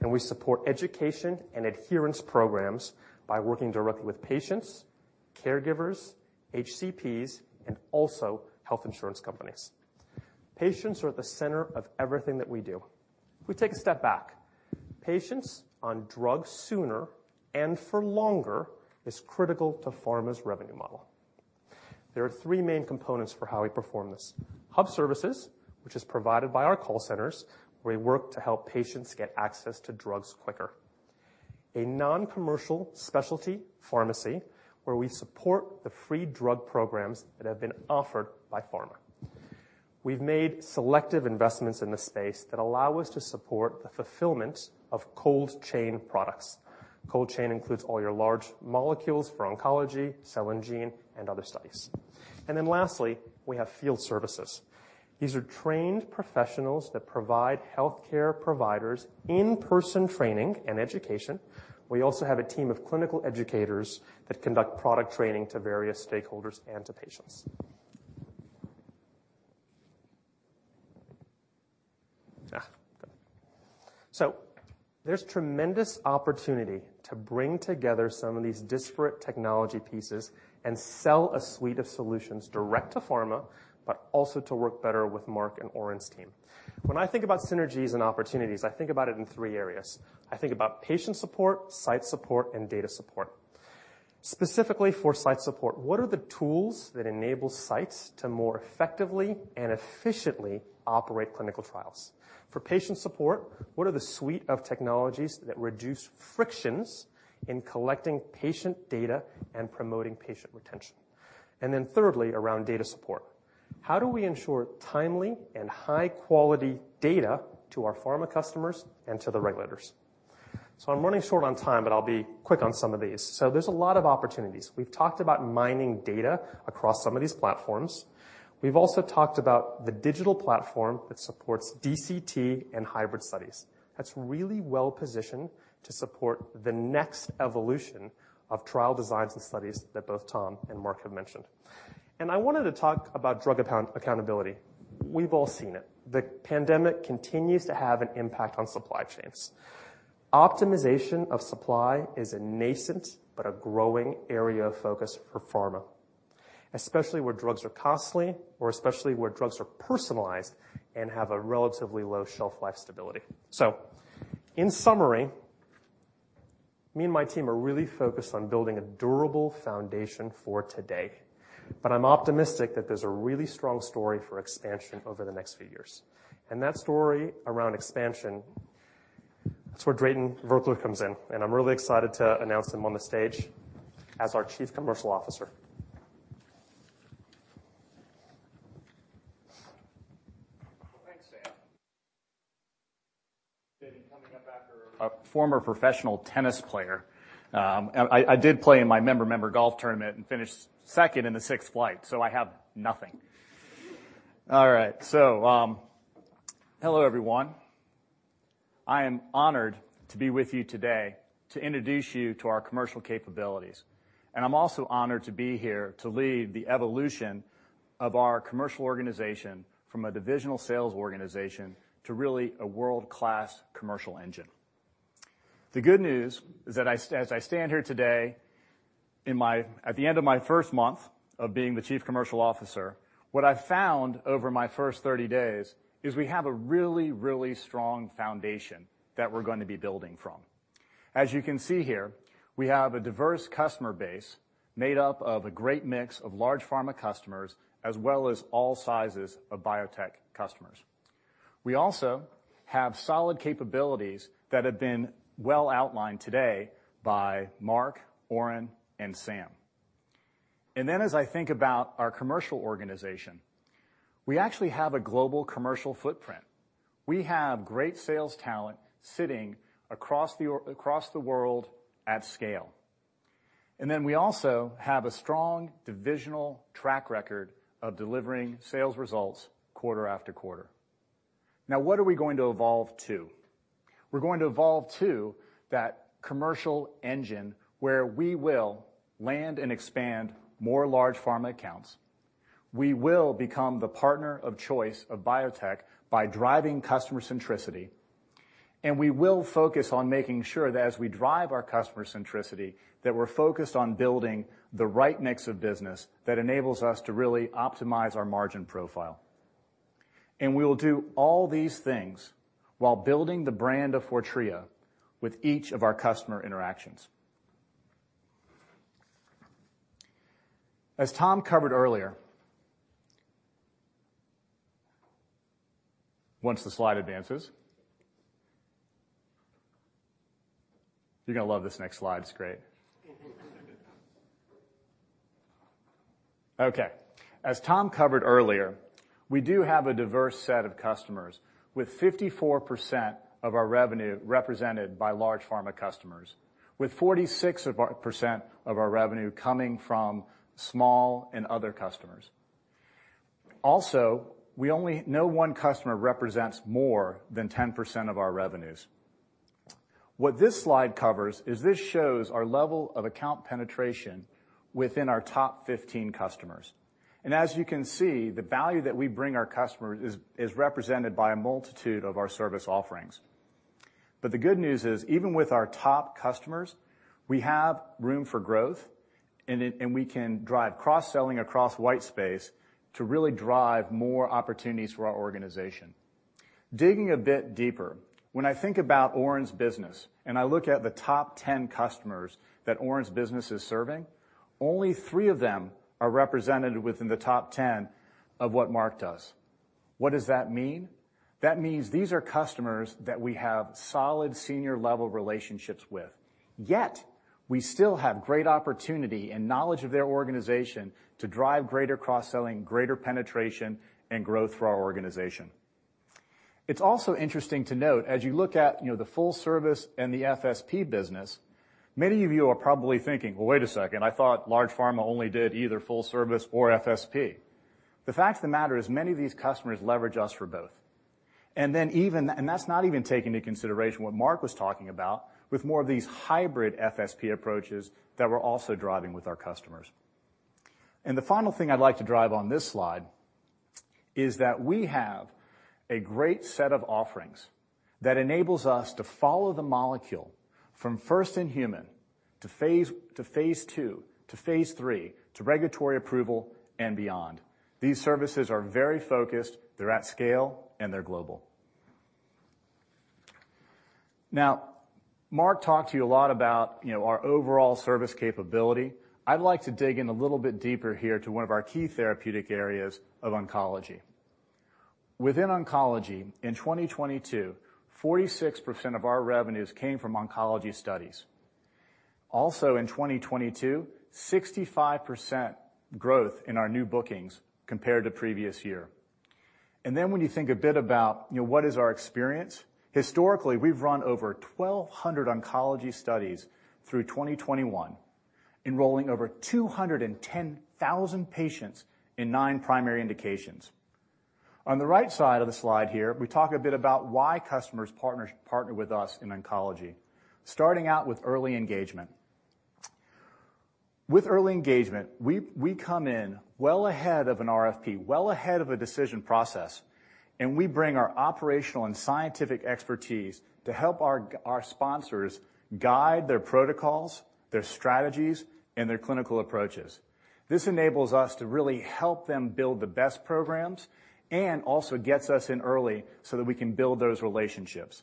and we support education and adherence programs by working directly with patients, caregivers, HCPs, and also health insurance companies. Patients are at the center of everything that we do. If we take a step back, patients on drugs sooner and for longer is critical to pharma's revenue model. There are 3 main components for how we perform this. hub services, which is provided by our call centers, where we work to help patients get access to drugs quicker. A non-commercial specialty pharmacy, where we support the free drug programs that have been offered by pharma. We've made selective investments in this space that allow us to support the fulfillment of cold chain products. Cold chain includes all your large molecules for oncology, cell and gene, and other studies. Lastly, we have field services. These are trained professionals that provide healthcare providers in-person training and education. We also have a team of clinical educators that conduct product training to various stakeholders and to patients. There's tremendous opportunity to bring together some of these disparate technology pieces and sell a suite of solutions direct to pharma, but also to work better with Mark and Oren's team. When I think about synergies and opportunities, I think about it in three areas. I think about patient support, site support, and data support. Specifically for site support, what are the tools that enable sites to more effectively and efficiently operate clinical trials? For patient support, what are the suite of technologies that reduce frictions in collecting patient data and promoting patient retention? Then thirdly, around data support. How do we ensure timely and high-quality data to our pharma customers and to the regulators? I'm running short on time, but I'll be quick on some of these. There's a lot of opportunities. We've talked about mining data across some of these platforms. We've also talked about the digital platform that supports DCT and hybrid studies. That's really well-positioned to support the next evolution of trial designs and studies that both Tom and Mark have mentioned. I wanted to talk about drug accountability. We've all seen it. The pandemic continues to have an impact on supply chains. Optimization of supply is a nascent but a growing area of focus for pharma, especially where drugs are costly or especially where drugs are personalized and have a relatively low shelf life stability. In summary, me and my team are really focused on building a durable foundation for today, but I'm optimistic that there's a really strong story for expansion over the next few years. That story around expansion. That's where Drayton Virkler comes in, and I'm really excited to announce him on the stage as our Chief Commercial Officer. Thanks, Sam. Coming up after a former professional tennis player, I did play in my member-member golf tournament and finished 2nd in the 6th flight, so I have nothing. Hello, everyone. I am honored to be with you today to introduce you to our commercial capabilities. I'm also honored to be here to lead the evolution of our commercial organization from a divisional sales organization to really a world-class commercial engine. The good news is that as I stand here today, at the end of my 1st month of being the Chief Commercial Officer, what I've found over my 1st 30 days is we have a really, really strong foundation that we're going to be building from. As you can see here, we have a diverse customer base made up of a great mix of large pharma customers, as well as all sizes of biotech customers. We also have solid capabilities that have been well outlined today by Mark, Oren, and Sam. As I think about our commercial organization, we actually have a global commercial footprint. We have great sales talent sitting across the world at scale. We also have a strong divisional track record of delivering sales results quarter after quarter. What are we going to evolve to? We're going to evolve to that commercial engine, where we will land and expand more large pharma accounts. We will become the partner of choice of biotech by driving customer centricity. We will focus on making sure that as we drive our customer centricity, that we're focused on building the right mix of business that enables us to really optimize our margin profile. We will do all these things while building the brand of Fortrea with each of our customer interactions. As Tom covered earlier. Once the slide advances. You're gonna love this next slide. It's great. Okay. As Tom covered earlier, we do have a diverse set of customers, with 54% of our revenue represented by large pharma customers, with 46% of our revenue coming from small and other customers. We only. No one customer represents more than 10% of our revenues. What this slide covers is this shows our level of account penetration within our top 15 customers. As you can see, the value that we bring our customers is represented by a multitude of our service offerings. The good news is, even with our top customers, we have room for growth, and we can drive cross-selling across white space to really drive more opportunities for our organization. Digging a bit deeper, when I think about Oren's business, and I look at the top 10 customers that Oren's business is serving, only 3 of them are represented within the top 10 of what Mark does. What does that mean? That means these are customers that we have solid senior-level relationships with, yet we still have great opportunity and knowledge of their organization to drive greater cross-selling, greater penetration, and growth for our organization. It's also interesting to note, as you look at, you know, the full service and the FSP business, many of you are probably thinking: "Well, wait a second, I thought large pharma only did either full service or FSP." The fact of the matter is many of these customers leverage us for both. That's not even taking into consideration what Mark was talking about, with more of these hybrid FSP approaches that we're also driving with our customers. The final thing I'd like to drive on this slide is that we have a great set of offerings that enables us to follow the molecule from first in human to phase, to phase 2, to phase 3, to regulatory approval and beyond. These services are very focused, they're at scale, and they're global. Mark talked to you a lot about, you know, our overall service capability. I'd like to dig in a little bit deeper here to one of our key therapeutic areas of oncology. Within oncology, in 2022, 46% of our revenues came from oncology studies. In 2022, 65% growth in our new bookings compared to previous year. When you think a bit about, you know, what is our experience, historically, we've run over 1,200 oncology studies through 2021, enrolling over 210,000 patients in nine primary indications. On the right side of the slide here, we talk a bit about why customers partner with us in oncology, starting out with early engagement. With early engagement, we come in well ahead of an RFP, well ahead of a decision process, and we bring our operational and scientific expertise to help our sponsors guide their protocols, their strategies, and their clinical approaches. This enables us to really help them build the best programs and also gets us in early so that we can build those relationships.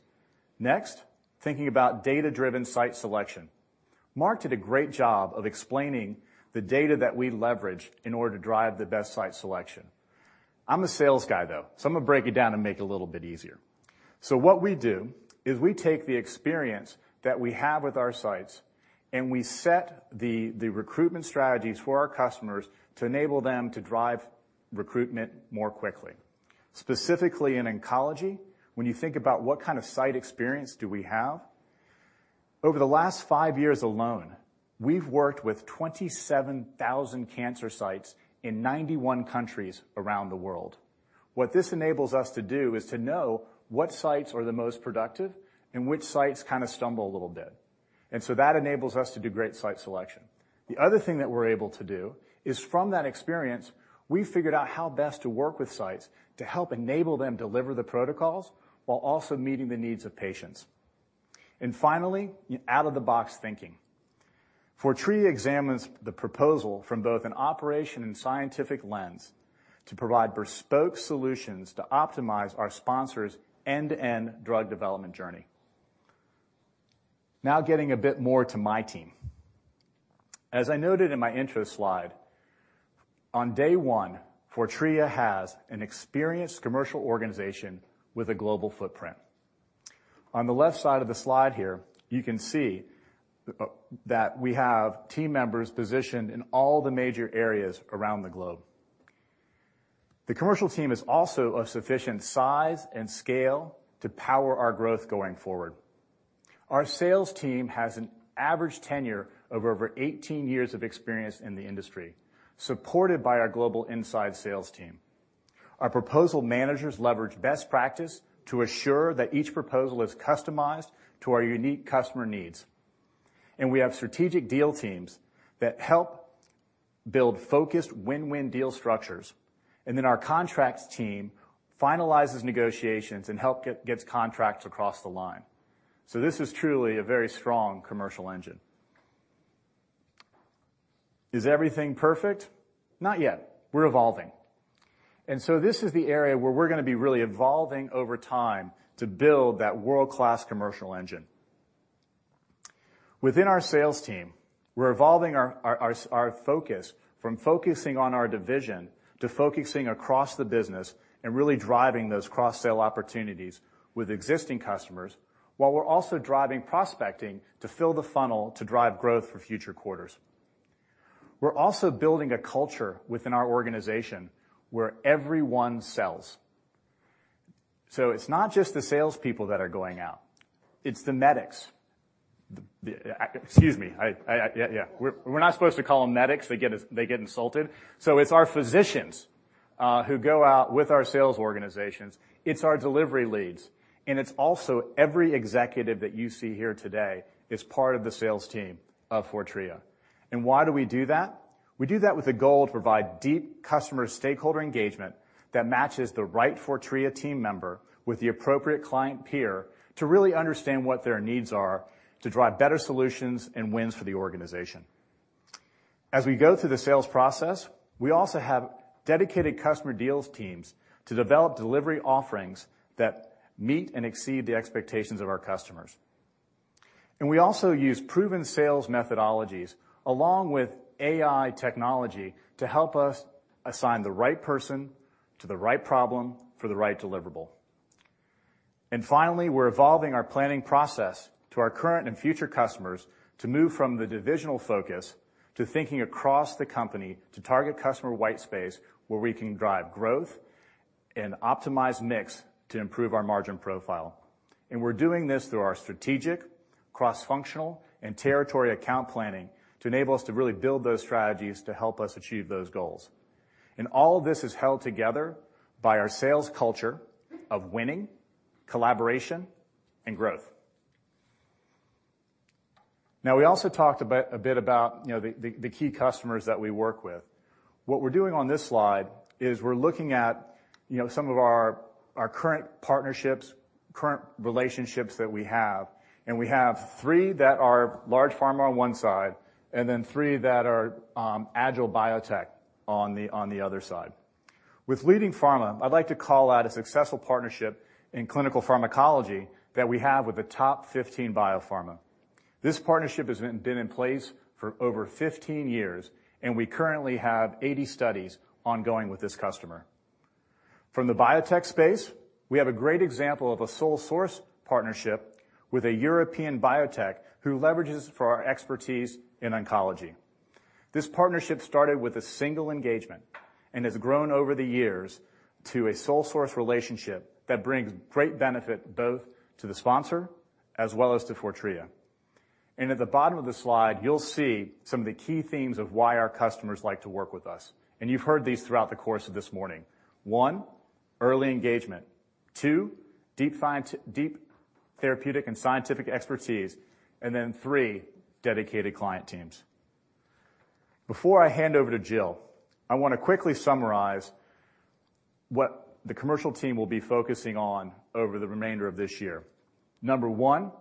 Thinking about data-driven site selection. Mark did a great job of explaining the data that we leverage in order to drive the best site selection. I'm a sales guy, though, so I'm gonna break it down and make it a little bit easier. What we do is we take the experience that we have with our sites, and we set the recruitment strategies for our customers to enable them to drive recruitment more quickly. Specifically in oncology, when you think about what kind of site experience do we have, over the last five years alone, we've worked with 27,000 cancer sites in 91 countries around the world. What this enables us to do is to know what sites are the most productive and which sites kind of stumble a little bit. That enables us to do great site selection. The other thing that we're able to do is, from that experience, we figured out how best to work with sites to help enable them deliver the protocols while also meeting the needs of patients. Finally, out-of-the-box thinking. Fortrea examines the proposal from both an operation and scientific lens to provide bespoke solutions to optimize our sponsors' end-to-end drug development journey. Now getting a bit more to my team. As I noted in my intro slide, on day one, Fortrea has an experienced commercial organization with a global footprint. On the left side of the slide here, you can see that we have team members positioned in all the major areas around the globe. The commercial team is also of sufficient size and scale to power our growth going forward. Our sales team has an average tenure of over 18 years of experience in the industry, supported by our global inside sales team. Our proposal managers leverage best practice to assure that each proposal is customized to our unique customer needs. We have strategic deal teams that help build focused win-win deal structures, and then our contracts team finalizes negotiations and gets contracts across the line. This is truly a very strong commercial engine. Is everything perfect? Not yet. We're evolving, this is the area where we're gonna be really evolving over time to build that world-class commercial engine. Within our sales team, we're evolving our focus from focusing on our division to focusing across the business and really driving those cross-sell opportunities with existing customers, while we're also driving prospecting to fill the funnel to drive growth for future quarters. We're also building a culture within our organization where everyone sells. It's not just the salespeople that are going out; it's the medics. We're not supposed to call them medics. They get insulted. It's our physicians who go out with our sales organizations. It's our delivery leads, and it's also every executive that you see here today is part of the sales team of Fortrea. Why do we do that? We do that with the goal to provide deep customer stakeholder engagement that matches the right Fortrea team member with the appropriate client peer, to really understand what their needs are, to drive better solutions and wins for the organization. As we go through the sales process, we also have dedicated customer deals teams to develop delivery offerings that meet and exceed the expectations of our customers. We also use proven sales methodologies along with AI technology to help us assign the right person to the right problem for the right deliverable. Finally, we're evolving our planning process to our current and future customers to move from the divisional focus to thinking across the company to target customer white space, where we can drive growth and optimize mix to improve our margin profile. We're doing this through our strategic, cross-functional, and territory account planning to enable us to really build those strategies to help us achieve those goals. All of this is held together by our sales culture of winning, collaboration, and growth. We also talked about a bit about, you know, the key customers that we work with. What we're doing on this slide is we're looking at, you know, some of our current partnerships, current relationships that we have, and we have four that are large pharma on one side and then three that are agile biotech on the other side. With leading pharma, I'd like to call out a successful partnership in clinical pharmacology that we have with the top 15 biopharma. This partnership has been in place for over 15 years, and we currently have 80 studies ongoing with this customer. From the biotech space, we have a great example of a sole source partnership with a European biotech who leverages for our expertise in oncology. This partnership started with a single engagement and has grown over the years to a sole source relationship that brings great benefit both to the sponsor as well as to Fortrea. At the bottom of the slide, you'll see some of the key themes of why our customers like to work with us, and you've heard these throughout the course of this morning. One, early engagement. Two, deep therapeutic and scientific expertise. Three, dedicated client teams. Before I hand over to Jill, I want to quickly summarize what the commercial team will be focusing on over the remainder of this year. Number one,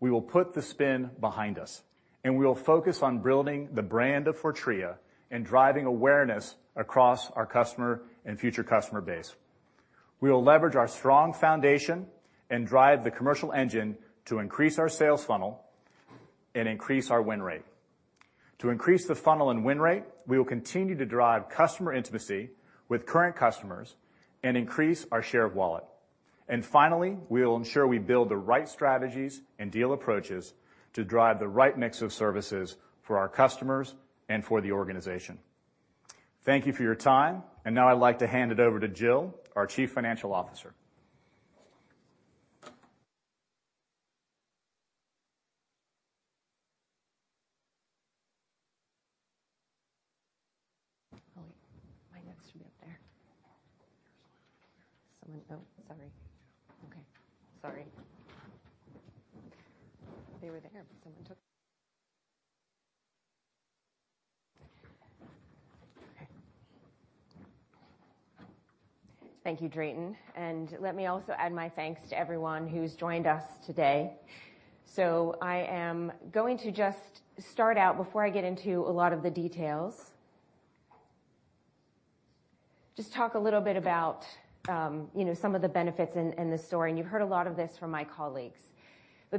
we will put the spin behind us, and we will focus on building the brand of Fortrea and driving awareness across our customer and future customer base. We will leverage our strong foundation and drive the commercial engine to increase our sales funnel and increase our win rate. To increase the funnel and win rate, we will continue to drive customer intimacy with current customers and increase our share of wallet. Finally, we will ensure we build the right strategies and deal approaches to drive the right mix of services for our customers and for the organization. Thank you for your time. Now I'd like to hand it over to Jill, our Chief Financial Officer. Wait. My next should be up there. Oh, sorry. Sorry. They were there, but someone took... Okay. Thank you, Drayton, and let me also add my thanks to everyone who's joined us today. I am going to just start out before I get into a lot of the details. Just talk a little bit about, you know, some of the benefits and the story, and you've heard a lot of this from my colleagues.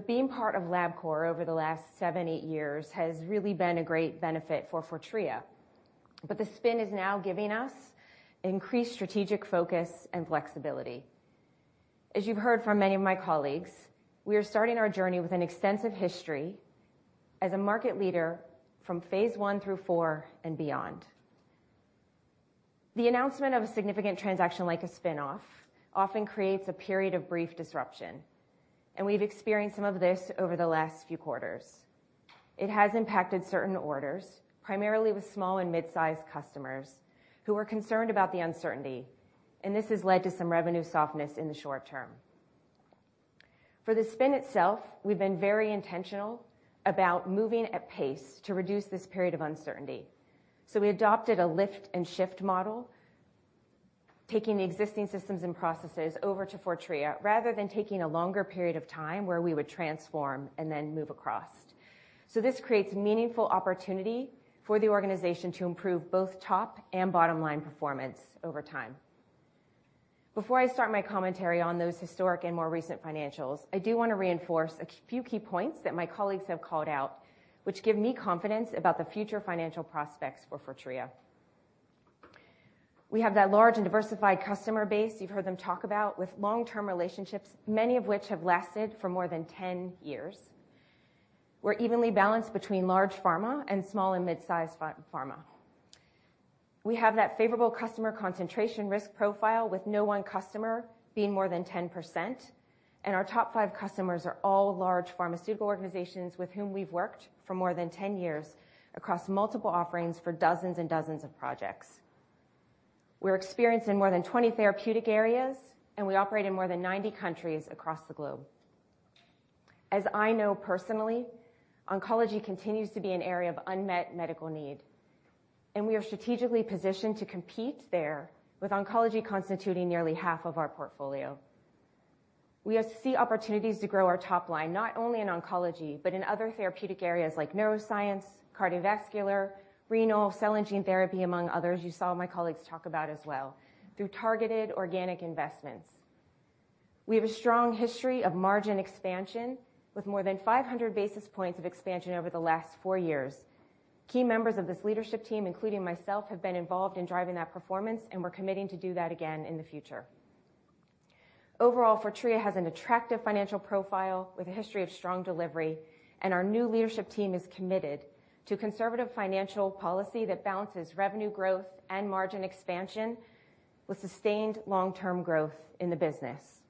Being part of Labcorp over the last seven, eight years has really been a great benefit for Fortrea, but the spin is now giving us increased strategic focus and flexibility. As you've heard from many of my colleagues, we are starting our journey with an extensive history as a market leader from phase I through IV and beyond. The announcement of a significant transaction like a spin-off, often creates a period of brief disruption, and we've experienced some of this over the last few quarters. It has impacted certain orders, primarily with small and mid-sized customers who are concerned about the uncertainty, and this has led to some revenue softness in the short term. We adopted a lift and shift model, taking the existing systems and processes over to Fortrea, rather than taking a longer period of time where we would transform and then move across. This creates meaningful opportunity for the organization to improve both top and bottom line performance over time. Before I start my commentary on those historic and more recent financials, I do want to reinforce a few key points that my colleagues have called out, which give me confidence about the future financial prospects for Fortrea. We have that large and diversified customer base you've heard them talk about, with long-term relationships, many of which have lasted for more than 10 years. We're evenly balanced between large pharma and small and mid-sized pharma. We have that favorable customer concentration risk profile, with no one customer being more than 10%, and our top five customers are all large pharmaceutical organizations with whom we've worked for more than 10 years across multiple offerings for dozens and dozens of projects. We're experienced in more than 20 therapeutic areas, and we operate in more than 90 countries across the globe. As I know personally, oncology continues to be an area of unmet medical need, and we are strategically positioned to compete there, with oncology constituting nearly half of our portfolio. We see opportunities to grow our top line, not only in oncology, but in other therapeutic areas like neuroscience, cardiovascular, renal, cell and gene therapy, among others you saw my colleagues talk about as well, through targeted organic investments. We have a strong history of margin expansion, with more than 500 basis points of expansion over the last four years. Key members of this leadership team, including myself, have been involved in driving that performance, and we're committing to do that again in the future. Overall, Fortrea has an attractive financial profile with a history of strong delivery, and our new leadership team is committed to conservative financial policy that balances revenue growth and margin expansion with sustained long-term growth in the business.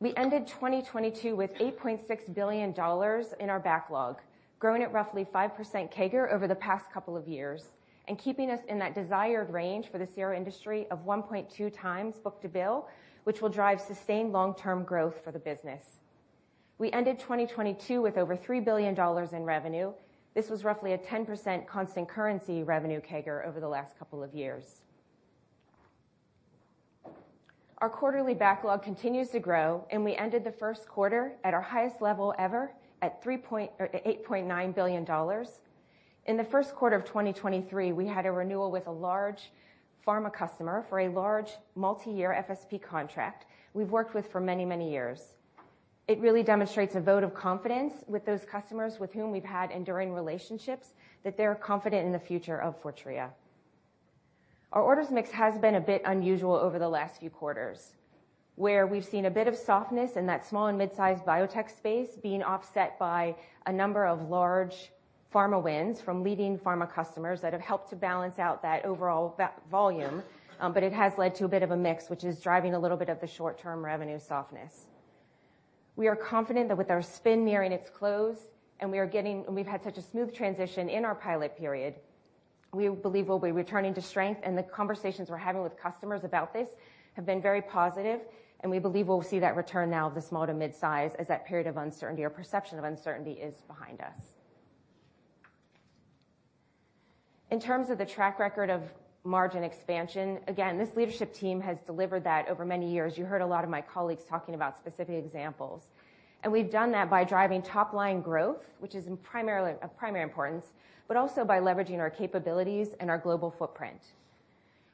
We ended 2022 with $8.6 billion in our backlog, growing at roughly 5% CAGR over the past couple of years, and keeping us in that desired range for the CRO industry of 1.2x book to bill, which will drive sustained long-term growth for the business. We ended 2022 with over $3 billion in revenue. This was roughly a 10% constant currency revenue CAGR over the last couple of years. Our quarterly backlog continues to grow, and we ended the first quarter at our highest level ever at $8.9 billion. In the first quarter of 2023, we had a renewal with a large pharma customer for a large multi-year FSP contract we've worked with for many years. It really demonstrates a vote of confidence with those customers with whom we've had enduring relationships, that they're confident in the future of Fortrea. Our orders mix has been a bit unusual over the last few quarters, where we've seen a bit of softness in that small and mid-sized biotech space being offset by a number of large pharma wins from leading pharma customers that have helped to balance out that overall volume, it has led to a bit of a mix, which is driving a little bit of the short-term revenue softness. We are confident that with our spin nearing its close we've had such a smooth transition in our pilot period. We believe we'll be returning to strength. The conversations we're having with customers about this have been very positive. We believe we'll see that return now of the small to mid-size as that period of uncertainty or perception of uncertainty is behind us. In terms of the track record of margin expansion, again, this leadership team has delivered that over many years. You heard a lot of my colleagues talking about specific examples. We've done that by driving top-line growth, which is of primary importance, but also by leveraging our capabilities and our global footprint.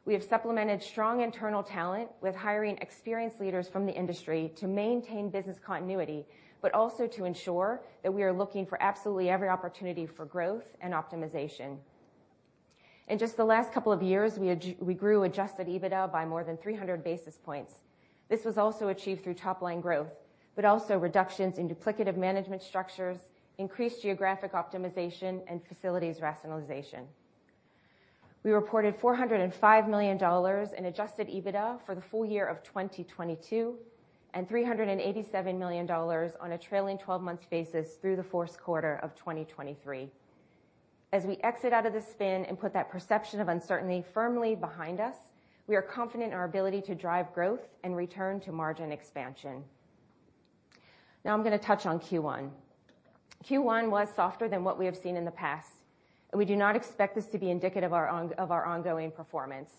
We have supplemented strong internal talent with hiring experienced leaders from the industry to maintain business continuity, but also to ensure that we are looking for absolutely every opportunity for growth and optimization. In just the last couple of years, we grew adjusted EBITDA by more than 300 basis points. This was also achieved through top-line growth, but also reductions in duplicative management structures, increased geographic optimization, and facilities rationalization. We reported $405 million in adjusted EBITDA for the full year of 2022, and $387 million on a trailing twelve-month basis through the fourth quarter of 2023. As we exit out of the spin and put that perception of uncertainty firmly behind us, we are confident in our ability to drive growth and return to margin expansion. I'm going to touch on Q1. Q1 was softer than what we have seen in the past, and we do not expect this to be indicative of our ongoing performance.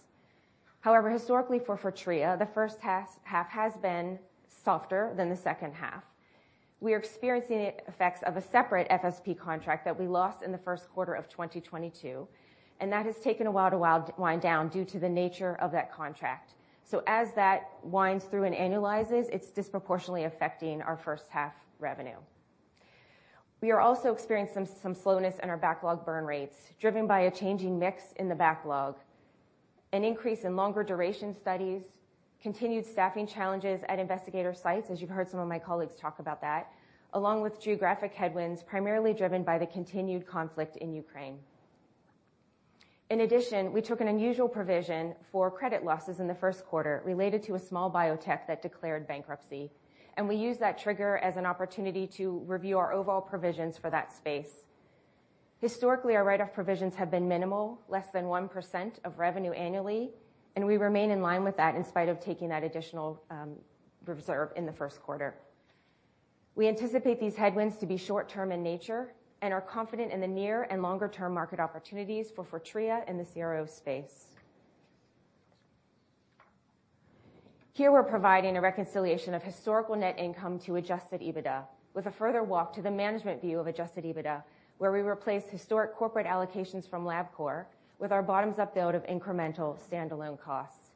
However, historically for Fortrea, the first half has been softer than the second half. We are experiencing effects of a separate FSP contract that we lost in the first quarter of 2022, and that has taken a while to wind down due to the nature of that contract. As that winds through and annualizes, it's disproportionately affecting our first half revenue. We are also experiencing some slowness in our backlog burn rates, driven by a changing mix in the backlog, an increase in longer-duration studies, continued staffing challenges at investigator sites, as you've heard some of my colleagues talk about that, along with geographic headwinds, primarily driven by the continued conflict in Ukraine. In addition, we took an unusual provision for credit losses in the first quarter related to a small biotech that declared bankruptcy, and we used that trigger as an opportunity to review our overall provisions for that space. Historically, our write-off provisions have been minimal, less than 1% of revenue annually, and we remain in line with that in spite of taking that additional reserve in the first quarter. We anticipate these headwinds to be short term in nature and are confident in the near and longer-term market opportunities for Fortrea in the CRO space. Here, we're providing a reconciliation of historical net income to adjusted EBITDA, with a further walk to the management view of adjusted EBITDA, where we replace historic corporate allocations from Labcorp with our bottoms-up build of incremental standalone costs.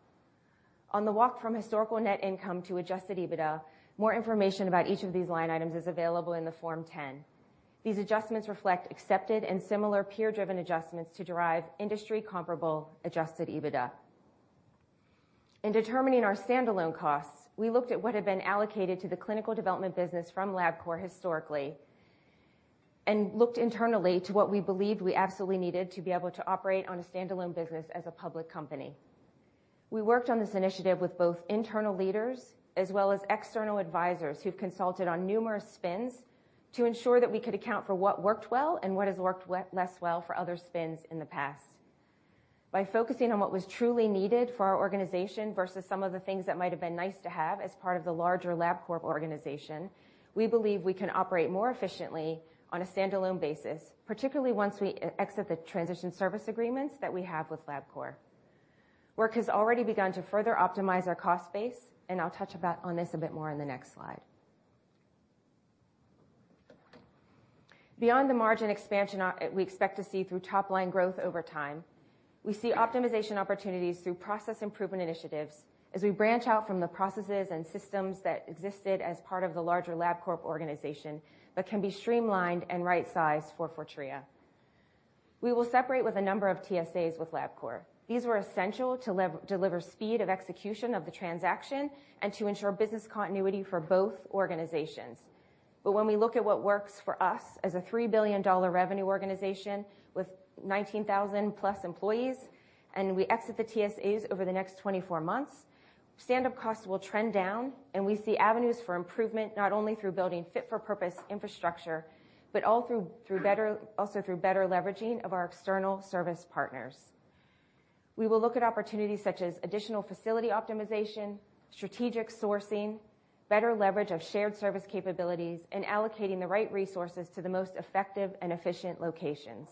On the walk from historical net income to adjusted EBITDA, more information about each of these line items is available in the Form 10-K. These adjustments reflect accepted and similar peer-driven adjustments to derive industry comparable adjusted EBITDA. In determining our standalone costs, we looked at what had been allocated to the clinical development business from Labcorp historically, and looked internally to what we believed we absolutely needed to be able to operate on a standalone business as a public company. We worked on this initiative with both internal leaders as well as external advisors who've consulted on numerous spins to ensure that we could account for what worked well and what has worked less well for other spins in the past. By focusing on what was truly needed for our organization versus some of the things that might have been nice to have as part of the larger Labcorp organization, we believe we can operate more efficiently on a standalone basis, particularly once we exit the transition service agreements that we have with Labcorp. Work has already begun to further optimize our cost base, and I'll touch on this a bit more in the next slide. Beyond the margin expansion we expect to see through top-line growth over time, we see optimization opportunities through process improvement initiatives as we branch out from the processes and systems that existed as part of the larger Labcorp organization, but can be streamlined and right-sized for Fortrea. We will separate with a number of TSAs with Labcorp. These were essential to deliver speed of execution of the transaction and to ensure business continuity for both organizations. When we look at what works for us as a $3 billion revenue organization with 19,000+ employees, and we exit the TSAs over the next 24 months, stand-up costs will trend down, and we see avenues for improvement, not only through building fit-for-purpose infrastructure, also through better leveraging of our external service partners. We will look at opportunities such as additional facility optimization, strategic sourcing, better leverage of shared service capabilities, and allocating the right resources to the most effective and efficient locations.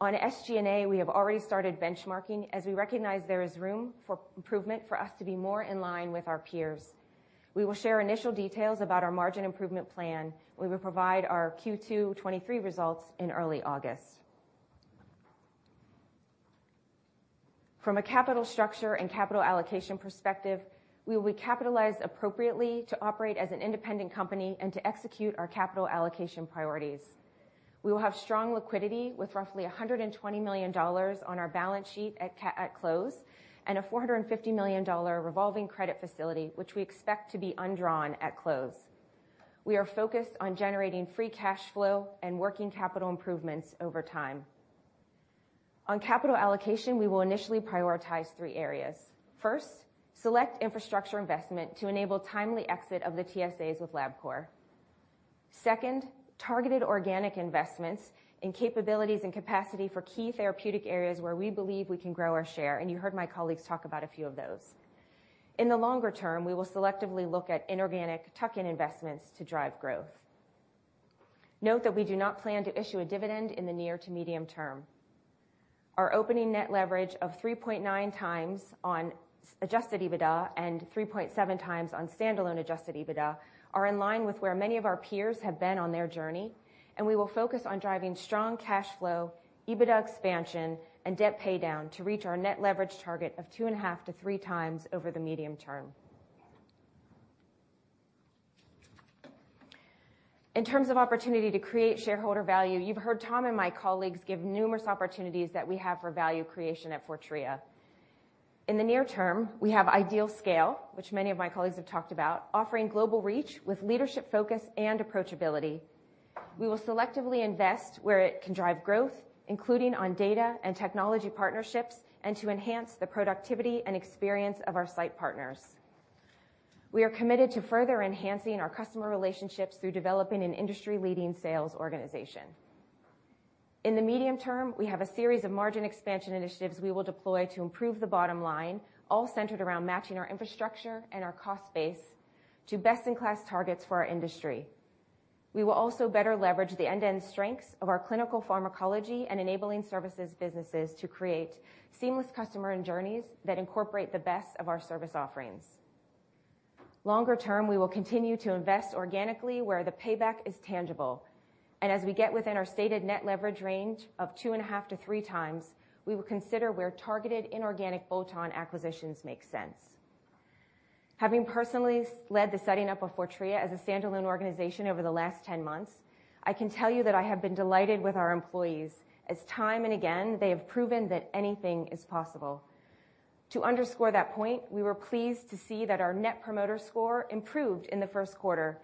On SG&A, we have already started benchmarking as we recognize there is room for improvement for us to be more in line with our peers. We will share initial details about our margin improvement plan. We will provide our Q2 2023 results in early August. From a capital structure and capital allocation perspective, we will be capitalized appropriately to operate as an independent company and to execute our capital allocation priorities. We will have strong liquidity with roughly $120 million on our balance sheet at close, and a $450 million revolving credit facility, which we expect to be undrawn at close. We are focused on generating free cash flow and working capital improvements over time. On capital allocation, we will initially prioritize three areas. First, select infrastructure investment to enable timely exit of the TSAs with Labcorp. Second, targeted organic investments in capabilities and capacity for key therapeutic areas where we believe we can grow our share, you heard my colleagues talk about a few of those. In the longer term, we will selectively look at inorganic tuck-in investments to drive growth. Note that we do not plan to issue a dividend in the near to medium term. Our opening net leverage of 3.9 times on adjusted EBITDA and 3.7 times on standalone adjusted EBITDA are in line with where many of our peers have been on their journey, and we will focus on driving strong cash flow, EBITDA expansion, and debt paydown to reach our net leverage target of 2.5 times-3 times over the medium term....In terms of opportunity to create shareholder value, you've heard Tom and my colleagues give numerous opportunities that we have for value creation at Fortrea. In the near term, we have ideal scale, which many of my colleagues have talked about, offering global reach with leadership focus and approachability. We will selectively invest where it can drive growth, including on data and technology partnerships, and to enhance the productivity and experience of our site partners. We are committed to further enhancing our customer relationships through developing an industry-leading sales organization. In the medium term, we have a series of margin expansion initiatives we will deploy to improve the bottom line, all centered around matching our infrastructure and our cost base to best-in-class targets for our industry. We will also better leverage the end-to-end strengths of our clinical pharmacology and enabling services businesses to create seamless customer end journeys that incorporate the best of our service offerings. Longer term, we will continue to invest organically where the payback is tangible, and as we get within our stated net leverage range of 2.5-3 times, we will consider where targeted inorganic bolt-on acquisitions make sense. Having personally led the setting up of Fortrea as a standalone organization over the last 10 months, I can tell you that I have been delighted with our employees, as time and again, they have proven that anything is possible. To underscore that point, we were pleased to see that our Net Promoter Score improved in the first quarter,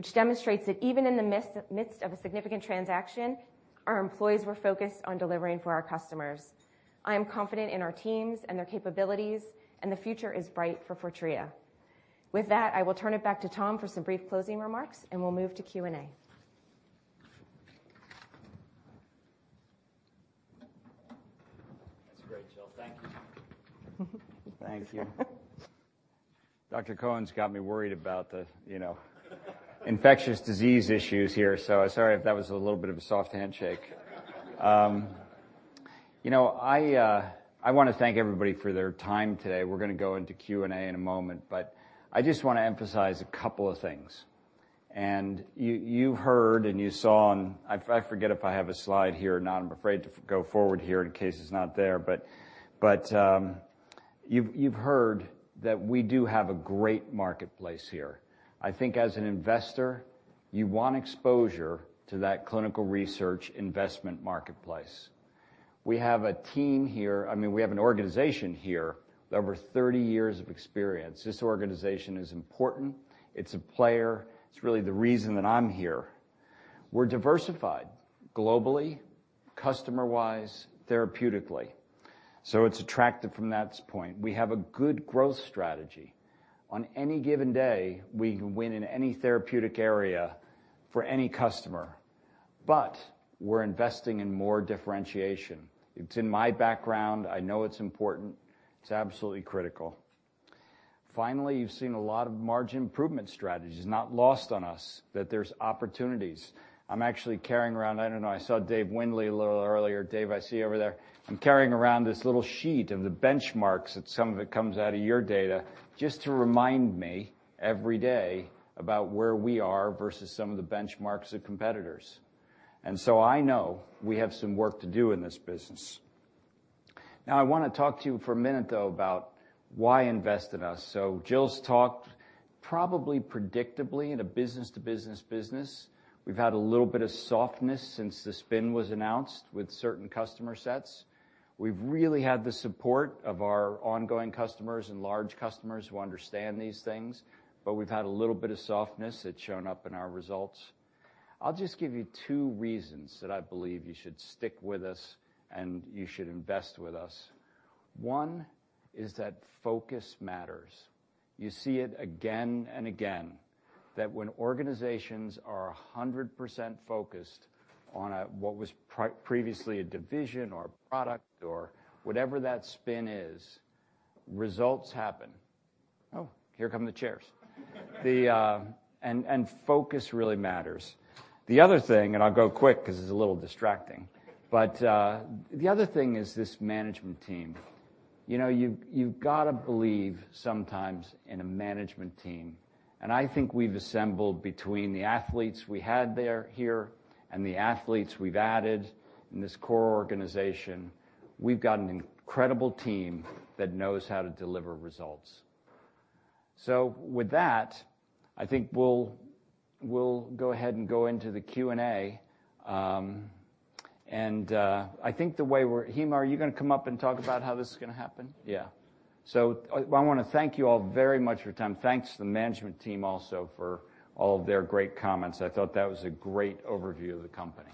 which demonstrates that even in the midst of a significant transaction, our employees were focused on delivering for our customers. I am confident in our teams and their capabilities, and the future is bright for Fortrea. With that, I will turn it back to Tom for some brief closing remarks, and we'll move to Q&A. That's great, Jill. Thank you. Thank you. Dr. Cohen's got me worried about the, you know, infectious disease issues here. Sorry if that was a little bit of a soft handshake. You know, I want to thank everybody for their time today. We're gonna go into Q&A in a moment. I just want to emphasize a couple of things. You've heard and you saw on... I forget if I have a slide here or not. I'm afraid to go forward here in case it's not there, but you've heard that we do have a great marketplace here. I think as an investor, you want exposure to that clinical research investment marketplace. I mean, we have an organization here with over 30 years of experience. This organization is important. It's a player. It's really the reason that I'm here. We're diversified globally, customer-wise, therapeutically, so it's attractive from that point. We have a good growth strategy. On any given day, we can win in any therapeutic area for any customer, but we're investing in more differentiation. It's in my background. I know it's important. It's absolutely critical. Finally, you've seen a lot of margin improvement strategies. It's not lost on us that there's opportunities. I'm actually carrying around. I don't know, I saw Dave Windley a little earlier. Dave, I see you over there. I'm carrying around this little sheet of the benchmarks, that some of it comes out of your data, just to remind me every day about where we are versus some of the benchmarks of competitors. I know we have some work to do in this business. I want to talk to you for a minute, though, about why invest in us. Jill's talked, probably predictably, in a business-to-business business, we've had a little bit of softness since the spin was announced with certain customer sets. We've really had the support of our ongoing customers and large customers who understand these things, but we've had a little bit of softness that's shown up in our results. I'll just give you two reasons that I believe you should stick with us, and you should invest with us. One is that focus matters. You see it again and again, that when organizations are 100% focused on a, what was previously a division or a product or whatever that spin is, results happen. Here come the chairs. Focus really matters. The other thing, I'll go quick ’cause it's a little distracting, but the other thing is this management team. You know, you've got to believe sometimes in a management team, and I think we've assembled, between the athletes we had there, here, and the athletes we've added in this core organization, we've got an incredible team that knows how to deliver results. With that, I think we'll go ahead and go into the Q&A. I think the way Hima, are you gonna come up and talk about how this is gonna happen? Yeah. I wanna thank you all very much for your time. Thanks to the management team also for all of their great comments. I thought that was a great overview of the company.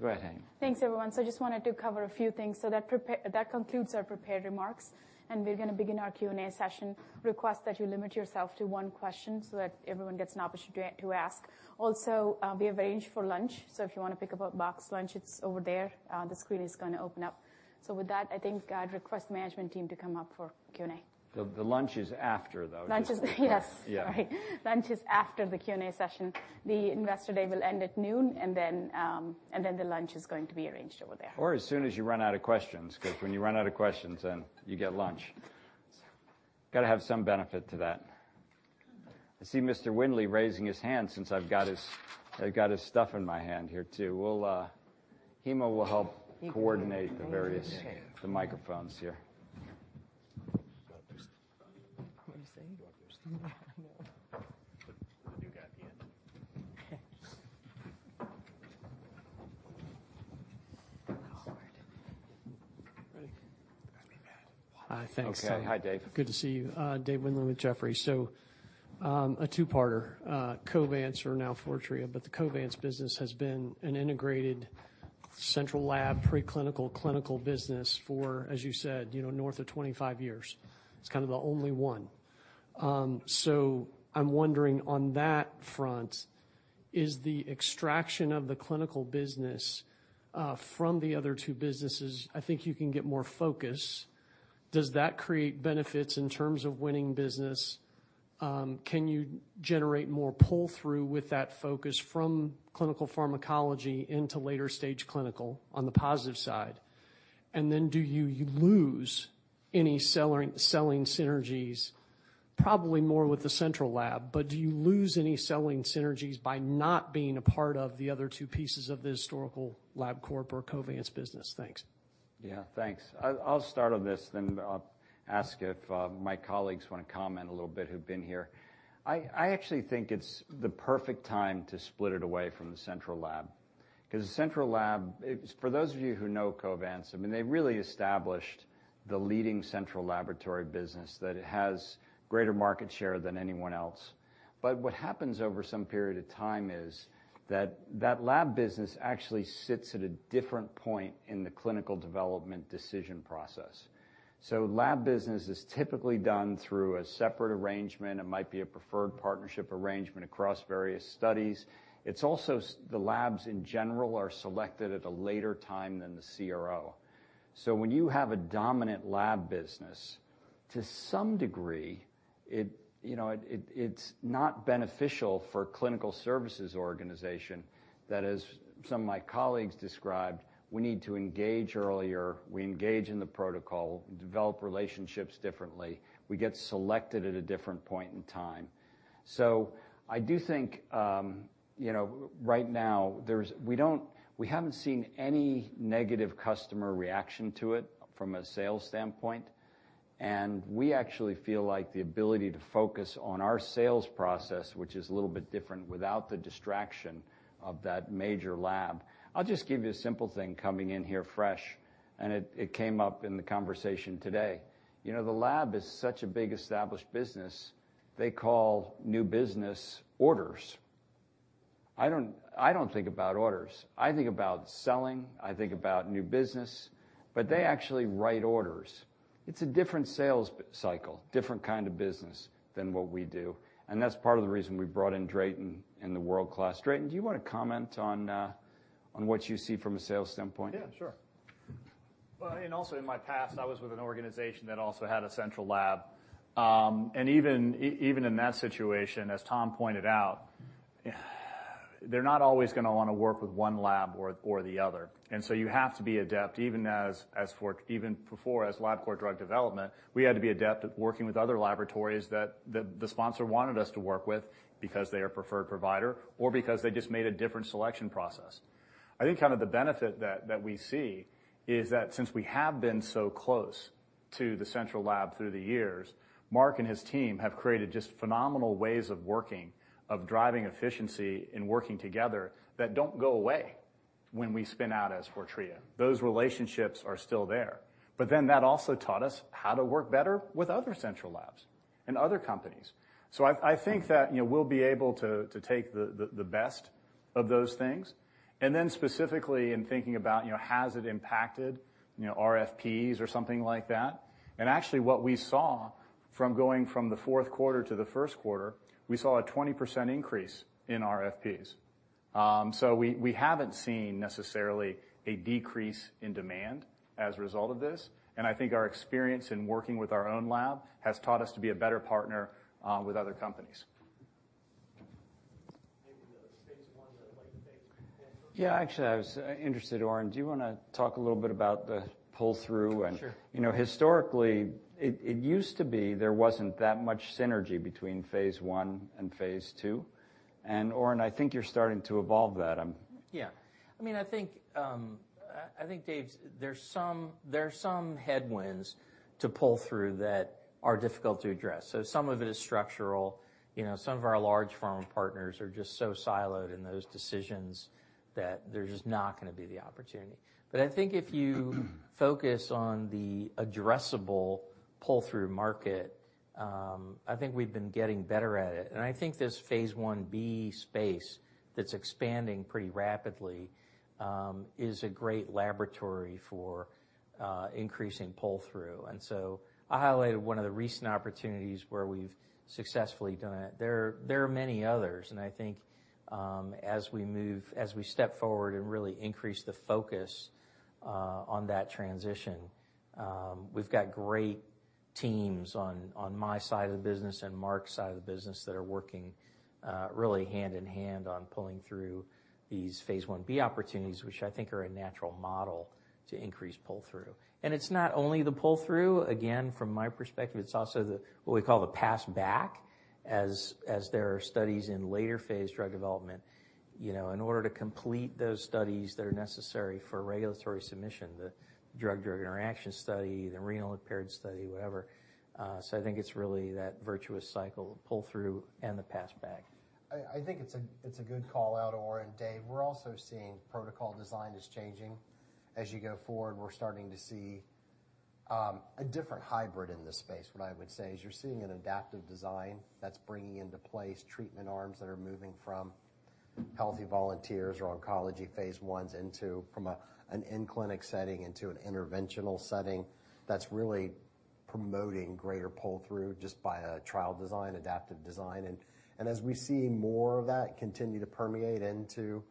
Go ahead, Hima. Thanks, everyone. I just wanted to cover a few things. That concludes our prepared remarks, and we're gonna begin our Q&A session. Request that you limit yourself to one question so that everyone gets an opportunity to ask. Also, we have arranged for lunch, if you want to pick up a boxed lunch, it's over there. The screen is gonna open up. With that, I think I'd request management team to come up for Q&A. The lunch is after, though. Lunch is... Yes. Yeah. Right. Lunch is after the Q&A session. The Investor Day will end at noon, and then the lunch is going to be arranged over there. As soon as you run out of questions, 'cause when you run out of questions, you get lunch. Got to have some benefit to that. I see Mr. Windley raising his hand, since I've got his stuff in my hand here, too. We'll Hima will help coordinate the various microphones here. ...What are you saying? Do you want thirsty? No. We do got the end. Oh, Lord. Ready? Got me bad. Hi, thanks. Okay. Hi, Dave. Good to see you. Dave Windley with Jefferies. A two-parter, Covance are now Fortrea, but the Covance business has been an integrated central lab, preclinical, clinical business for, as you said, you know, north of 25 years. It's kind of the only one. I'm wondering on that front, is the extraction of the clinical business from the other two businesses, I think you can get more focus. Does that create benefits in terms of winning business? Can you generate more pull-through with that focus from clinical pharmacology into later stage clinical on the positive side? Do you lose any selling synergies, probably more with the central lab, but do you lose any selling synergies by not being a part of the other two pieces of the historical Labcorp or Covance business? Thanks. Yeah, thanks. I'll start on this, then I'll ask if my colleagues want to comment a little bit who've been here. I actually think it's the perfect time to split it away from the central lab, because the central lab, for those of you who know Covance, I mean, they really established the leading central laboratory business, that it has greater market share than anyone else. What happens over some period of time is that that lab business actually sits at a different point in the clinical development decision process. Lab business is typically done through a separate arrangement. It might be a preferred partnership arrangement across various studies. It's also the labs, in general, are selected at a later time than the CRO. When you have a dominant lab business, to some degree, it, you know, it's not beneficial for a clinical services organization that, as some of my colleagues described, we need to engage earlier. We engage in the protocol, we develop relationships differently. We get selected at a different point in time. I do think, you know, right now, we haven't seen any negative customer reaction to it from a sales standpoint, and we actually feel like the ability to focus on our sales process, which is a little bit different without the distraction of that major lab. I'll just give you a simple thing coming in here fresh, and it came up in the conversation today. You know, the lab is such a big, established business, they call new business orders. I don't think about orders. I think about selling. I think about new business. They actually write orders. It's a different sales cycle, different kind of business than what we do. That's part of the reason we brought in Drayton and the world class. Drayton, do you want to comment on what you see from a sales standpoint? Yeah, sure. Well, also in my past, I was with an organization that also had a central lab. Even in that situation, as Tom Pike pointed out, they're not always going to want to work with one lab or the other. So you have to be adept, even as, even before, as Labcorp drug development, we had to be adept at working with other laboratories that the sponsor wanted us to work with because they are preferred provider or because they just made a different selection process. I think kind of the benefit that we see is that since we have been so close to the central lab through the years, Mark Morais and his team have created just phenomenal ways of working, of driving efficiency and working together that don't go away when we spin out as Fortrea. Those relationships are still there, that also taught us how to work better with other central labs and other companies. I think that, you know, we'll be able to take the best of those things. Specifically, in thinking about, you know, has it impacted, you know, RFPs or something like that? Actually, what we saw from going from the fourth quarter to the first quarter, we saw a 20% increase in RFPs. We haven't seen necessarily a decrease in demand as a result of this, and I think our experience in working with our own lab has taught us to be a better partner with other companies. Maybe the phase I that I'd like to thank. Yeah, actually, I was interested, Oren, do you want to talk a little bit about the pull-through? Sure. You know, historically, it used to be there wasn't that much synergy between phase one and phase two. Oren, I think you're starting to evolve that. Yeah. I mean, I think, Dave, there are some headwinds to pull through that are difficult to address. Some of it is structural. You know, some of our large pharma partners are just so siloed in those decisions that there's just not going to be the opportunity. I think if you focus on the addressable pull-through market, I think we've been getting better at it. I think this phase 1B space that's expanding pretty rapidly, is a great laboratory for increasing pull-through. I highlighted one of the recent opportunities where we've successfully done it. There are many others. I think, as we move, as we step forward and really increase the focus on that transition, we've got great teams on my side of the business and Mark's side of the business that are working really hand in hand on pulling through these phase 1B opportunities, which I think are a natural model to increase pull-through. It's not only the pull-through, again, from my perspective, it's also what we call the pass back, as there are studies in later phase drug development. You know, in order to complete those studies that are necessary for regulatory submission, the drug-drug interaction study, the renal impaired study, whatever. I think it's really that virtuous cycle of pull-through and the pass back. I think it's a good call out, Oren. Dave, we're also seeing protocol design is changing. As you go forward, we're starting to see a different hybrid in this space, what I would say, is you're seeing an adaptive design that's bringing into place treatment arms that are moving from healthy volunteers or oncology phase I from a, an in-clinic setting into an interventional setting. That's really promoting greater pull-through just by a trial design, adaptive design. As we see more of that continue to permeate into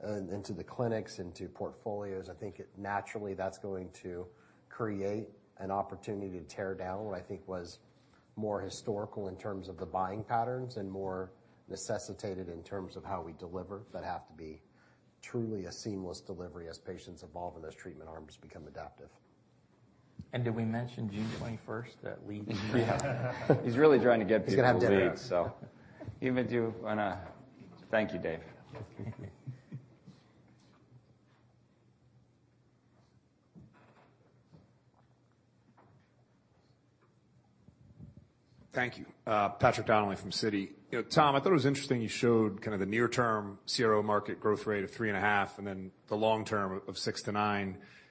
the clinics, into portfolios, I think naturally, that's going to create an opportunity to tear down what I think was more historical in terms of the buying patterns and more necessitated in terms of how we deliver, that have to be truly a seamless delivery as patients evolve, and those treatment arms become adaptive. Did we mention June 21st, that lead? He's really trying to get people to lead. He's gonna have dinner. Even if you wanna... Thank you, Dave. Thank you. Patrick Donnelly from Citi. You know, Tom, I thought it was interesting, you showed kind of the near-term CRO market growth rate of 3.5, and then the long term of 6-9.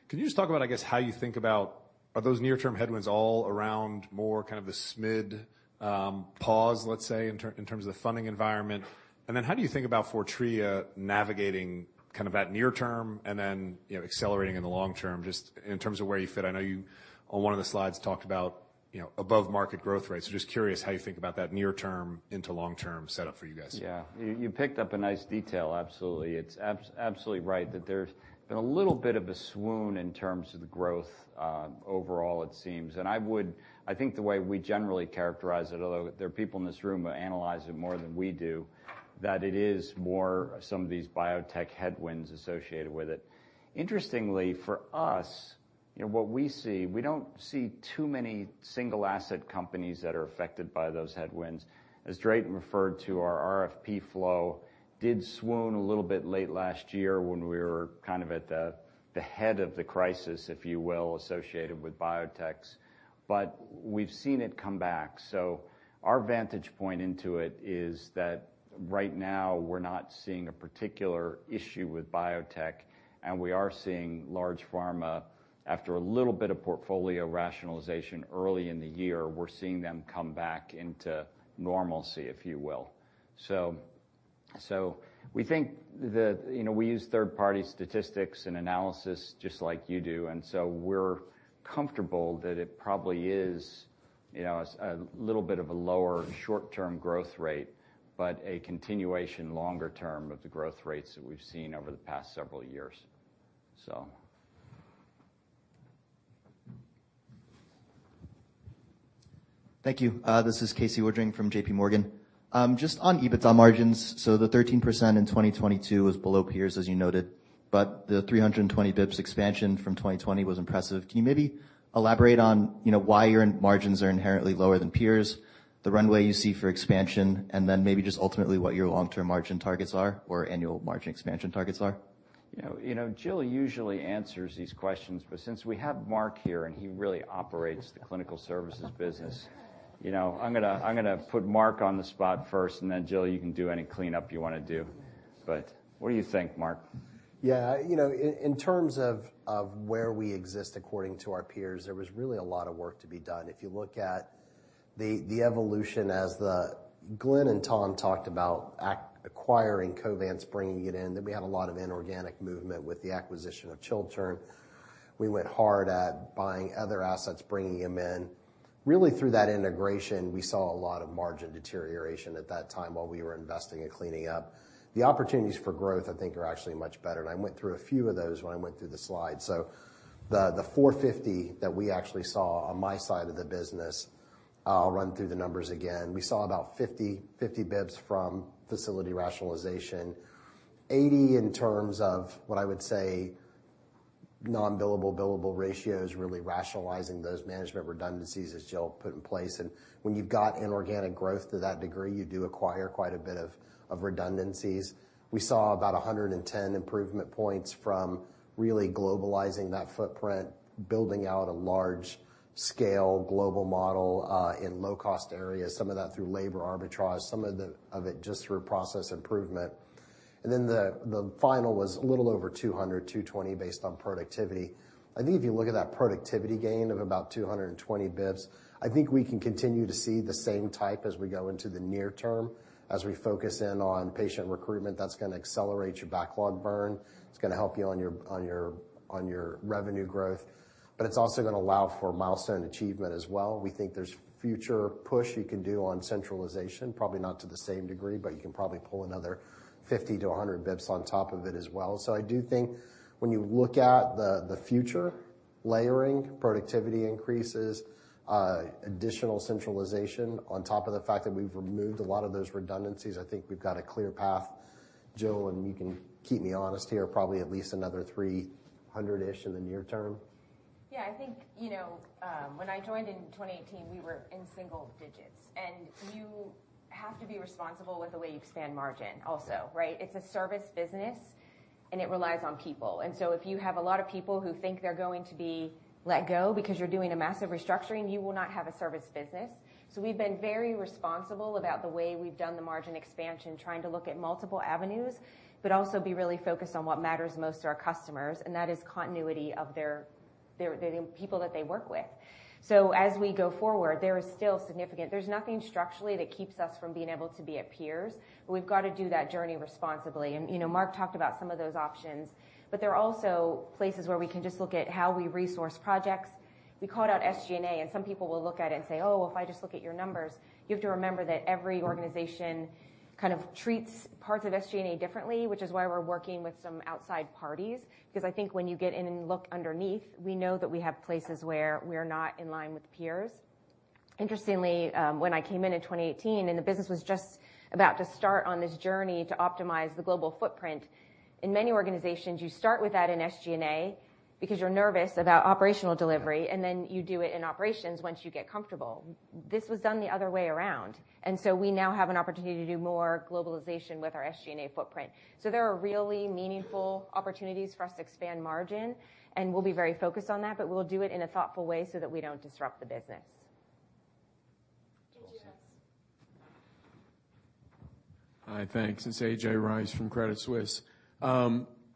Can you just talk about, I guess, are those near-term headwinds all around more kind of the SMid pause, let's say, in terms of the funding environment? How do you think about Fortrea navigating kind of that near term and then, you know, accelerating in the long term, just in terms of where you fit? I know you, on one of the slides, talked about, you know, above-market growth rates. Just curious how you think about that near term into long-term setup for you guys. Yeah. You, you picked up a nice detail. Absolutely. It's absolutely right that there's been a little bit of a swoon in terms of the growth overall, it seems. I think the way we generally characterize it, although there are people in this room who analyze it more than we do, that it is more some of these biotech headwinds associated with it. Interestingly, for us, you know, what we see, we don't see too many single-asset companies that are affected by those headwinds. As Drayton referred to, our RFP flow did swoon a little bit late last year when we were kind of at the head of the crisis, if you will, associated with biotechs, but we've seen it come back. Our vantage point into it is that right now, we're not seeing a particular issue with biotech, and we are seeing large pharma, after a little bit of portfolio rationalization early in the year, we're seeing them come back into normalcy, if you will. We think that. You know, we use third-party statistics and analysis just like you do. We're comfortable that it probably is, you know, a little bit of a lower short-term growth rate, but a continuation, longer term, of the growth rates that we've seen over the past several years. Thank you. This is Casey Woodring from J.P. Morgan. Just on EBITDA margins, the 13% in 2022 was below peers, as you noted, but the 320 basis points expansion from 2020 was impressive. Can you maybe elaborate on, you know, why your margins are inherently lower than peers, the runway you see for expansion, and then maybe just ultimately, what your long-term margin targets are or annual margin expansion targets are? You know, Jill usually answers these questions, but since we have Mark here, and he really operates the clinical services business, you know, I'm gonna put Mark on the spot first, and then, Jill, you can do any cleanup you want to do. What do you think, Mark? Yeah. You know, in terms of where we exist according to our peers, there was really a lot of work to be done. If you look at the evolution as Glenn and Tom talked about acquiring Covance, bringing it in, then we had a lot of inorganic movement with the acquisition of Chiltern. We went hard at buying other assets, bringing them in. Really, through that integration, we saw a lot of margin deterioration at that time, while we were investing and cleaning up. The opportunities for growth, I think, are actually much better, and I went through a few of those when I went through the slides. The $450 that we actually saw on my side of the business, I'll run through the numbers again. We saw about 50 basis points from facility rationalization, 80 in terms of what I would say, non-billable/billable ratios, really rationalizing those management redundancies as Jill put in place. When you've got inorganic growth to that degree, you do acquire quite a bit of redundancies. We saw about 110 improvement points from really globalizing that footprint, building out a large-scale global model in low-cost areas, some of that through labor arbitrage, some of it just through process improvement. Then the final was a little over 200, 220, based on productivity. I think if you look at that productivity gain of about 220 basis points, I think we can continue to see the same type as we go into the near term. As we focus in on patient recruitment, that's gonna accelerate your backlog burn. It's gonna help you on your revenue growth, but it's also gonna allow for milestone achievement as well. We think there's future push you can do on centralization, probably not to the same degree, but you can probably pull another 50 to 100 bips on top of it as well. I do think when you look at the future, layering, productivity increases, additional centralization on top of the fact that we've removed a lot of those redundancies, I think we've got a clear path. Jill, and you can keep me honest here, probably at least another 300-ish in the near term. Yeah, I think, you know, when I joined in 2018, we were in single digits. You have to be responsible with the way you expand margin also, right? It's a service business.... and it relies on people. If you have a lot of people who think they're going to be let go because you're doing a massive restructuring, you will not have a service business. We've been very responsible about the way we've done the margin expansion, trying to look at multiple avenues, but also be really focused on what matters most to our customers, and that is continuity of their, the people that they work with. As we go forward, there is still significant. There's nothing structurally that keeps us from being able to be at peers, but we've got to do that journey responsibly. You know, Mark talked about some of those options, but there are also places where we can just look at how we resource projects. We called out SG&A, and some people will look at it and say, "Oh, if I just look at your numbers," you have to remember that every organization kind of treats parts of SG&A differently, which is why we're working with some outside parties. I think when you get in and look underneath, we know that we have places where we are not in line with peers. Interestingly, when I came in in 2018, and the business was just about to start on this journey to optimize the global footprint, in many organizations, you start with that in SG&A because you're nervous about operational delivery, and then you do it in operations once you get comfortable. This was done the other way around, We now have an opportunity to do more globalization with our SG&A footprint. There are really meaningful opportunities for us to expand margin, and we'll be very focused on that, but we'll do it in a thoughtful way so that we don't disrupt the business. A.J. Rice. Hi, thanks. It's A.J. Rice from Credit Suisse.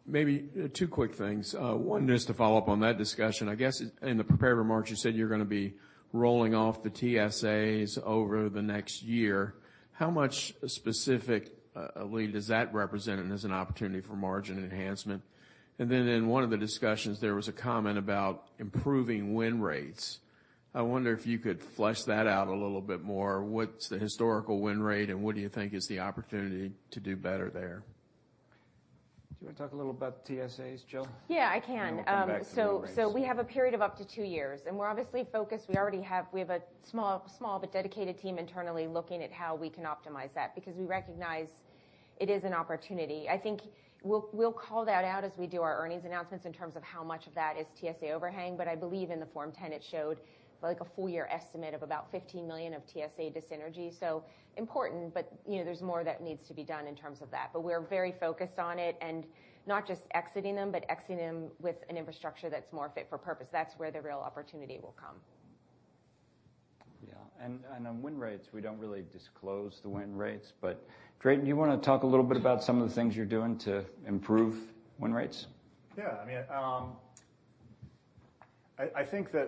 Maybe two quick things. One is to follow up on that discussion. I guess in the prepared remarks, you said you're gonna be rolling off the TSAs over the next year. How much specific lead does that represent, and as an opportunity for margin enhancement? Then in one of the discussions, there was a comment about improving win rates. I wonder if you could flesh that out a little bit more. What's the historical win rate, and what do you think is the opportunity to do better there? Do you want to talk a little about TSAs, Jill? Yeah, I can. We'll come back to the win rates. So we have a period of up to two years, and we're obviously focused. We have a small, but dedicated team internally looking at how we can optimize that, because we recognize it is an opportunity. I think we'll call that out as we do our earnings announcements in terms of how much of that is TSA overhang, but I believe in the Form 10-K, it showed like a full year estimate of about $15 million of TSA dyssynergy. Important, but, you know, there's more that needs to be done in terms of that. We're very focused on it and not just exiting them, but exiting them with an infrastructure that's more fit for purpose. That's where the real opportunity will come. Yeah, on win rates, we don't really disclose the win rates, but Drayton, do you want to talk a little bit about some of the things you're doing to improve win rates? Yeah. I mean, I think that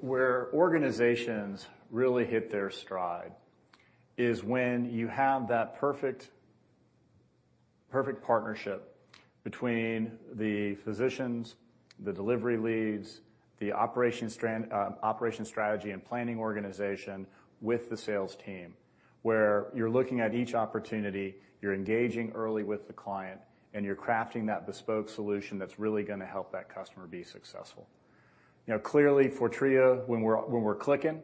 where organizations really hit their stride is when you have that perfect partnership between the physicians, the delivery leads, the operation strategy and planning organization with the sales team, where you're looking at each opportunity, you're engaging early with the client, and you're crafting that bespoke solution that's really gonna help that customer be successful. You know, clearly, for Triio, when we're clicking,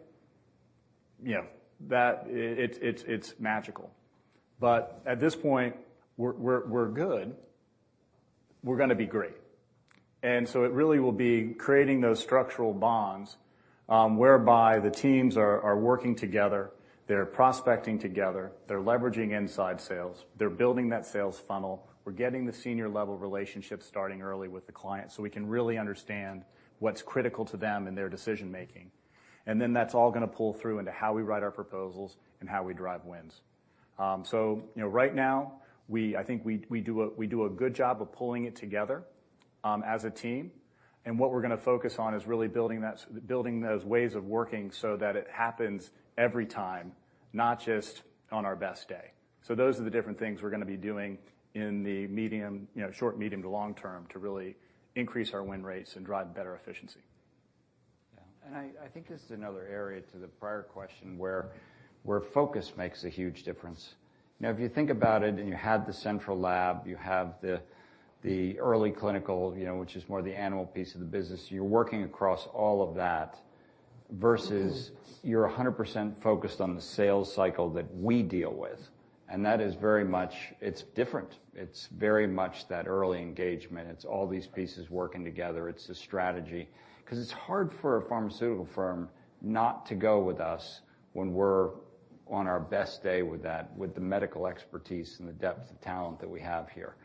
yeah, that it's magical. At this point, we're good. We're gonna be great. It really will be creating those structural bonds, whereby the teams are working together, they're prospecting together, they're leveraging inside sales, they're building that sales funnel. We're getting the senior-level relationships starting early with the client, so we can really understand what's critical to them in their decision making. That's all gonna pull through into how we write our proposals and how we drive wins. You know, right now, I think we do a good job of pulling it together as a team, and what we're gonna focus on is really building that building those ways of working so that it happens every time, not just on our best day. Those are the different things we're gonna be doing in the medium, you know, short, medium, to long term, to really increase our win rates and drive better efficiency. Yeah, I think this is another area to the prior question where focus makes a huge difference. Now, if you think about it, you have the central lab, you have the early clinical, you know, which is more the animal piece of the business, you're working across all of that versus... Mm-hmm.you're 100% focused on the sales cycle that we deal with. That is very much. It's different. It's very much that early engagement. It's all these pieces working together. It's the strategy. 'Cause it's hard for a pharmaceutical firm not to go with us when we're on our best day with that, with the medical expertise and the depth of talent that we have here.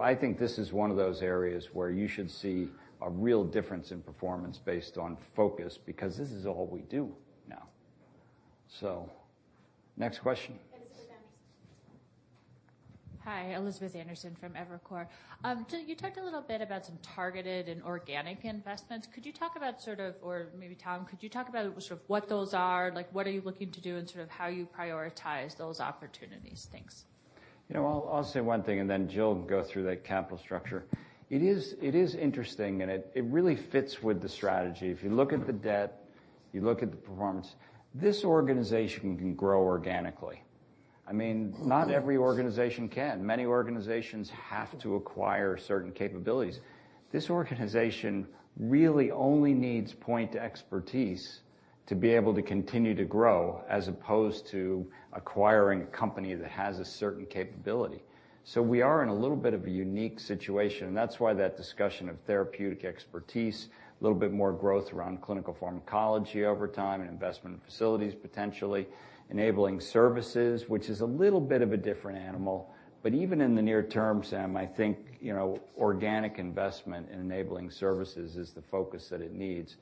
I think this is one of those areas where you should see a real difference in performance based on focus, because this is all we do now. Next question? Elizabeth Anderson. Hi, Elizabeth Anderson from Evercore. Jill, you talked a little bit about some targeted and organic investments. Could you talk about sort of, or maybe Tom, could you talk about sort of what those are? Like, what are you looking to do and sort of how you prioritize those opportunities? Thanks. You know, I'll say one thing, then Jill will go through the capital structure. It is interesting, and it really fits with the strategy. If you look at the debt, you look at the performance, this organization can grow organically. I mean. Mm-hmm. - not every organization can. Many organizations have to acquire certain capabilities. This organization really only needs point expertise, to be able to continue to grow, as opposed to acquiring a company that has a certain capability. We are in a little bit of a unique situation, and that's why that discussion of therapeutic expertise, a little bit more growth around clinical pharmacology over time and investment in facilities, potentially Enabling Services, which is a little bit of a different animal. Even in the near term, Sam, I think, you know, organic investment in Enabling Services is the focus that it needs.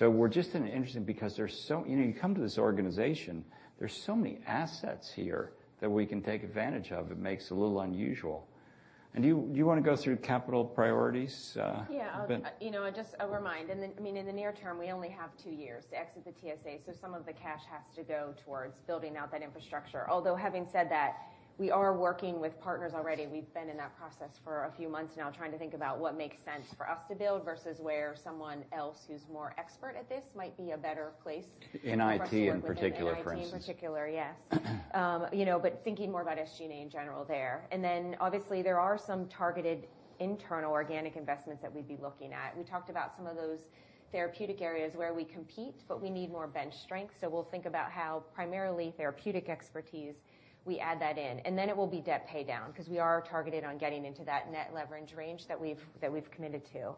We're just in an interesting, you know, you come to this organization, there's so many assets here that we can take advantage of. It makes it a little unusual. Do you, do you want to go through capital priorities, Ben? You know, just a reminder. I mean, in the near term, we only have 2 years to exit the TSA, so some of the cash has to go towards building out that infrastructure. Having said that, we are working with partners already. We've been in that process for a few months now, trying to think about what makes sense for us to build versus where someone else who's more expert at this might be a better place. In IT, in particular, for instance. In IT, in particular, yes. You know, thinking more about SG&A in general there. Obviously, there are some targeted internal organic investments that we'd be looking at. We talked about some of those therapeutic areas where we compete, but we need more bench strength, so we'll think about how primarily therapeutic expertise, we add that in. Then it will be debt paydown, because we are targeted on getting into that net leverage range that we've committed to.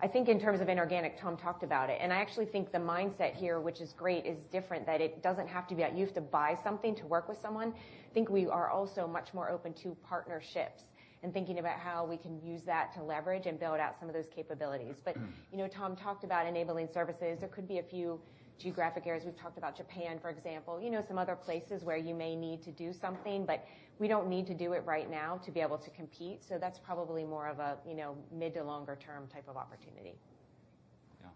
I think in terms of inorganic, Tom talked about it, and I actually think the mindset here, which is great, is different, that it doesn't have to be that you have to buy something to work with someone. I think we are also much more open to partnerships and thinking about how we can use that to leverage and build out some of those capabilities. You know, Tom talked about enabling services. There could be a few geographic areas. We've talked about Japan, for example, you know, some other places where you may need to do something, but we don't need to do it right now to be able to compete. That's probably more of a, you know, mid to longer term type of opportunity. Yeah.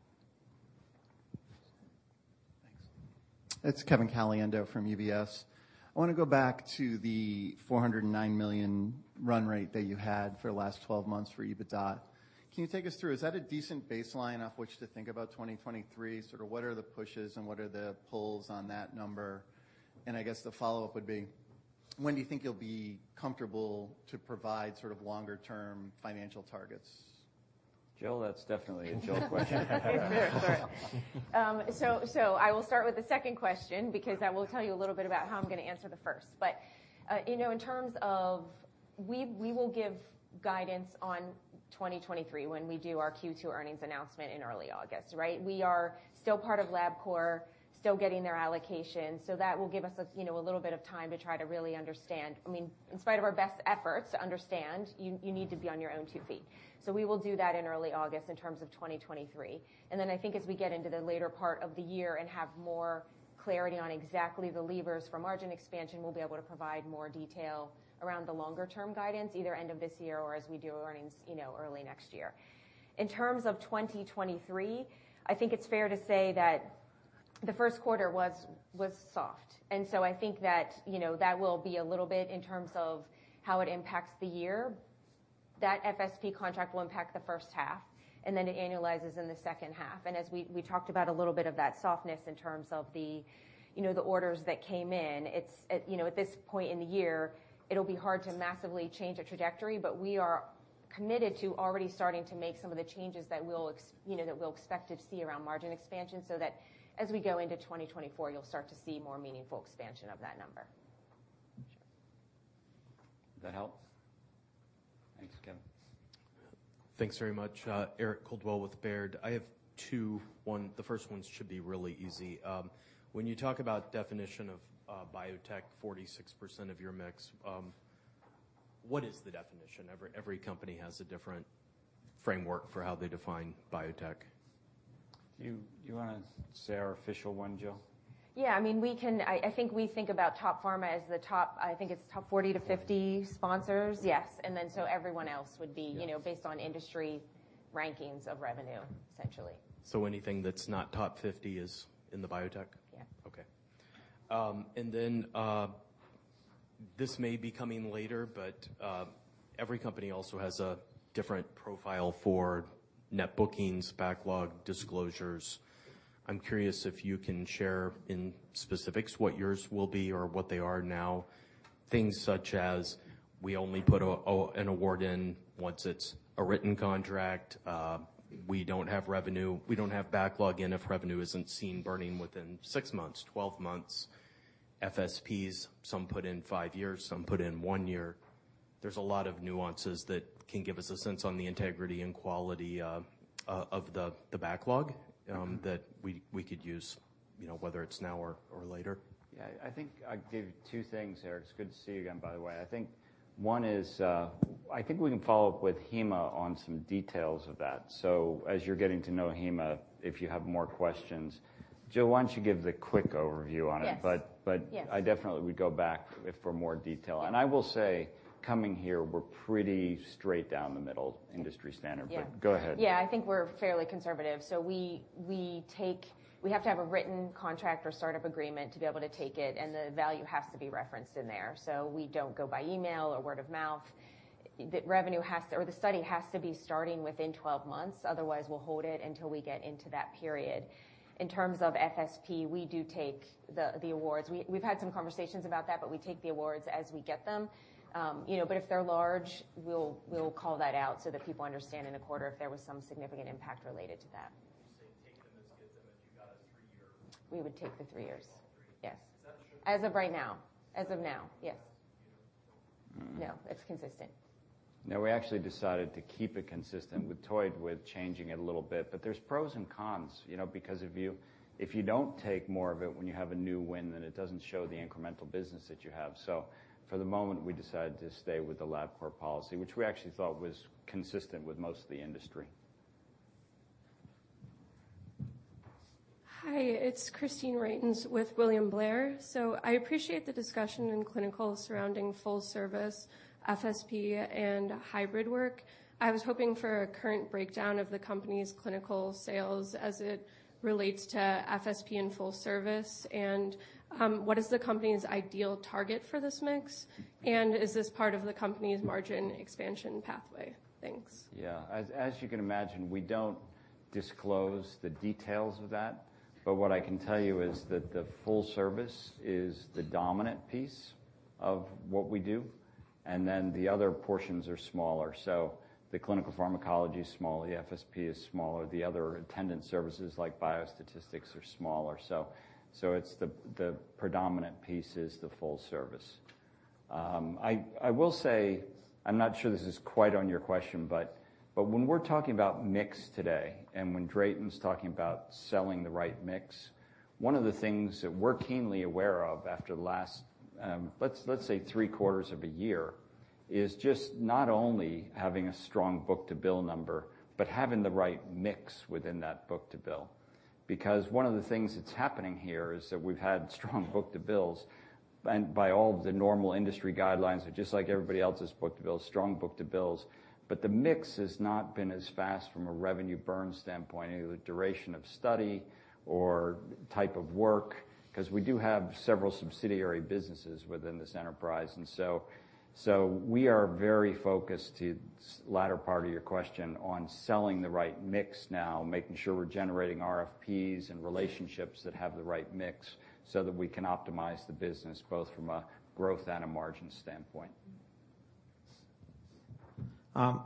Thanks. It's Kevin Caliendo from UBS. I want to go back to the $409 million run rate that you had for the last 12 months for EBITDA. Can you take us through? Is that a decent baseline off which to think about 2023? Sort of, what are the pushes and what are the pulls on that number? I guess the follow-up would be: When do you think you'll be comfortable to provide sort of longer-term financial targets? Jill, that's definitely a Jill question. It's fair. Sorry. I will start with the second question because that will tell you a little bit about how I'm going to answer the first. In terms of... We will give guidance on 2023 when we do our Q2 earnings announcement in early August, right. We are still part of Labcorp, still getting their allocation, that will give us a little bit of time to try to really understand. In spite of our best efforts to understand, you need to be on your own 2 feet. We will do that in early August in terms of 2023. I think as we get into the later part of the year and have more clarity on exactly the levers for margin expansion, we'll be able to provide more detail around the longer-term guidance, either end of this year or as we do our earnings, you know, early next year. In terms of 2023, I think it's fair to say that the first quarter was soft, I think that, you know, that will be a little bit in terms of how it impacts the year. That FSP contract will impact the first half, and then it annualizes in the second half. As we talked about a little bit of that softness in terms of the, you know, the orders that came in, it's, you know, at this point in the year, it'll be hard to massively change a trajectory, but we are committed to already starting to make some of the changes that we'll expect to see around margin expansion, so that as we go into 2024, you'll start to see more meaningful expansion of that number. Does that help? Thanks, Kevin. Thanks very much. Eric Coldwell with Baird. I have one, the first one should be really easy. When you talk about definition of biotech, 46% of your mix, what is the definition? Every company has a different framework for how they define biotech. Do you want to say our official one, Jill? Yeah, I mean, I think we think about top pharma as I think it's top 40-50 sponsors. Yes. Everyone else would be Yes you know, based on industry rankings of revenue, essentially. Anything that's not top 50 is in the biotech? Yeah. Okay. This may be coming later, every company also has a different profile for net bookings, backlog, disclosures. I'm curious if you can share in specifics what yours will be or what they are now. Things such as, we only put an award in once it's a written contract, we don't have backlog, and if revenue isn't seen burning within 6 months, 12 months. FSPs, some put in 5 years, some put in 1 year. There's a lot of nuances that can give us a sense on the integrity and quality of the backlog that we could use, you know, whether it's now or later. Yeah, I think I'd give two things, Eric. It's good to see you again, by the way. I think one is, I think we can follow up with Hima on some details of that. As you're getting to know Hima, if you have more questions. Jill, why don't you give the quick overview on it? Yes. But, but- Yes... I definitely would go back for more detail. I will say, coming here, we're pretty straight down the middle, industry standard. Yeah. Go ahead. Yeah. I think we're fairly conservative. We have to have a written contract or startup agreement to be able to take it, and the value has to be referenced in there. We don't go by email or word of mouth. The study has to be starting within 12 months, otherwise, we'll hold it until we get into that period. In terms of FSP, we do take the awards. We've had some conversations about that, we take the awards as we get them. you know, if they're large, we'll call that out so that people understand in a quarter if there was some significant impact related to that. We would take the 3 years. Yes. Is that true? As of right now. As of now, yes. Yeah. No, it's consistent. No, we actually decided to keep it consistent. We toyed with changing it a little bit, but there's pros and cons, you know, because if you don't take more of it when you have a new win, then it doesn't show the incremental business that you have. For the moment, we decided to stay with the Labcorp policy, which we actually thought was consistent with most of the industry. Hi, it's Christine Rains with William Blair. I appreciate the discussion in clinical surrounding full service, FSP, and hybrid work. I was hoping for a current breakdown of the company's clinical sales as it relates to FSP and full service. What is the company's ideal target for this mix? Is this part of the company's margin expansion pathway? Thanks. As you can imagine, we don't disclose the details of that. What I can tell you is that the full service is the dominant piece of what we do, and then the other portions are smaller. The clinical pharmacology is smaller, the FSP is smaller, the other attendant services like biostatistics are smaller. it's the predominant piece is the full service. I will say, I'm not sure this is quite on your question, when we're talking about mix today, and when Drayton's talking about selling the right mix, one of the things that we're keenly aware of after the last, let's say 3 quarters of a year, is just not only having a strong book-to-bill number, but having the right mix within that book-to-bill. One of the things that's happening here is that we've had strong book-to-bills, and by all of the normal industry guidelines, just like everybody else's book-to-bill, strong book-to-bills, but the mix has not been as fast from a revenue burn standpoint, either the duration of study or type of work, 'cause we do have several subsidiary businesses within this enterprise. We are very focused, to the latter part of your question, on selling the right mix now, making sure we're generating RFPs and relationships that have the right mix, so that we can optimize the business, both from a growth and a margin standpoint.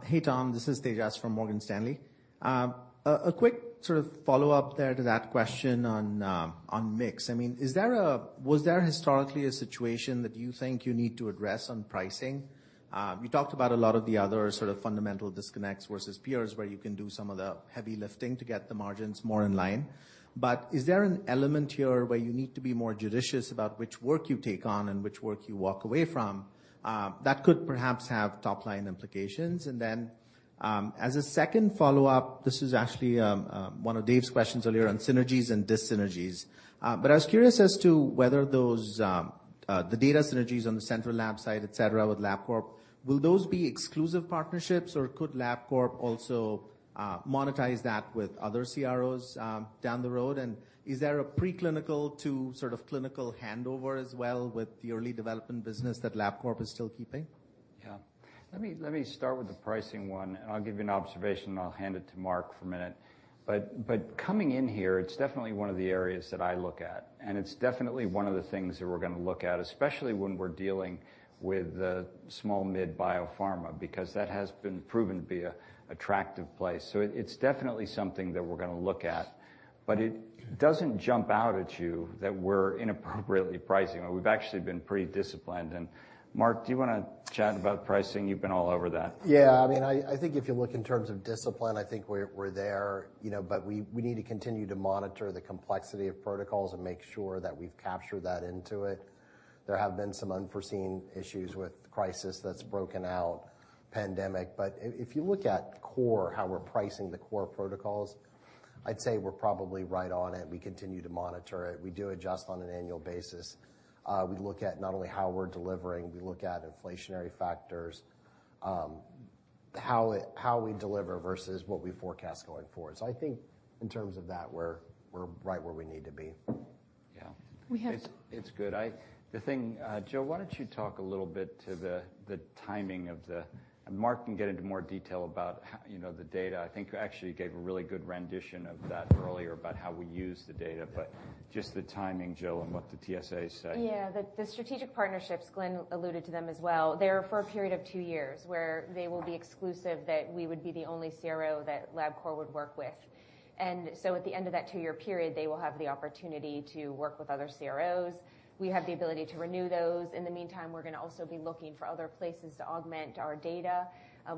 Hey, Tom, this is Tejas from Morgan Stanley. A quick sort of follow-up there to that question on mix. I mean, is there historically a situation that you think you need to address on pricing? You talked about a lot of the other sort of fundamental disconnects versus peers, where you can do some of the heavy lifting to get the margins more in line. But is there an element here where you need to be more judicious about which work you take on and which work you walk away from, that could perhaps have top-line implications? As a second follow-up, this is actually one of Dave's questions earlier on synergies and dis-synergies. I was curious as to whether those, the data synergies on the central lab side, et cetera, with Labcorp, will those be exclusive partnerships, or could Labcorp also monetize that with other CROs, down the road? Is there a preclinical to sort of clinical handover as well with the early development business that Labcorp is still keeping? Yeah. Let me start with the pricing one, and I'll give you an observation, and I'll hand it to Mark for a minute. Coming in here, it's definitely one of the areas that I look at, and it's definitely one of the things that we're going to look at, especially when we're dealing with the small mid-biopharma, because that has been proven to be a attractive place. It's definitely something that we're going to look at, but it doesn't jump out at you that we're inappropriately pricing. We've actually been pretty disciplined. Mark, do you wanna chat about pricing? You've been all over that. I mean, I think if you look in terms of discipline, I think we're there, you know, but we need to continue to monitor the complexity of protocols and make sure that we've captured that into it. There have been some unforeseen issues with crisis that's broken out, pandemic. If you look at core, how we're pricing the core protocols, I'd say we're probably right on it. We continue to monitor it. We do adjust on an annual basis. We look at not only how we're delivering, we look at inflationary factors, how we deliver versus what we forecast going forward. I think in terms of that, we're right where we need to be. Yeah. We have- It's good. The thing, Jill, why don't you talk a little bit to the timing of the. Mark can get into more detail about how, you know, the data. I think you actually gave a really good rendition of that earlier about how we use the data, but just the timing, Jill, and what the TSA said. Yeah, the strategic partnerships, Glenn alluded to them as well. They're for a period of two years, where they will be exclusive, that we would be the only CRO that Labcorp would work with. At the end of that two-year period, they will have the opportunity to work with other CROs. We have the ability to renew those. In the meantime, we're going to also be looking for other places to augment our data.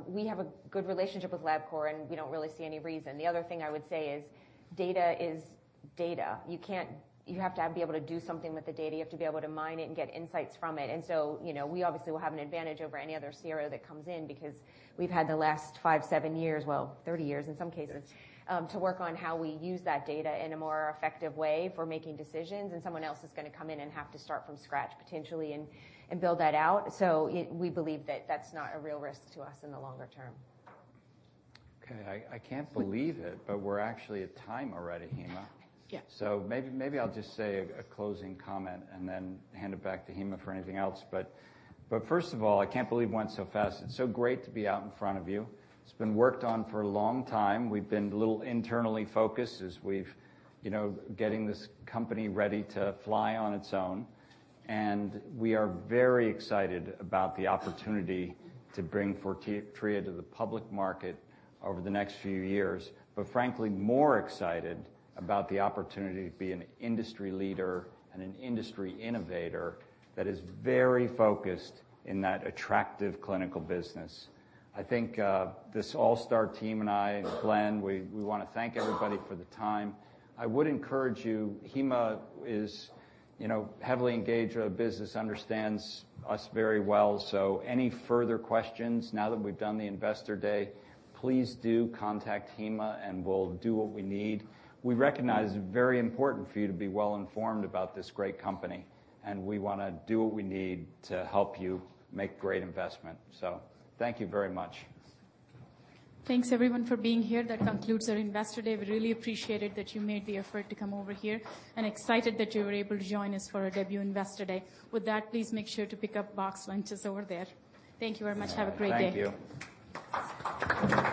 We have a good relationship with Labcorp, and we don't really see any reason. The other thing I would say is data is data. You have to be able to do something with the data. You have to be able to mine it and get insights from it. You know, we obviously will have an advantage over any other CRO that comes in because we've had the last 5, 7 years, well, 30 years in some cases, to work on how we use that data in a more effective way for making decisions, and someone else is going to come in and have to start from scratch, potentially, and build that out. So we believe that that's not a real risk to us in the longer term. Okay. I can't believe it, but we're actually at time already, Hima. Yeah. Maybe I'll just say a closing comment and then hand it back to Hima for anything else. First of all, I can't believe it went so fast. It's so great to be out in front of you. It's been worked on for a long time. We've been a little internally focused as we've, you know, getting this company ready to fly on its own, and we are very excited about the opportunity to bring Fortrea to the public market over the next few years, but frankly, more excited about the opportunity to be an industry leader and an industry innovator that is very focused in that attractive clinical business. I think this all-star team and I and Glenn, we want to thank everybody for the time. I would encourage you, Hima is, you know, heavily engaged with our business, understands us very well, so any further questions, now that we've done the Investor Day, please do contact Hima, and we'll do what we need. We recognize it's very important for you to be well informed about this great company, and we wanna do what we need to help you make great investment. Thank you very much. Thanks, everyone, for being here. That concludes our Investor Day. We really appreciate it that you made the effort to come over here, and excited that you were able to join us for our debut Investor Day. With that, please make sure to pick up boxed lunches over there. Thank you very much. Have a great day. Thank you.